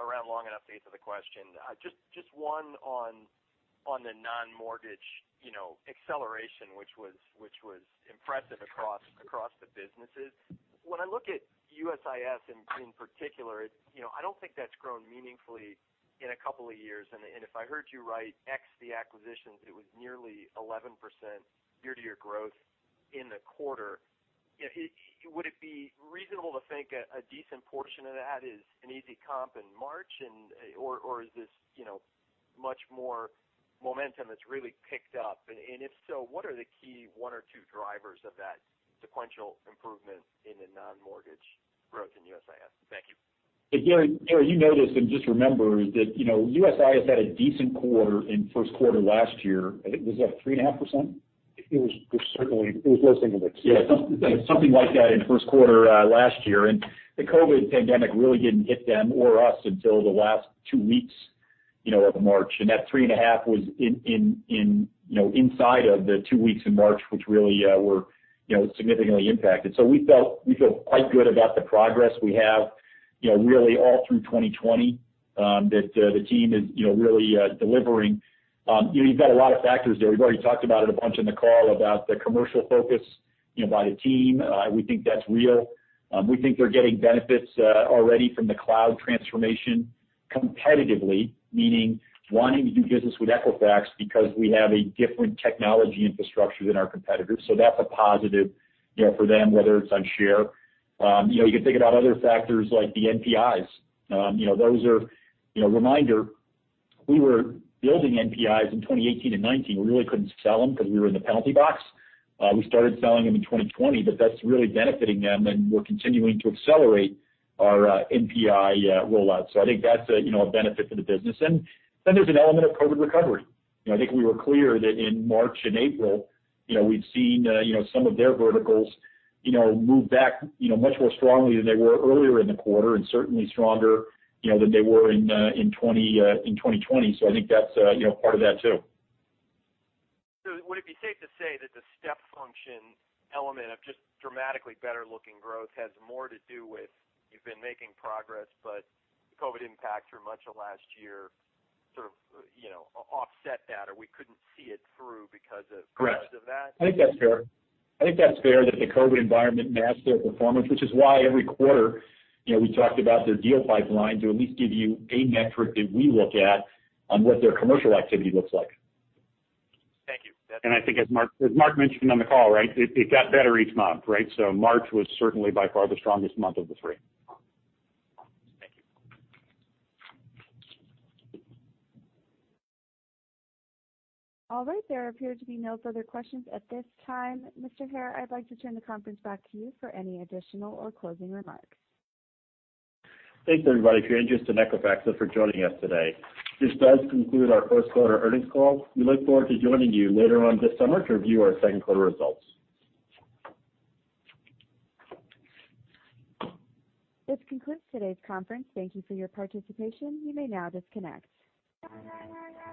around long enough to answer the question. Just one on the non-mortgage, you know, acceleration, which was impressive across the businesses. When I look at USIS in particular, you know, I don't think that's grown meaningfully in a couple of years. If I heard you right, ex the acquisitions, it was nearly 11% year-to-year growth in the quarter. You know, would it be reasonable to think a decent portion of that is an easy comp in March, or is this, you know, much more momentum that's really picked up? If so, what are the key one or two drivers of that sequential improvement in the non-mortgage growth in USIS? Thank you. Gary, you noticed, and just remember, that, you know, USIS had a decent quarter in first quarter last year. I think, was that 3.5%? It was less than that. Yeah. Something like that in first quarter last year. The COVID pandemic really didn't hit them or us until the last two weeks, you know, of March. That 3.5 was in, you know, inside of the two weeks in March, which really were, you know, significantly impacted. We feel quite good about the progress we have, you know, really all through 2020, that the team is, you know, really delivering. You know, you've got a lot of factors there. We've already talked about it a bunch in the call about the commercial focus, you know, by the team. We think that's real. We think they're getting benefits already from the cloud transformation competitively, meaning wanting to do business with Equifax because we have a different technology infrastructure than our competitors. That's a positive, you know, for them, whether it's on share. You know, you can think about other factors like the NPIs. You know, those are Reminder, we were building NPIs in 2018 and 2019. We really couldn't sell them because we were in the penalty box. We started selling them in 2020, but that's really benefiting them, and we're continuing to accelerate our NPI rollout. I think that's a, you know, a benefit for the business. And then there's an element of COVID recovery. You know, I think we were clear that in March and April, you know, we'd seen, you know, some of their verticals, you know, move back, you know, much more strongly than they were earlier in the quarter and certainly stronger, you know, than they were in 2020. I think that's, you know, part of that too. Would it be safe to say that the step function element of just dramatically better looking growth has more to do with you've been making progress, but the COVID-19 impact through much of last year sort of, you know, offset that or we couldn't see it through? Correct. Because of that? I think that's fair. I think that's fair that the COVID environment masked their performance, which is why every quarter, you know, we talked about their deal pipeline to at least give you a metric that we look at on what their commercial activity looks like. Thank you. I think as Mark mentioned on the call, it got better each month. March was certainly by far the strongest month of the three. Thank you. All right. There appear to be no further questions at this time. Mr. Hare, I'd like to turn the conference back to you for any additional or closing remarks. Thanks, everybody, for your interest in Equifax and for joining us today. This does conclude our first quarter earnings call. We look forward to joining you later on this summer to review our second quarter results. This concludes today's conference. Thank you for your participation. You may now disconnect. Thanks.